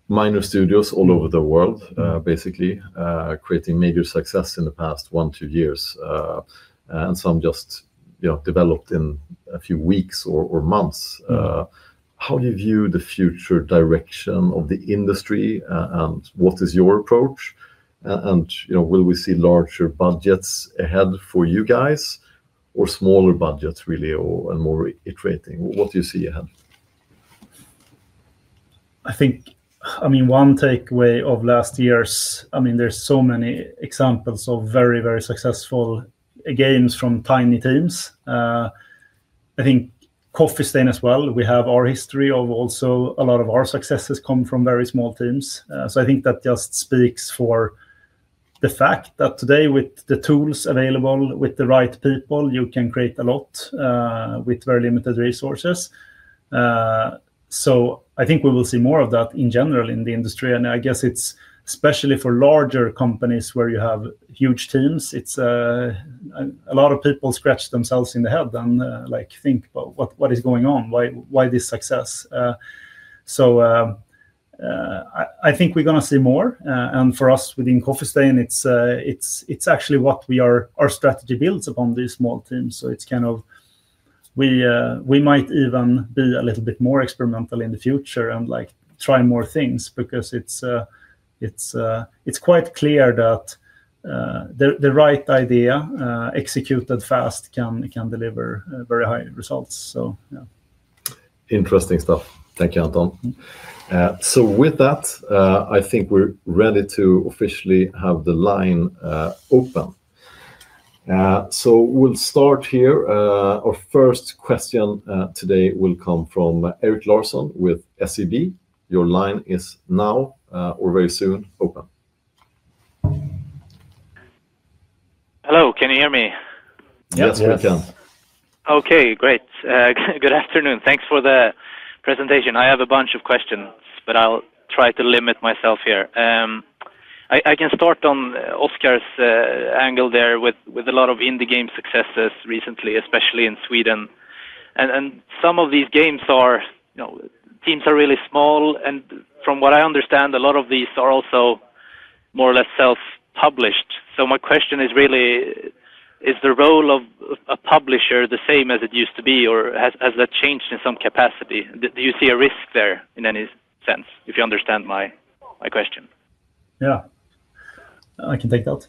minor studios all over the world... Mm-hmm... basically, creating major success in the past one, two years, and some just, you know, developed in a few weeks or months. How do you view the future direction of the industry, and what is your approach? You know, will we see larger budgets ahead for you guys, or smaller budgets, really, or, and more iterating? What do you see ahead? I think, I mean, one takeaway of last year's, I mean, there's so many examples of very, very successful games from tiny teams. I think Coffee Stain as well, we have our history of also a lot of our successes come from very small teams. I think that just speaks for the fact that today, with the tools available, with the right people, you can create a lot, with very limited resources. I think we will see more of that in general in the industry, and I guess it's especially for larger companies where you have huge teams. It's, a lot of people scratch themselves in the head and, like, think, "Well, what is going on? Why this success? I think we're gonna see more, and for us, within Coffee Stain, it's actually what our strategy builds upon these small teams. It's kind of, we might even be a little bit more experimental in the future and try more things because it's quite clear that the right idea, executed fast, can deliver very high results. Yeah. Interesting stuff. Thank you, Anton. Mm-hmm. With that, I think we're ready to officially have the line open. We'll start here. Our first question today will come from Erik Larsson with SEB. Your line is now or very soon open. Hello, can you hear me? Yes, we can. Yes. Okay, great. Good afternoon. Thanks for the presentation. I have a bunch of questions, but I'll try to limit myself here. I can start on Oscar's angle there with a lot of indie game successes recently, especially in Sweden. Some of these games are, you know, teams are really small, and from what I understand, a lot of these are also more or less self-published. My question is really, is the role of a publisher the same as it used to be, or has that changed in some capacity? Do you see a risk there in any sense? If you understand my question. I can take that.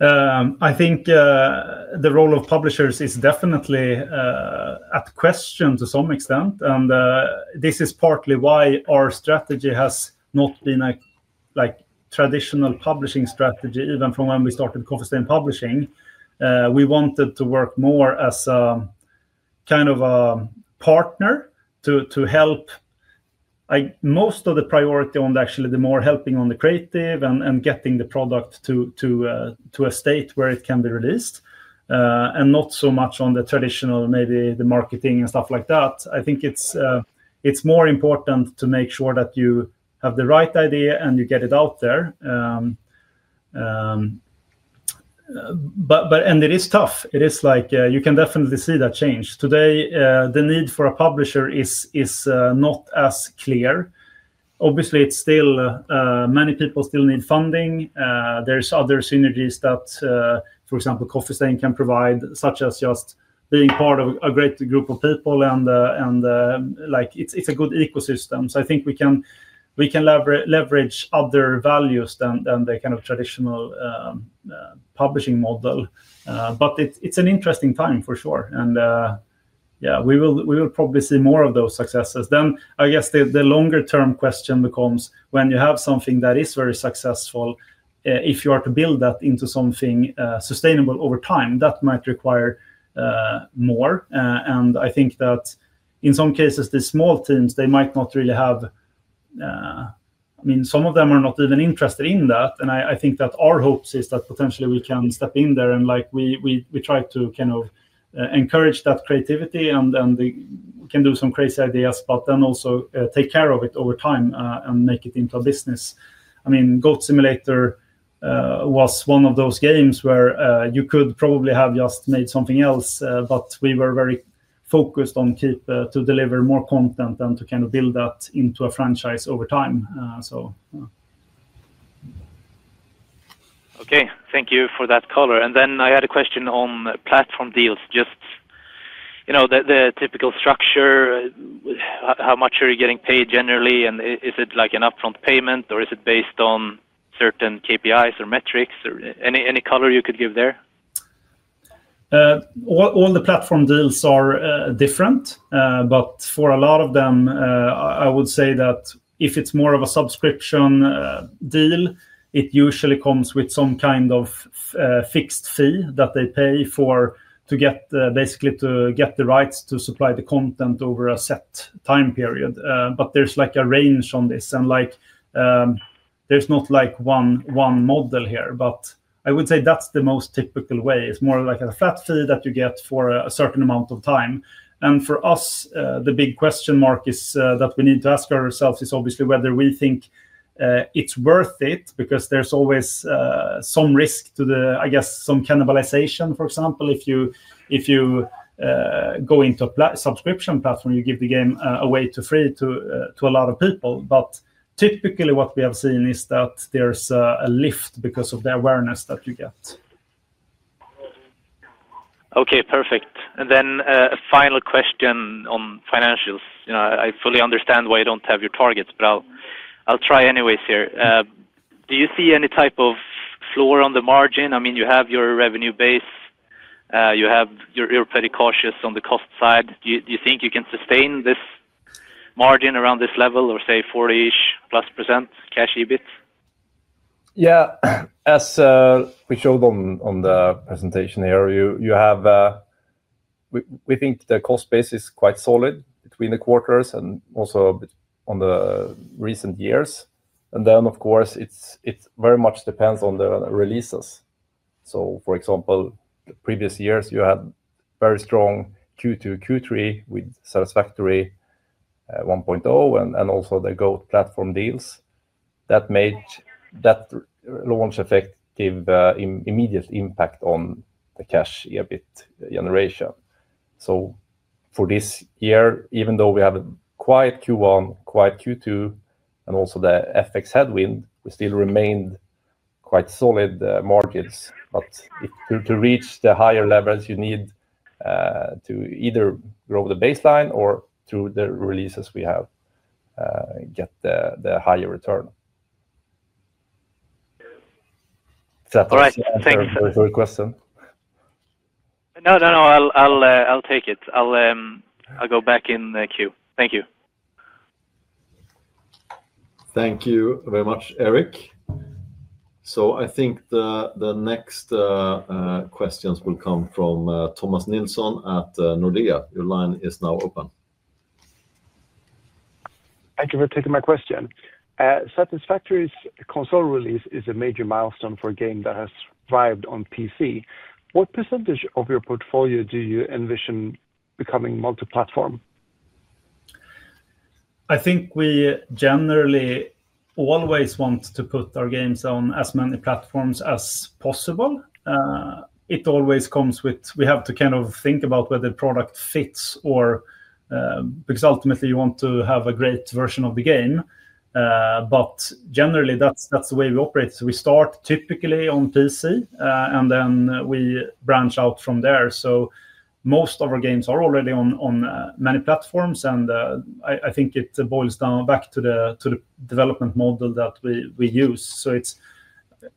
I think the role of publishers is definitely at question to some extent, this is partly why our strategy has not been a, like, traditional publishing strategy. Even from when we started Coffee Stain Publishing, we wanted to work more as kind of a partner to help most of the priority on actually the more helping on the creative and getting the product to a state where it can be released and not so much on the traditional, maybe the marketing and stuff like that. I think it's more important to make sure that you have the right idea and you get it out there. It is tough. It is like you can definitely see that change. Today, the need for a publisher is not as clear. Obviously, it's still many people still need funding. There's other synergies that, for example, Coffee Stain can provide, such as just being part of a great group of people, and, like, it's a good ecosystem. I think we can leverage other values than the kind of traditional publishing model. It's an interesting time for sure, and... Yeah, we will probably see more of those successes. I guess the longer-term question becomes when you have something that is very successful, if you are to build that into something, sustainable over time, that might require more. I think that in some cases, the small teams, they might not really have, I mean, some of them are not even interested in that, and I think that our hopes is that potentially we can step in there, and, like, we try to kind of, encourage that creativity, and, they can do some crazy ideas, but then also, take care of it over time, and make it into a business. I mean, Goat Simulator, was one of those games where, you could probably have just made something else. We were very focused on keep, to deliver more content and to kind of build that into a franchise over time, yeah. Okay, thank you for that color. I had a question on platform deals. Just, you know, the typical structure, how much are you getting paid generally? Is it like an upfront payment, or is it based on certain KPIs or metrics? Any color you could give there? All the platform deals are different. For a lot of them, I would say that if it's more of a subscription deal, it usually comes with some kind of fixed fee that they pay for, to get, basically to get the rights to supply the content over a set time period. There's, like, a range on this, and, like, there's not, like, one model here, but I would say that's the most typical way. It's more like a flat fee that you get for a certain amount of time. For us, the big question mark is that we need to ask ourselves is obviously whether we think it's worth it because there's always some risk to the, I guess, some cannibalization. For example, if you go into a subscription platform, you give the game away to free to a lot of people. Typically, what we have seen is that there's a lift because of the awareness that you get. Okay, perfect. A final question on financials. You know, I fully understand why you don't have your targets, but I'll try anyways here. Do you see any type of floor on the margin? I mean, you have your revenue base, you're pretty cautious on the cost side. Do you think you can sustain this margin around this level, or, say, 40-ish plus % Cash EBIT? Yeah. As we showed on the presentation here, We think the cost base is quite solid between the quarters and also a bit on the recent years. Of course, it very much depends on the releases. For example, the previous years, you had very strong Q2, Q3 with Satisfactory 1.0 and also the Goat platform deals. That launch effect give immediate impact on the cash EBIT generation. For this year, even though we have a quiet Q1, quiet Q2, and also the FX headwind, we still remained quite solid markets. If to reach the higher levels, you need to either grow the baseline or through the releases we have, get the higher return. Does that answer- All right. Thank you. your question? No, no, I'll take it. I'll go back in the queue. Thank you. Thank you very much, Erik. I think the next questions will come from Thomas Nilsson at Nordea. Your line is now open. Thank you for taking my question. Satisfactory's console release is a major milestone for a game that has thrived on PC. What percentage of your portfolio do you envision becoming multi-platform? I think we generally always want to put our games on as many platforms as possible. We have to kind of think about whether product fits or because ultimately you want to have a great version of the game. Generally, that's the way we operate. We start typically on PC, and then we branch out from there. Most of our games are already on many platforms, and I think it boils down back to the development model that we use. It's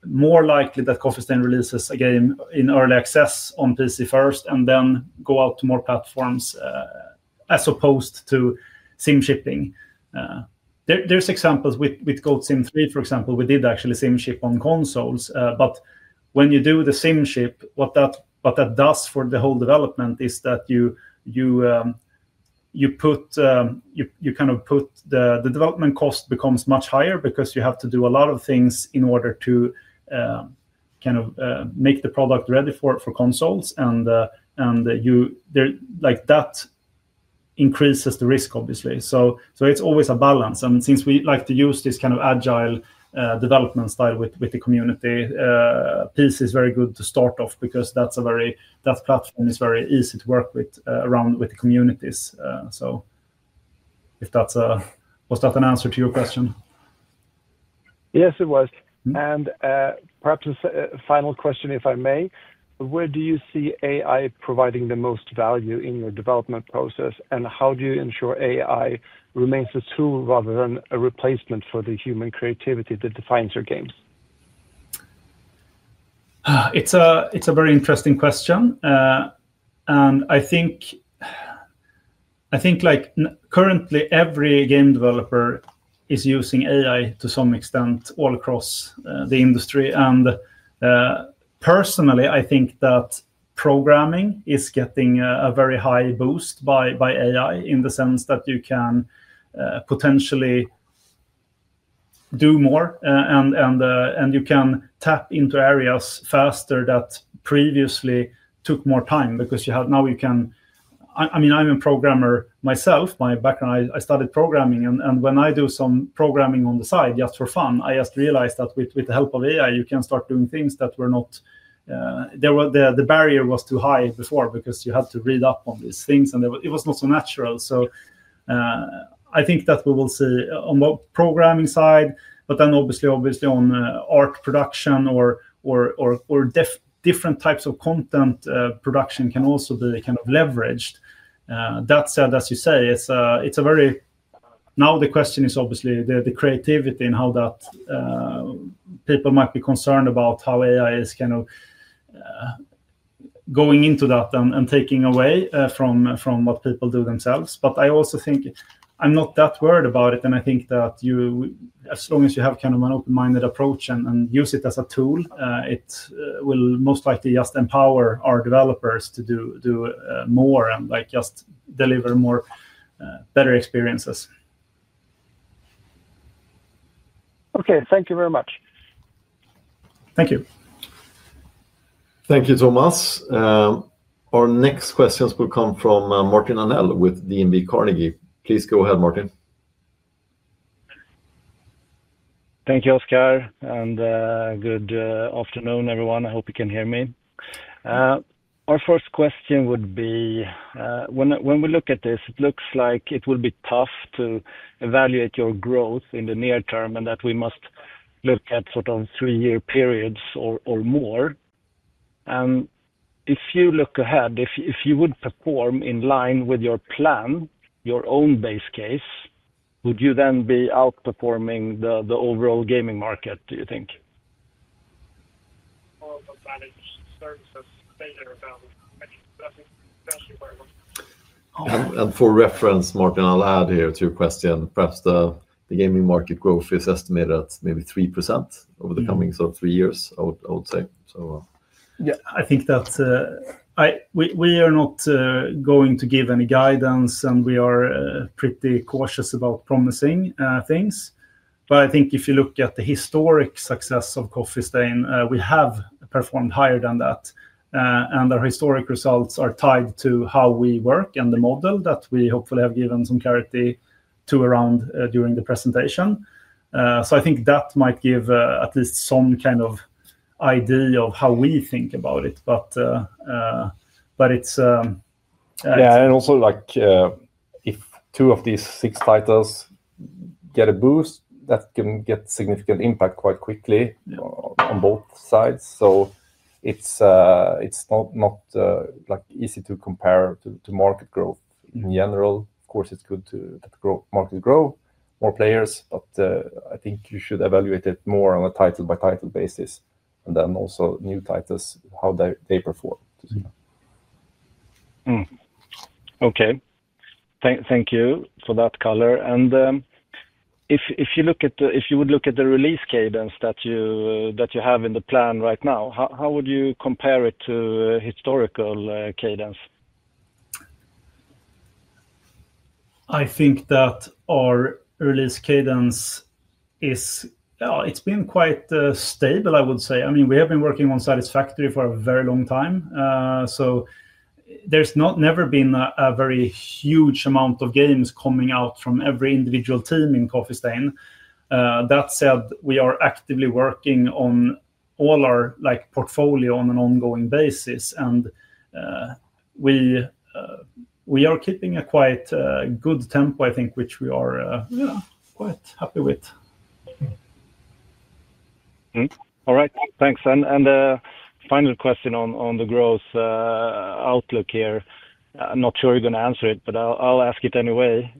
more likely that Coffee Stain releases a game in early access on PC first, and then go out to more platforms, as opposed to sim shipping. There's examples with Goat Sim 3, for example, we did actually sim ship on consoles. When you do the sim-ship, what that does for the whole development is that you kind of put the development cost becomes much higher because you have to do a lot of things in order to kind of make the product ready for consoles. There, like, that increases the risk, obviously. It's always a balance, and since we like to use this kind of agile development style with the community, PC is very good to start off because that platform is very easy to work with around with the communities. Was that an answer to your question? Yes, it was. Mm-hmm. Perhaps a final question, if I may: Where do you see AI providing the most value in your development process, and how do you ensure AI remains a tool rather than a replacement for the human creativity that defines your games?... it's a very interesting question. I think, like, currently, every game developer is using AI to some extent all across the industry. Personally, I think that programming is getting a very high boost by AI, in the sense that you can potentially do more and you can tap into areas faster that previously took more time because now you can. I mean, I'm a programmer myself. My background, I started programming, and when I do some programming on the side just for fun, I just realized that with the help of AI, you can start doing things that were not, the barrier was too high before because you had to read up on these things, and it was not so natural. I think that we will see on more programming side, but then obviously on art production or different types of content production can also be kind of leveraged. That said, as you say, it's a very. Now the question is obviously the creativity and how that people might be concerned about how AI is kind of going into that and taking away from what people do themselves. I also think I'm not that worried about it, and I think that you, as long as you have kind of an open-minded approach and use it as a tool, it will most likely just empower our developers to do more and, like, just deliver more, better experiences. Okay, thank you very much. Thank you. Thank you, Thomas. Our next questions will come from Martin Arnell with DNB Carnegie. Please go ahead, Martin. Thank you, Oscar, and good afternoon, everyone. I hope you can hear me. Our first question would be, when we look at this, it looks like it will be tough to evaluate your growth in the near term, and that we must look at sort of three-year periods or more. If you look ahead, if you would perform in line with your plan, your own base case, would you then be outperforming the overall gaming market, do you think? For reference, Martin, I'll add here to your question, perhaps the gaming market growth is estimated at maybe 3% over the coming three years, I would say. I think that we are not going to give any guidance, and we are pretty cautious about promising things. I think if you look at the historic success of Coffee Stain, we have performed higher than that. The historic results are tied to how we work and the model that we hopefully have given some clarity to around during the presentation. I think that might give at least some kind of idea of how we think about it. It's. Also, like, if two of these six titles get a boost, that can get significant impact quite quickly... Yeah on both sides. It's not like easy to compare to market growth in general. Of course, it's good to grow, market grow, more players, I think you should evaluate it more on a title-by-title basis, then also new titles, how they perform. Mm. Okay. Thank you for that color. If you look at the if you would look at the release cadence that you that you have in the plan right now, how would you compare it to historical cadence? I think that our release cadence is, it's been quite stable, I would say. I mean, we have been working on Satisfactory for a very long time. There's not never been a very huge amount of games coming out from every individual team in Coffee Stain. That said, we are actively working on all our, like, portfolio on an ongoing basis, and we are keeping a quite good tempo, I think, which we are, yeah, quite happy with. All right. Thanks. Final question on the growth outlook here. I'm not sure you're going to answer it, but I'll ask it anyway.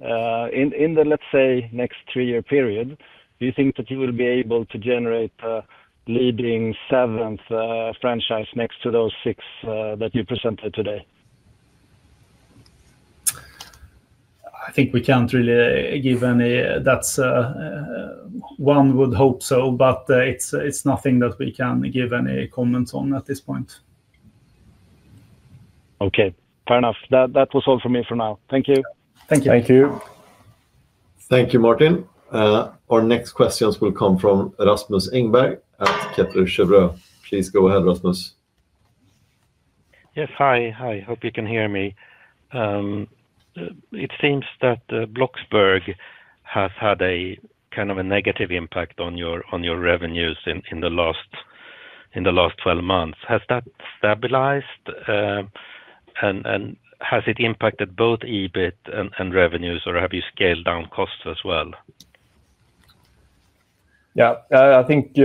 In the, let's say, next three-year period, do you think that you will be able to generate a leading seventh franchise next to those six that you presented today? I think we can't really give any. That's. One would hope so, but it's nothing that we can give any comments on at this point. Fair enough. That was all from me for now. Thank you. Thank you. Thank you. Thank you, Martin. Our next questions will come from Rasmus Engberg at Kepler Cheuvreux. Please go ahead, Rasmus. Yes. Hi, hi. Hope you can hear me. It seems that Bloxburg has had a kind of a negative impact on your revenues in the last 12 months. Has that stabilized? Has it impacted both EBIT and revenues, or have you scaled down costs as well? I think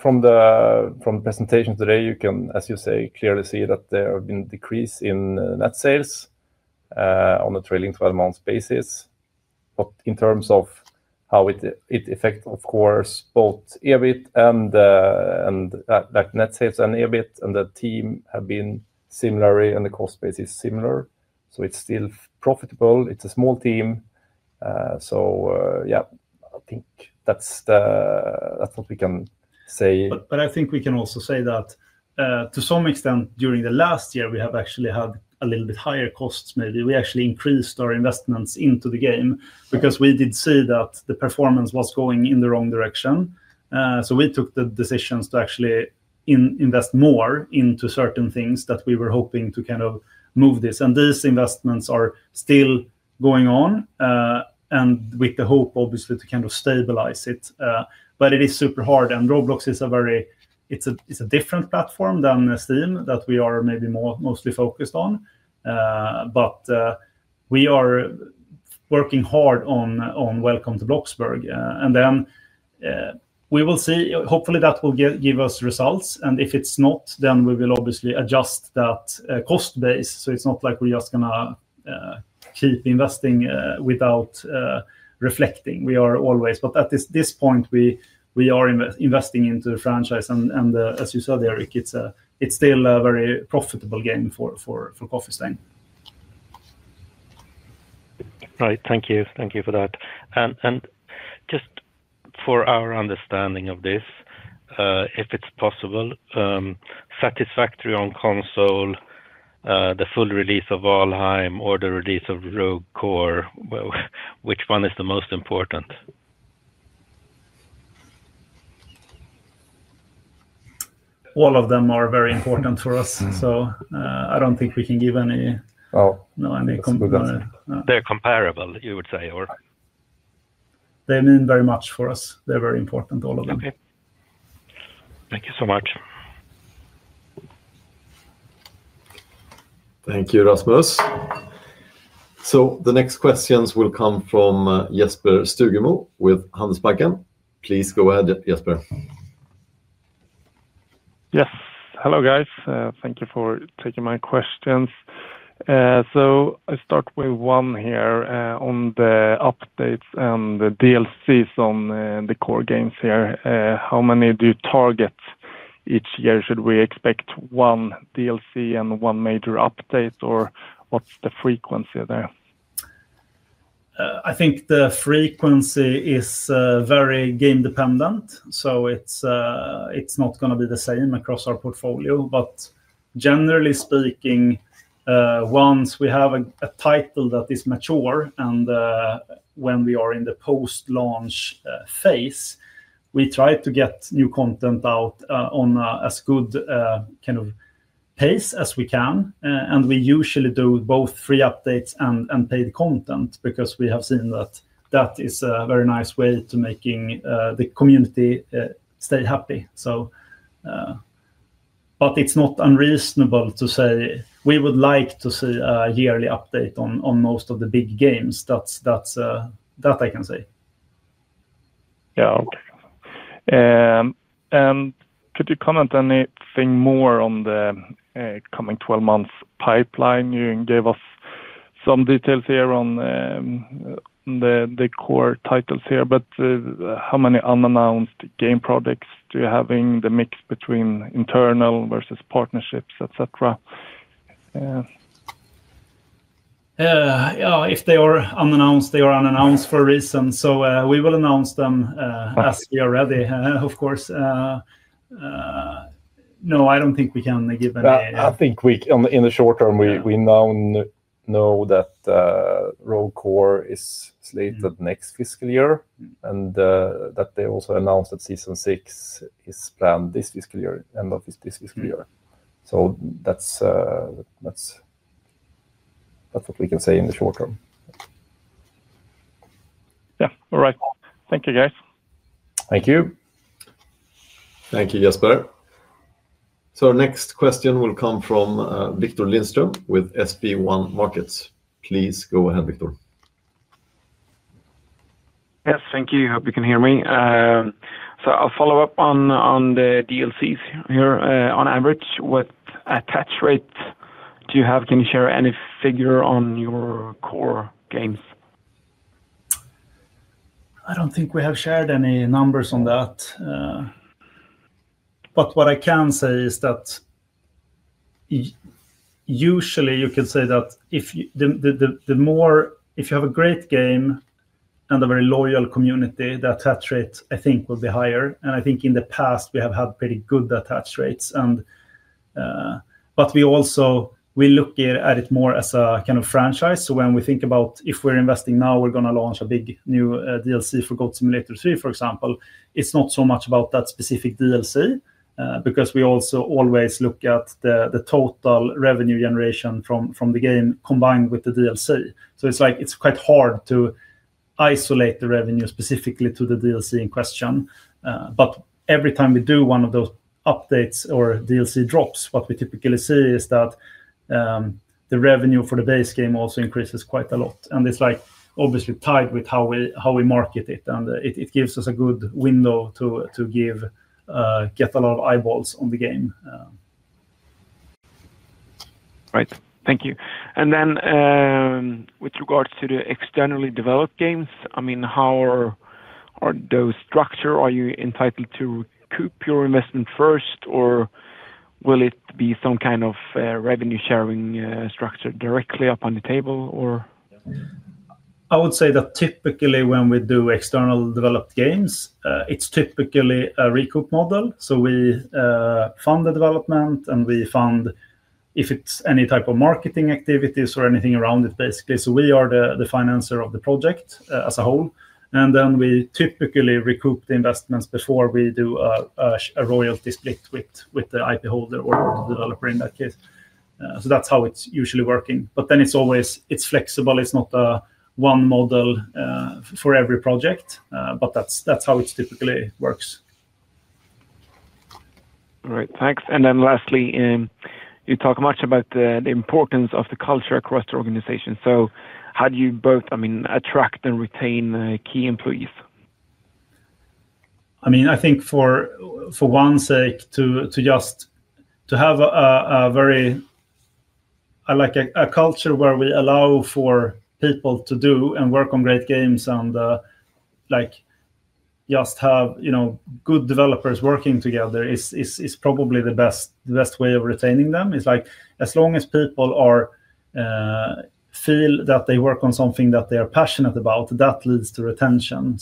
from the presentation today, you can, as you say, clearly see that there have been decrease in net sales on a trailing 12-month basis. In terms of how it affect, of course, both EBIT and, like net sales and EBIT, and the team have been similarly, and the cost base is similar, so it's still profitable. It's a small team, so, yeah, I think that's the, that's what we can say. I think we can also say that, to some extent during the last year, we have actually had a little bit higher costs maybe. We actually increased our investments into the game because we did see that the performance was going in the wrong direction. So we took the decisions to actually invest more into certain things that we were hoping to kind of move this, and these investments are still going on, and with the hope, obviously, to kind of stabilize it. It is super hard, and Roblox is a different platform than Steam that we are maybe more mostly focused on. We are working hard on Welcome to Bloxburg, and then we will see. Hopefully, that will give us results, and if it's not, then we will obviously adjust that cost base. It's not like we're just gonna keep investing without reflecting. We are always. At this point, we are investing into the franchise and as you saw there, Erik, it's still a very profitable game for Coffee Stain. Right. Thank you. Thank you for that. Just for our understanding of this, if it's possible, Satisfactory on console, the full release of Valheim or the release of Rogue Core, well, which one is the most important? All of them are very important for us. Mm-hmm. I don't think we can give. Well- No, any comparable. They're comparable, you would say, or? They mean very much for us. They're very important, all of them. Okay. Thank you so much. Thank you, Rasmus. The next questions will come from Jesper Stuhr with Handelsbanken. Please go ahead, Jesper. Yes. Hello, guys, thank you for taking my questions. I start with 1 here, on the updates and the DLCs on the core games here. How many do you target each year? Should we expect 1 DLC and 1 major update, or what's the frequency there? I think the frequency is very game dependent, so it's not gonna be the same across our portfolio. Generally speaking, once we have a title that is mature and when we are in the post-launch phase, we try to get new content out on a good kind of pace as we can. We usually do both free updates and paid content because we have seen that that is a very nice way to making the community stay happy. It's not unreasonable to say we would like to see a yearly update on most of the big games. That's, that I can say. Yeah, okay. Could you comment anything more on the coming 12-month pipeline? You gave us some details here on the core titles here. How many unannounced game products do you have in the mix between internal versus partnerships, et cetera? Yeah, if they are unannounced, they are unannounced for a reason. We will announce them, as we are ready. Of course, no, I don't think we can give. Well, I think we, in the short term. Yeah we now know that Rogue Core is slated next fiscal year, that they also announced that Season Six is planned this fiscal year, end of this fiscal year. That's what we can say in the short term. Yeah. All right. Thank you, guys. Thank you. Thank you, Jesper. Next question will come Viktor Lindström with SB1 Markets. Please go ahead, Viktor. Yes, thank you. Hope you can hear me. I'll follow up on the DLCs here. On average, what attach rate do you have? Can you share any figure on your core games? I don't think we have shared any numbers on that, but what I can say is that usually you can say that the more, if you have a great game and a very loyal community, the attach rate, I think, will be higher, and I think in the past we have had pretty good attach rates. We also, we look at it more as a kind of franchise. When we think about if we're investing now, we're gonna launch a big new DLC for Goat Simulator 3, for example, it's not so much about that specific DLC, because we also always look at the total revenue generation from the game combined with the DLC. It's like, it's quite hard to isolate the revenue specifically to the DLC in question. Every time we do one of those updates or DLC drops, what we typically see is that, the revenue for the base game also increases quite a lot. It's, like, obviously tied with how we market it, and it gives us a good window to get a lot of eyeballs on the game. Right. Thank you. With regards to the externally developed games, I mean, how are those structure? Are you entitled to recoup your investment first, or will it be some kind of revenue sharing structure directly up on the table, or? I would say that typically when we do external developed games, it's typically a recoup model. We fund the development, and we fund if it's any type of marketing activities or anything around it, basically. We are the financer of the project as a whole, and then we typically recoup the investments before we do a royalty split with the IP holder or the developer in that case. That's how it's usually working, but then it's always, it's flexible. It's not a one model for every project, but that's how it typically works. All right, thanks. Lastly, you talk much about the importance of the culture across the organization. How do you both, I mean, attract and retain key employees? I mean, I think for one sake, to just to have a very, like a culture where we allow for people to do and work on great games and like, just have, you know, good developers working together is probably the best way of retaining them. It's like, as long as people feel that they work on something that they are passionate about, that leads to retention.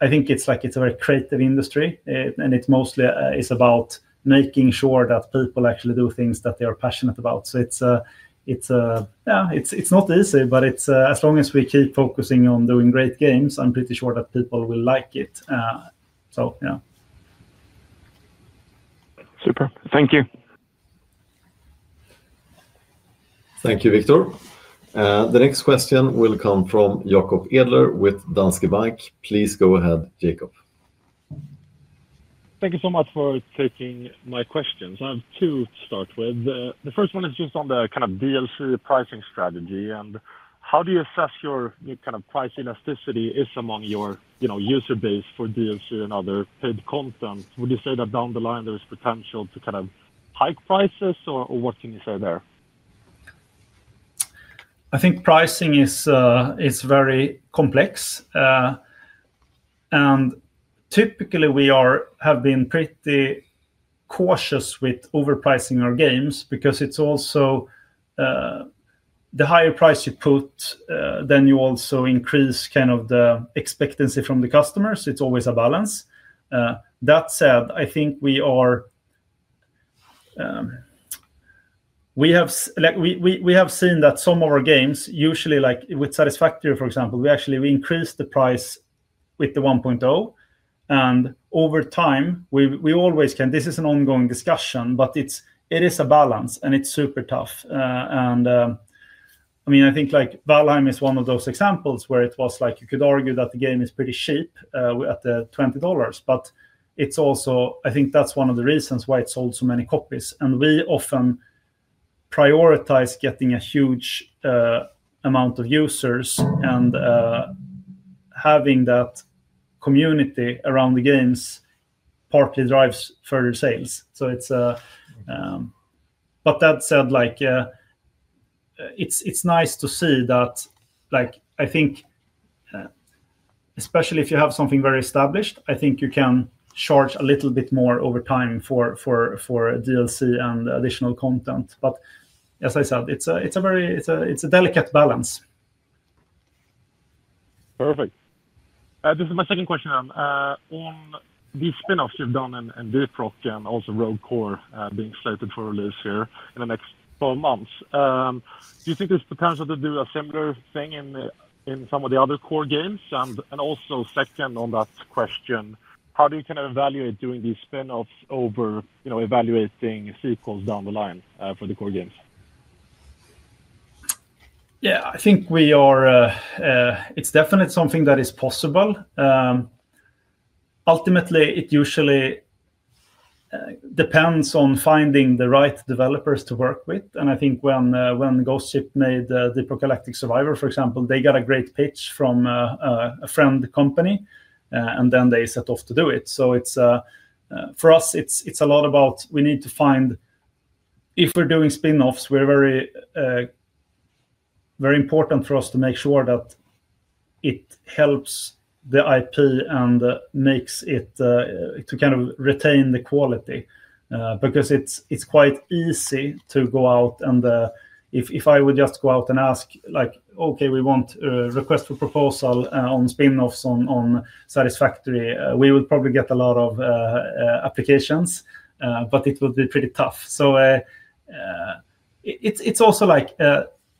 I think it's like, it's a very creative industry and it's mostly about making sure that people actually do things that they are passionate about. It's yeah, it's not easy, but it's as long as we keep focusing on doing great games, I'm pretty sure that people will like it. Yeah. Superb. Thank you. Thank you, Viktor. The next question will come from Jacob Edler with Danske Bank. Please go ahead, Jacob. Thank you so much for taking my questions. I have two to start with. The first one is just on the kind of DLC pricing strategy, and how do you assess your kind of price elasticity is among your, you know, user base for DLC and other paid content? Would you say that down the line, there is potential to kind of hike prices, or what can you say there? I think pricing is very complex. Typically we have been pretty cautious with overpricing our games because it's also the higher price you put, then you also increase kind of the expectancy from the customers. It's always a balance. That said, I think we are. We have seen that some of our games, usually, like with Satisfactory, for example, we actually, we increased the price with the 1.0, and over time. This is an ongoing discussion, but it is a balance, and it is super tough. I mean, I think, like, Valheim is one of those examples where it was like, you could argue that the game is pretty cheap, at the $20, but it's also... I think that's one of the reasons why it sold so many copies. We often prioritize getting a huge amount of users, and having that community around the games partly drives further sales. That said, like, it's nice to see that, like, I think, especially if you have something very established, I think you can charge a little bit more over time for DLC and additional content. As I said, it's a very delicate balance. Perfect. This is my second question. On these spinoffs you've done in Deep Rock and also Rogue Core, being slated for release here in the next 12 months, do you think there's potential to do a similar thing in some of the other core games? Also second on that question, how do you kind of evaluate doing these spinoffs over, you know, evaluating sequels down the line, for the core games? I think we are, it's definitely something that is possible. Ultimately, it usually depends on finding the right developers to work with. I think when Ghost Ship made the Deep Rock Galactic: Survivor, for example, they got a great pitch from a friend company. Then they set off to do it. It's for us, it's a lot about we need to find. If we're doing spinoffs, we're very, very important for us to make sure that it helps the IP and makes it to kind of retain the quality. Because it's quite easy to go out and, if I would just go out and ask, like, "Okay, we want a request for proposal on spinoffs on Satisfactory," we would probably get a lot of applications, but it would be pretty tough. It's also like,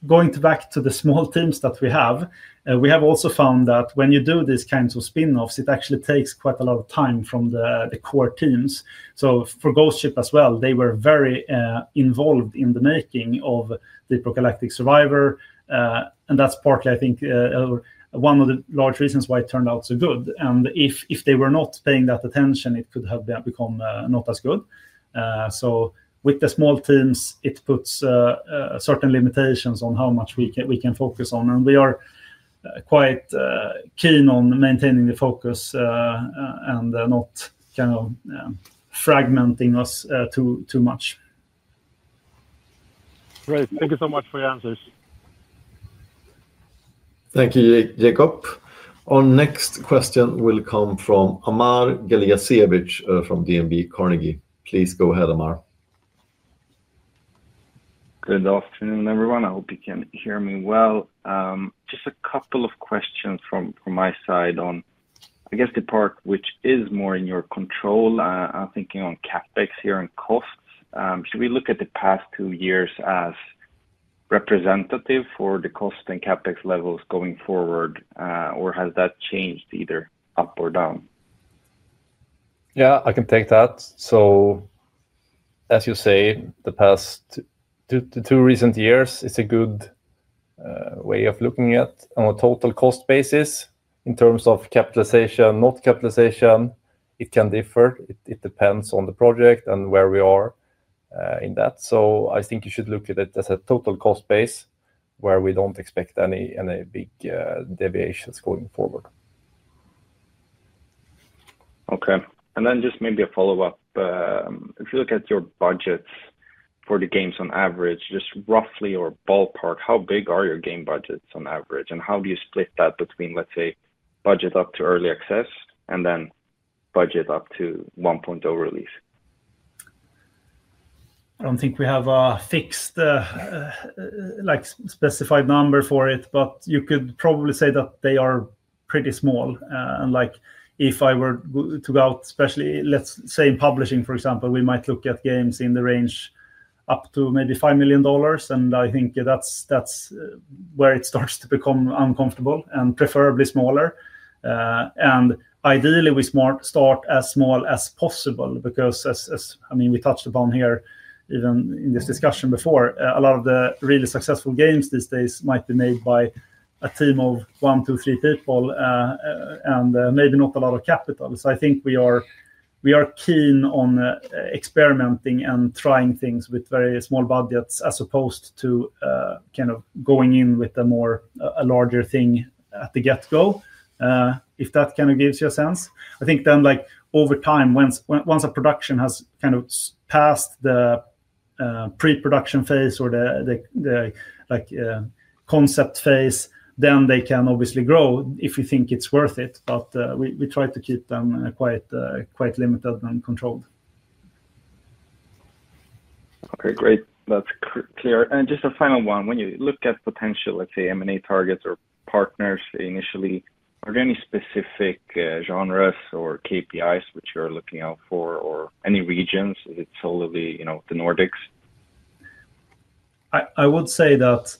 going back to the small teams that we have, we have also found that when you do these kinds of spinoffs, it actually takes quite a lot of time from the core teams. For Ghost Ship as well, they were very involved in the making of Deep Rock Galactic: Survivor, and that's partly, I think, one of the large reasons why it turned out so good. If they were not paying that attention, it could have become not as good. With the small teams, it puts certain limitations on how much we can focus on. We are quite keen on maintaining the focus, and not kind of fragmenting us, too much. Great. Thank you so much for your answers. Thank you, Jacob. Our next question will come from Amar Galijasevic, from DNB Carnegie. Please go ahead, Amar. Good afternoon, everyone. I hope you can hear me well. Just a couple of questions from my side on, I guess, the part which is more in your control. I'm thinking on CapEx here and costs. Should we look at the past two years as representative for the cost and CapEx levels going forward, or has that changed either up or down? Yeah, I can take that. As you say, the past two, the two recent years is a good way of looking at on a total cost basis in terms of capitalization, not capitalization, it can differ. It depends on the project and where we are in that. I think you should look at it as a total cost base, where we don't expect any big deviations going forward. Okay. Just maybe a follow-up. If you look at your budgets for the games on average, just roughly or ballpark, how big are your game budgets on average? How do you split that between, let's say, budget up to early access and then budget up to 1.0 release? I don't think we have a fixed, like, specified number for it, but you could probably say that they are pretty small. Like, if I were to go out, especially, let's say, in publishing, for example, we might look at games in the range up to maybe $5 million, and I think that's where it starts to become uncomfortable and preferably smaller. Ideally, we start as small as possible because as I mean, we touched upon here, even in this discussion before, a lot of the really successful games these days might be made by a team of one to three people, and maybe not a lot of capital. I think we are, we are keen on experimenting and trying things with very small budgets, as opposed to kind of going in with a more, a larger thing at the get-go, if that kind of gives you a sense. I think, like, over time, once a production has kind of passed the pre-production phase or the, like, concept phase, then they can obviously grow if you think it's worth it, but we try to keep them quite limited and controlled. Okay, great. That's clear. Just a final one, when you look at potential, let's say, M&A targets or partners initially, are there any specific genres or KPIs which you're looking out for, or any regions, it's totally, you know, the Nordics? I would say that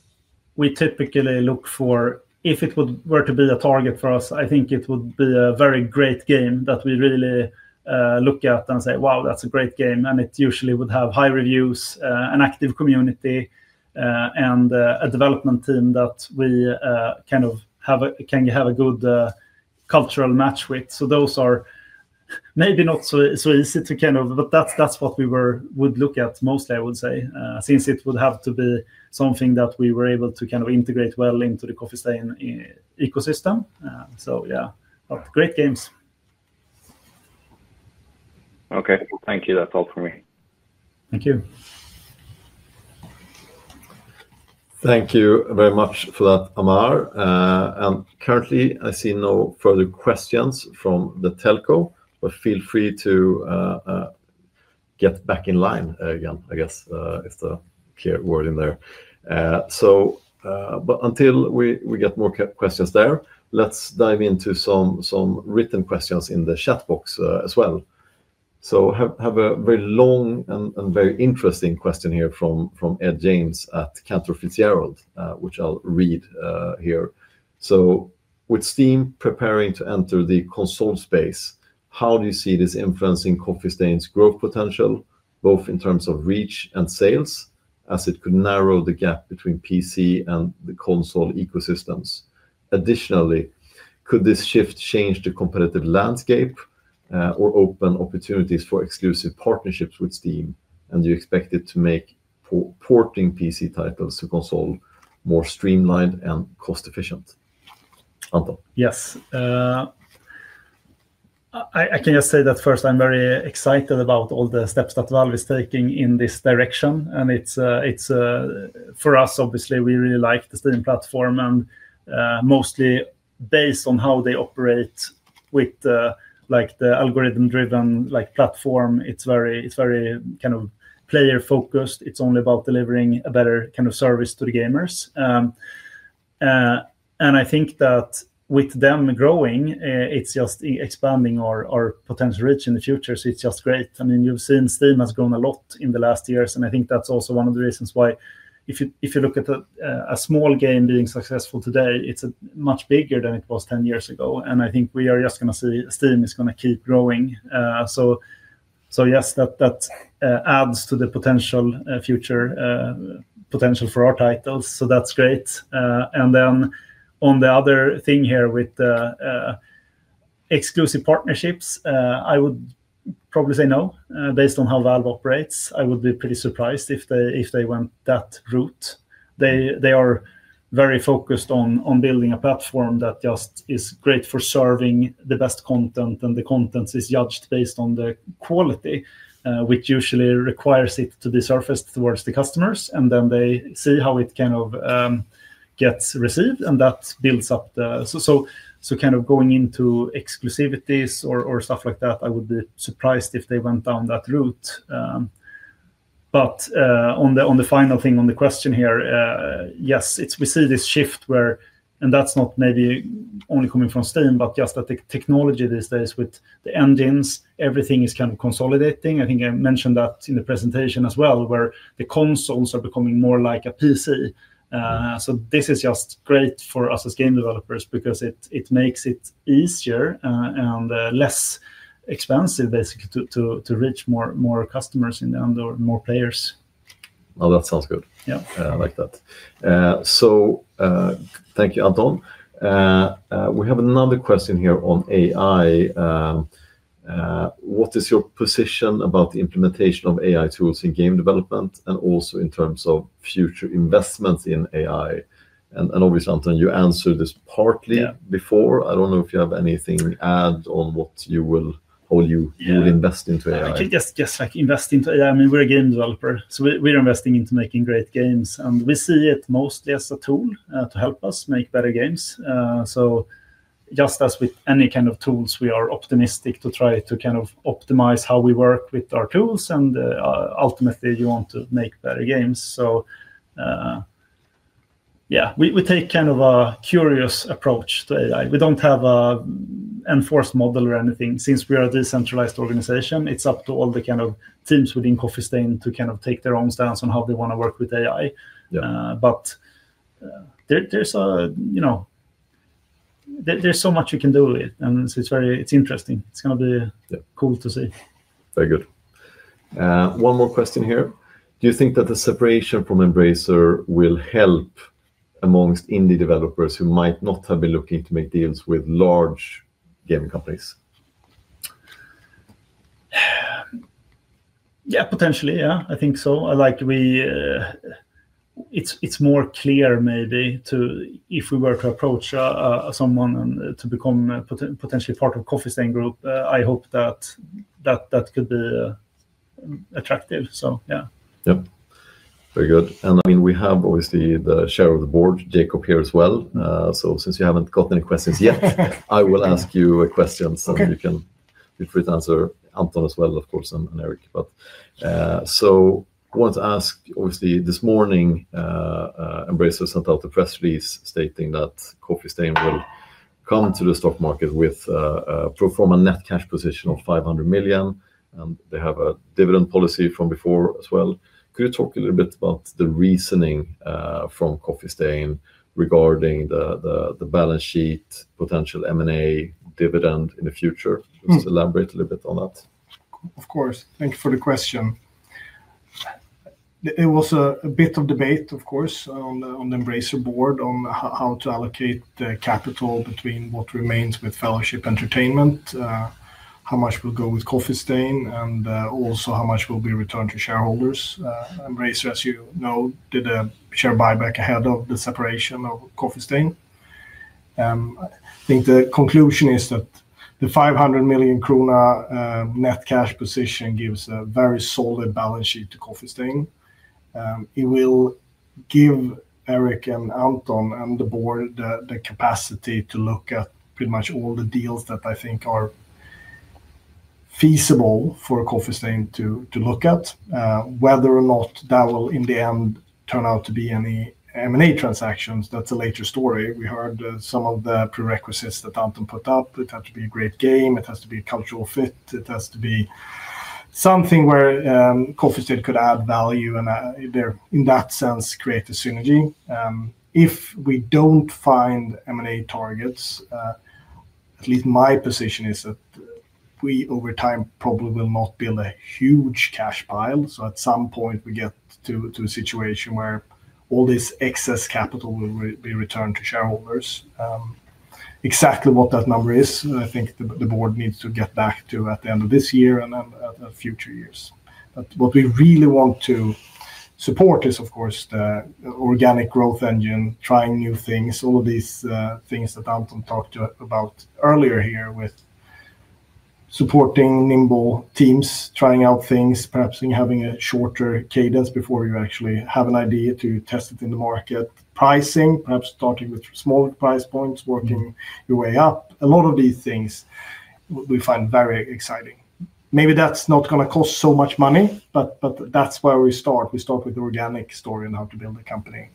we typically look for if it would were to be a target for us, I think it would be a very great game that we really look at and say, "Wow, that's a great game." It usually would have high reviews, an active community, and a development team that we kind of can have a good cultural match with. Those are maybe not so easy to kind of, but that's what we would look at mostly, I would say, since it would have to be something that we were able to kind of integrate well into the Coffee Stain ecosystem. Yeah, but great games. Okay, thank you. That's all for me. Thank you. Thank you very much for that, Amar. Currently, I see no further questions from the telco, but feel free to get back in line again, I guess, is the clear word in there. But until we get more questions there, let's dive into some written questions in the chat box as well. Have a very long and very interesting question here from Edward James at Cantor Fitzgerald, which I'll read here. "With Steam preparing to enter the console space, how do you see this influencing Coffee Stain's growth potential, both in terms of reach and sales, as it could narrow the gap between PC and the console ecosystems? Could this shift change the competitive landscape, or open opportunities for exclusive partnerships with Steam, and do you expect it to make porting PC titles to console more streamlined and cost-efficient? Anton? I can just say that first, I'm very excited about all the steps that Valve is taking in this direction. For us, obviously, we really like the Steam platform, mostly based on how they operate with the, like, the algorithm-driven, like, platform. It's very kind of player-focused. It's only about delivering a better kind of service to the gamers. I think that with them growing, it's just expanding our potential reach in the future, so it's just great. I mean, you've seen Steam has grown a lot in the last years. I think that's also one of the reasons why if you, if you look at a small game being successful today, it's a much bigger than it was 10 years ago. I think we are just gonna see Steam is gonna keep growing. Yes, that adds to the potential future potential for our titles, so that's great. On the other thing here with exclusive partnerships, I would probably say no, based on how Valve operates. I would be pretty surprised if they, if they went that route. They are very focused on building a platform that just is great for serving the best content, and the content is judged based on the quality, which usually requires it to be surfaced towards the customers, and then they see how it kind of gets received, and that builds up. Kind of going into exclusivities or stuff like that, I would be surprised if they went down that route. On the final thing, on the question here, yes, we see this shift where, and that's not maybe only coming from Steam, but just that the technology these days with the engines, everything is kind of consolidating. I think I mentioned that in the presentation as well, where the consoles are becoming more like a PC. This is just great for us as game developers because it makes it easier and less expensive, basically, to reach more customers and more players. Well, that sounds good. Yeah. hank you, Anton. We have another question here on AI. What is your position about the implementation of AI tools in game development, and also in terms of future investments in AI? And obviously, Anton, you answered this partly- Yeah before. I don't know if you have anything to add on what you will or. Yeah would invest into A.I. I could just like invest into AI, I mean, we're a game developer, so we're investing into making great games, and we see it mostly as a tool to help us make better games. Just as with any kind of tools, we are optimistic to try to kind of optimize how we work with our tools, and ultimately, you want to make better games. Yeah, we take kind of a curious approach to AI. We don't have a enforced model or anything. Since we are a decentralized organization, it's up to all the kind of teams within Coffee Stain to kind of take their own stance on how they wanna work with AI. You know, there's so much you can do with it, and it's very. It's interesting.... cool to see. Very good. One more question here: Do you think that the separation from Embracer will help amongst indie developers who might not have been looking to make deals with large gaming companies? Potentially. I think so. I like we. It's more clear maybe to, if we were to approach someone and to become potentially part of Coffee Stain Group, I hope that could be attractive. Yeah. Yep. Very good. I mean, we have, obviously, the chair of the board, Jacob, here as well. Since you haven't got any questions yet, I will ask you a question. Okay... you can feel free to answer Anton as well, of course, and Erik. I wanted to ask, obviously, this morning, Embracer Group sent out a press release stating that Coffee Stain will come into the stock market with pro forma net cash position of 500 million, and they have a dividend policy from before as well. Could you talk a little bit about the reasoning from Coffee Stain regarding the balance sheet, potential M&A dividend in the future? Mm. Just elaborate a little bit on that. Of course. Thank you for the question. It was a bit of debate, of course, on the Embracer board on how to allocate the capital between what remains with Fellowship Entertainment, how much will go with Coffee Stain, and also how much will be returned to shareholders. Embracer, as you know, did a share buyback ahead of the separation of Coffee Stain. I think the conclusion is that the 500 million krona net cash position gives a very solid balance sheet to Coffee Stain. It will give Erik, and Anton, and the board the capacity to look at pretty much all the deals that I think are feasible for Coffee Stain to look at. Whether or not that will, in the end, turn out to be any M&A transactions, that's a later story. We heard some of the prerequisites that Anton put up. It had to be a great game. It has to be a cultural fit. It has to be something where Coffee Stain could add value, and there, in that sense, create a synergy. If we don't find M&A targets, at least my position is that we, over time, probably will not build a huge cash pile. At some point, we get to a situation where all this excess capital will be returned to shareholders. Exactly what that number is, I think the board needs to get back to at the end of this year and then future years. What we really want to support is, of course, the organic growth engine, trying new things, all of these things that Anton talked about earlier here, with supporting nimble teams, trying out things, perhaps even having a shorter cadence before you actually have an idea to test it in the market. Pricing, perhaps starting with small price points, working your way up. A lot of these things, we find very exciting. Maybe that's not gonna cost so much money, but that's where we start. We start with the organic story and how to build a company.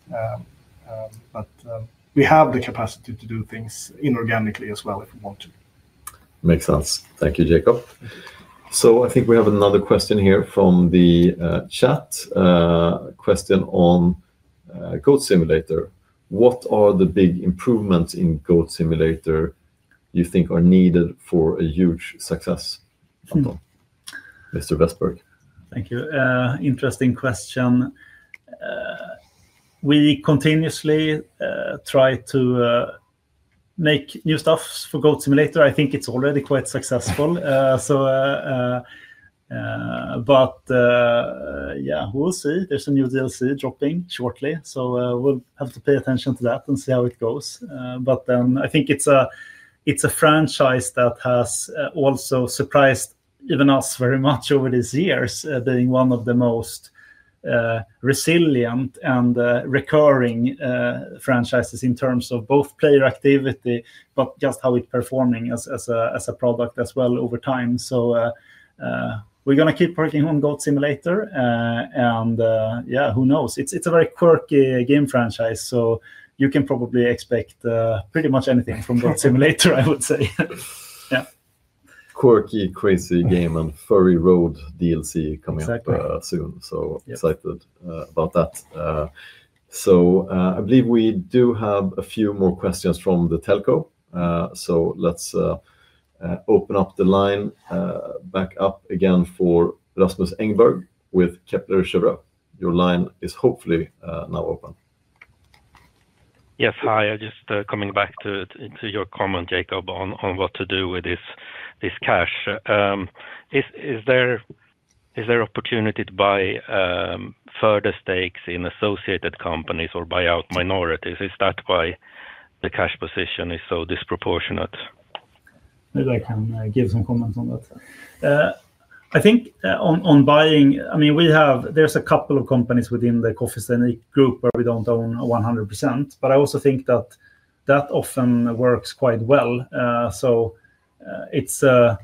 We have the capacity to do things inorganically as well, if we want to. Makes sense. Thank you, Jacob. I think we have another question here from the chat. A question on Goat Simulator: What are the big improvements in Goat Simulator you think are needed for a huge success, Anton? Mr. Westbergh. Thank you. Interesting question. We continuously try to make new stuffs for Goat Simulator. I think it's already quite successful. Yeah, we'll see. There's a new DLC dropping shortly, so we'll have to pay attention to that and see how it goes. I think it's a, it's a franchise that has also surprised even us very much over these years, being one of the most resilient and recurring franchises in terms of both player activity, but just how it's performing as a, as a product as well over time. We're gonna keep working on Goat Simulator, and yeah, who knows? It's, it's a very quirky game franchise, so you can probably expect pretty much anything from Goat Simulator, I would say. Yeah. Quirky, crazy game and Furry Road DLC coming up. Exactly... soon. Yes... excited about that. I believe we do have a few more questions from the telco. Let's open up the line back up again for Rasmus Engberg with Kepler Cheuvreux. Your line is hopefully now open. Yes. Hi, just coming back to your comment, Jacob, on what to do with this cash. Is there opportunity to buy further stakes in associated companies or buy out minorities? Is that why the cash position is so disproportionate? Maybe I can give some comments on that. I think on buying, I mean, there's a couple of companies within the Coffee Stain Group where we don't own 100%, but I also think that that often works quite well. So it's not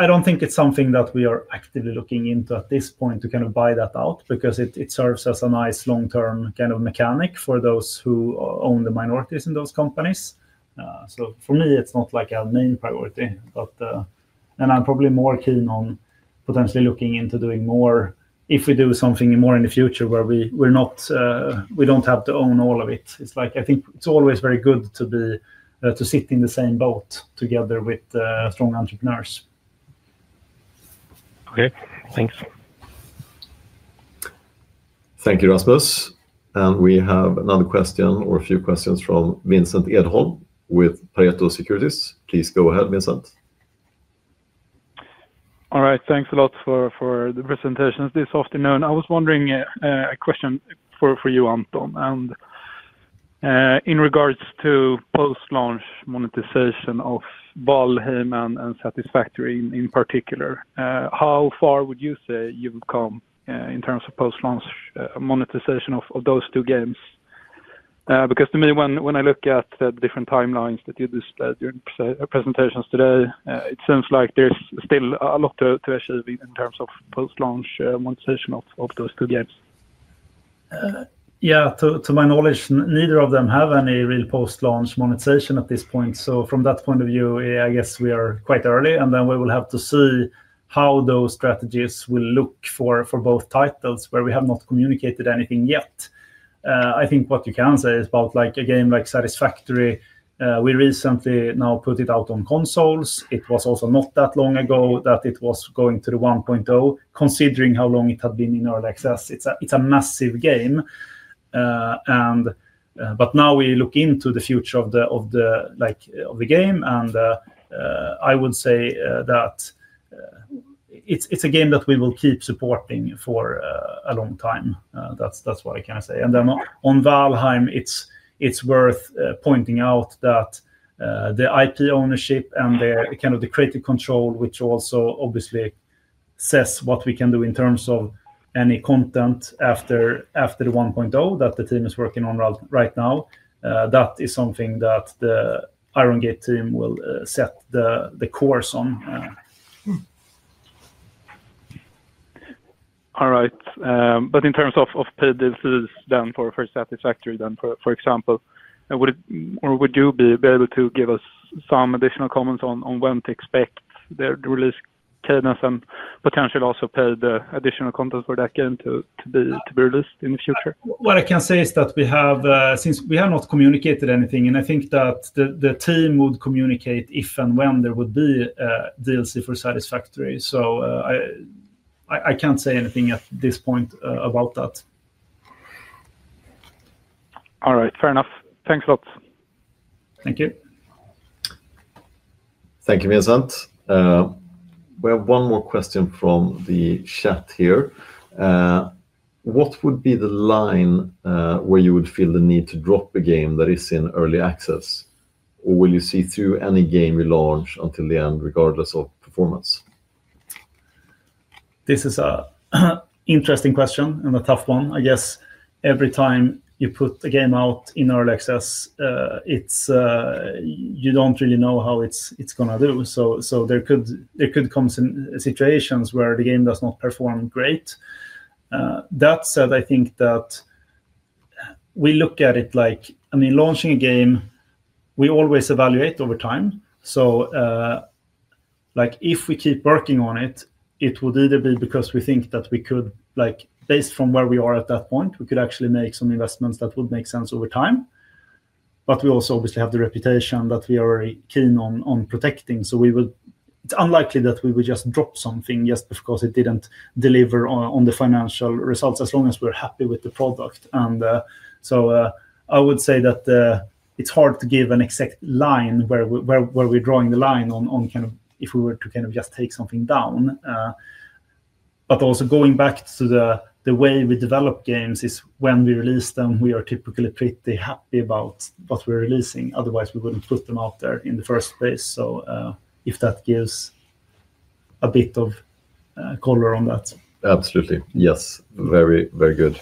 I don't think it's something that we are actively looking into at this point, to kind of buy that out, because it serves as a nice long-term kind of mechanic for those who own the minorities in those companies. So for me, it's not like a main priority, but. I'm probably more keen on potentially looking into doing more, if we do something more in the future where we're not, we don't have to own all of it. It's like, I think it's always very good to be, to sit in the same boat together with, strong entrepreneurs. Okay, thanks. Thank you, Rasmus. We have another question or a few questions from Vincent Edholm with Pareto Securities. Please go ahead, Vincent. All right, thanks a lot for the presentations this afternoon. I was wondering, a question for you, Anton. In regards to post-launch monetization of Valheim and Satisfactory in particular, how far would you say you've come in terms of post-launch monetization of those two games? Because to me, when I look at the different timelines that you displayed during your presentations today, it seems like there's still a lot to achieve in terms of post-launch monetization of those two games. Yeah, to my knowledge, neither of them have any real post-launch monetization at this point. From that point of view, yeah, I guess we are quite early, and then we will have to see how those strategies will look for both titles, where we have not communicated anything yet. I think what you can say is about, like, a game like Satisfactory, we recently now put it out on consoles. It was also not that long ago that it was going to the 1.0, considering how long it had been in our access. It's a massive game. Now we look into the future of the game, and I would say that it's a game that we will keep supporting for a long time. That's what I can say. Mm-hmm. On Valheim, it's worth pointing out that the IP ownership and the, kind of the creative control, which also obviously says what we can do in terms of any content after the 1.0, that the team is working on right now, that is something that the Iron Gate team will set the course on. All right. In terms of paid DLCs, then for Satisfactory then, for example, would it or would you be able to give us some additional comments on when to expect the release cadence and potentially also paid, additional content for that game to be released in the future? What I can say is that we have since we have not communicated anything. I think that the team would communicate if and when there would be a DLC for Satisfactory. I can't say anything at this point about that. All right, fair enough. Thanks a lot. Thank you. Thank you, Vincent. We have one more question from the chat here. What would be the line, where you would feel the need to drop a game that is in early access, or will you see through any game you launch until the end, regardless of performance? This is an interesting question and a tough one. I guess every time you put a game out in early access, it's, you don't really know how it's gonna do. There could come some situations where the game does not perform great. That said, I think that we look at it like, I mean, launching a game, we always evaluate over time. Like, if we keep working on it would either be because we think that we could, like, based from where we are at that point, we could actually make some investments that would make sense over time. We also obviously have the reputation that we are very keen on protecting. It's unlikely that we would just drop something just because it didn't deliver on the financial results, as long as we're happy with the product. I would say that it's hard to give an exact line where we're drawing the line on kind of if we were to kind of just take something down. But also going back to the way we develop games is when we release them, we are typically pretty happy about what we're releasing, otherwise we wouldn't put them out there in the first place. If that gives a bit ofcolor on that. Absolutely. Yes. Very, very good.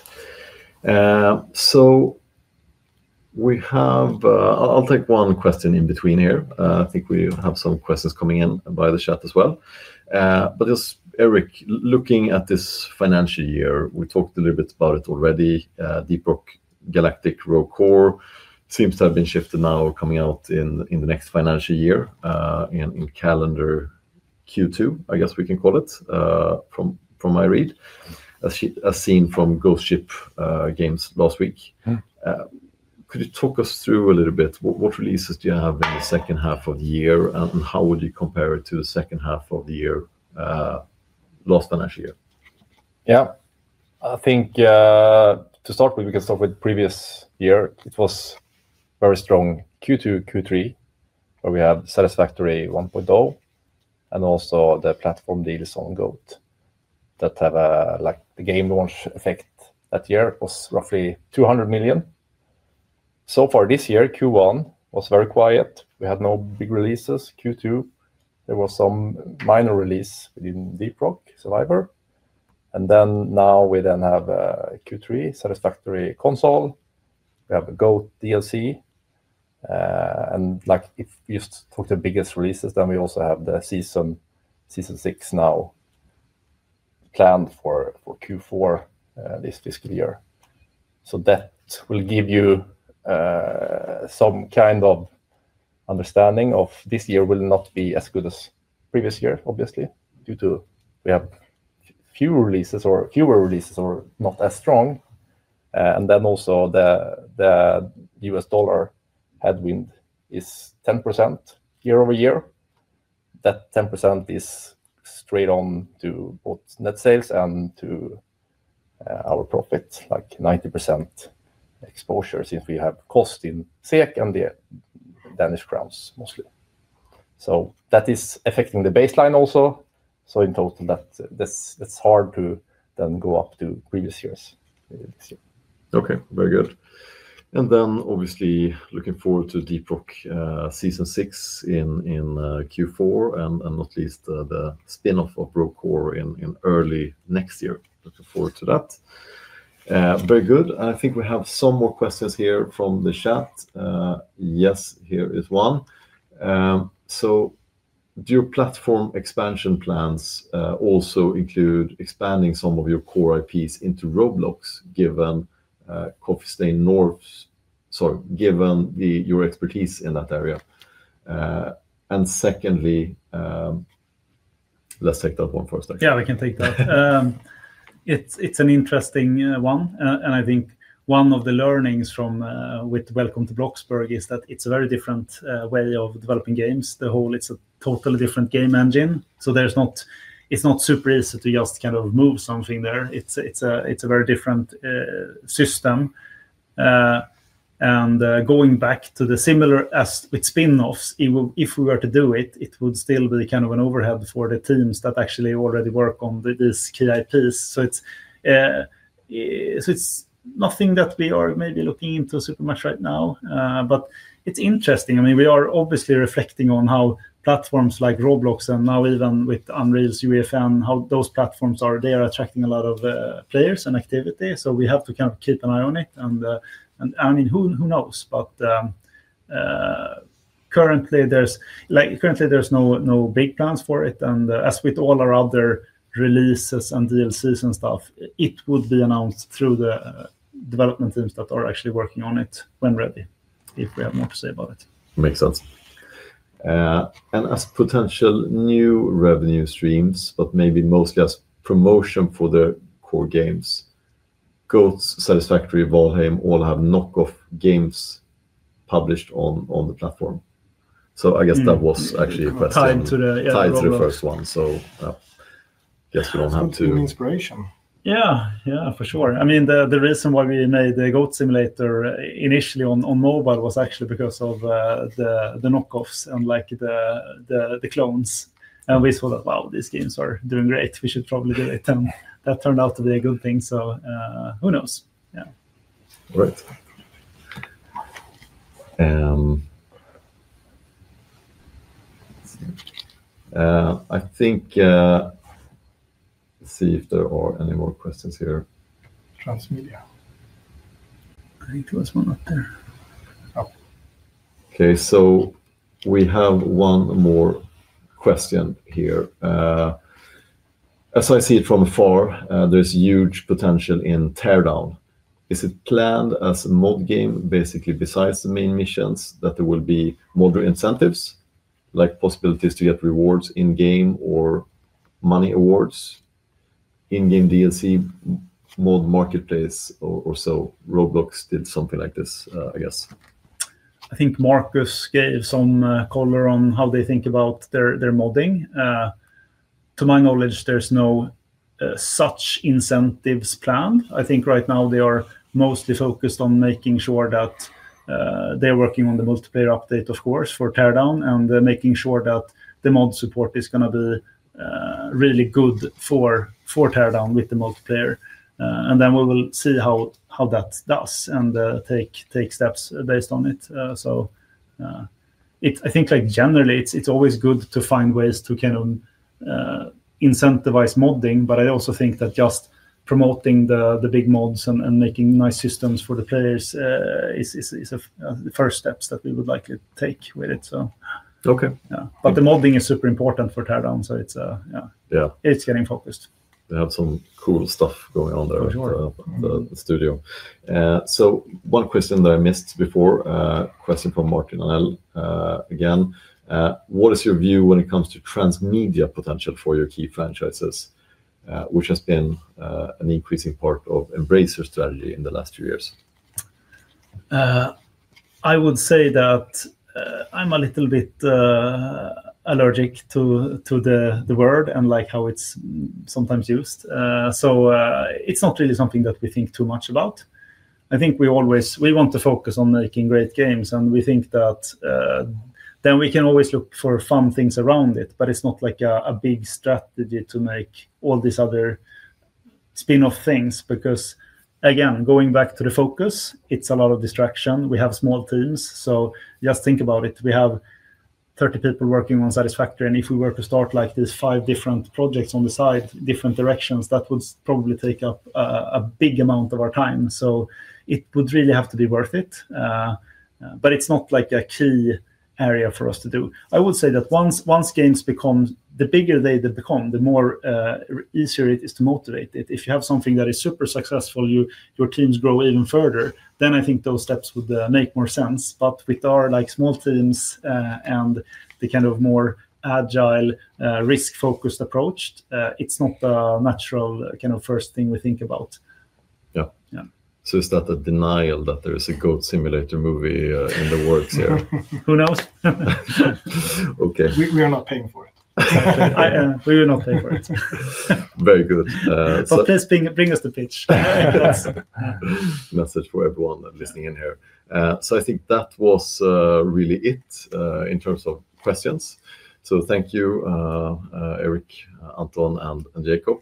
We have, I'll take one question in between here. I think we have some questions coming in by the chat as well. Just, Erik, looking at this financial year, we talked a little bit about it already, Deep Rock Galactic: Rogue Core seems to have been shifted now, coming out in the next financial year, in calendar Q2, I guess we can call it, from my read. As seen from Ghost Ship Games last week. Could you talk us through a little bit, what releases do you have in the second half of the year, and how would you compare it to the second half of the year last financial year? Yeah. I think, to start with, we can start with previous year. It was very strong Q2, Q3, where we have Satisfactory 1.0 and also the platform DLC on Goat, that have a, like, the game launch effect that year was roughly $200 million. So far this year, Q1 was very quiet. We had no big releases. Q2, there was some minor release within Deep Rock Survivor. Now we then have Q3, Satisfactory console. We have Goat DLC, and like, if you just took the biggest releases, we also have the season, Season Six now planned for Q4, this fiscal year. That will give you some kind of understanding of this year will not be as good as previous year, obviously, due to we have few releases or fewer releases or not as strong. Also the U.S. dollar headwind is 10% year-over-year. That 10% is straight on to both net sales and to our profit, like 90% exposure, since we have cost in SEK and Danish crowns, mostly. That is affecting the baseline also. In total, this, it's hard to then go up to previous years, this year. Okay, very good. Obviously looking forward to Deep Rock Season Six in Q4, not least, the spin-off of Rogue Core in early next year. Looking forward to that. Very good. I think we have some more questions here from the chat. Yes, here is one. So do your platform expansion plans also include expanding some of your core IPs into Roblox, given Coffee Stain North's- sorry, your expertise in that area? Secondly, Let's take that one first, actually. Yeah, we can take that. It's an interesting one, I think one of the learnings from with Welcome to Bloxburg is that it's a very different way of developing games. It's a totally different game engine, it's not super easy to just kind of move something there. It's a very different system. Going back to the similar as with spin-offs, even if we were to do it would still be kind of an overhead for the teams that actually already work on this key IPs. It's nothing that we are maybe looking into super much right now, but it's interesting. I mean, we are obviously reflecting on how platforms like Roblox and now even with Unreal's UEFN, how those platforms are, they are attracting a lot of players and activity. We have to kind of keep an eye on it. I mean, who knows? Currently, there's like no big plans for it. As with all our other releases and DLCs and stuff, it would be announced through the development teams that are actually working on it when ready, if we have more to say about it. Makes sense. As potential new revenue streams, but maybe mostly as promotion for the core games, Goats, Satisfactory, Valheim, all have knockoff games published on the platform. I guess that was actually a question. Tied to the, yeah, Roblox. Tied to the first one. Yeah. Yeah, for sure. I mean, the reason why we made the Goat Simulator initially on mobile was actually because of the knockoffs and, like, the clones. We thought, "Wow, these games are doing great. We should probably do it." That turned out to be a good thing, so who knows? Yeah. Great. I think. Let's see if there are any more questions here. Transmedia. I think there was one up there. We have 1 more question here. "As I see it from afar, there's huge potential in Teardown. Is it planned as a mod game, basically, besides the main missions, that there will be mod incentives, like possibilities to get rewards in-game or money awards, in-game DLC mode marketplace, or Roblox did something like this, I guess? I think Marcus gave some color on how they think about their modding. To my knowledge, there's no such incentives planned. I think right now they are mostly focused on making sure that they're working on the multiplayer update, of course, for Teardown, and they're making sure that the mod support is gonna be really good for Teardown with the multiplayer. We will see how that does and take steps based on it. I think, like, generally, it's always good to find ways to kind of incentivize modding, but I also think that just promoting the big mods and making nice systems for the players is the first steps that we would like to take with it, so. Okay. Yeah. the modding is super important for Teardown, so it's, yeah. Yeah. It's getting focused. They have some cool stuff going on there. For sure.... the studio. One question that I missed before, question from Martin Arnell. Again, "What is your view when it comes to transmedia potential for your key franchises, which has been an increasing part of Embracer strategy in the last few years? I would say that I'm a little bit allergic to the word and, like, how it's sometimes used. It's not really something that we think too much about. I think we want to focus on making great games, and we think that then we can always look for fun things around it. It's not like a big strategy to make all these other spin-off things because, again, going back to the focus, it's a lot of distraction. We have small teams, just think about it. We have 30 people working on Satisfactory, and if we were to start, like, these five different projects on the side, different directions, that would probably take up a big amount of our time, it would really have to be worth it. It's not like a key area for us to do. I would say that once games become. The bigger they become, the more easier it is to motivate it. If you have something that is super successful, your teams grow even further, then I think those steps would make more sense. With our, like, small teams, and the kind of more agile, risk-focused approach, it's not the natural kind of first thing we think about. Yeah. Yeah. Is that a denial that there is a Goat Simulator movie, in the works here? Who knows? Okay. We are not paying for it. I, we are not paying for it. Very good. Please bring us the pitch. Yes. Message for everyone listening in here. I think that was really it in terms of questions. Thank you Erik, Anton, and Jacob.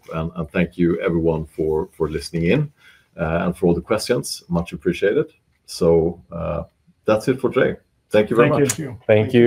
Thank you everyone for listening in and for all the questions. Much appreciated. That's it for today. Thank you very much. Thank you. Thank you.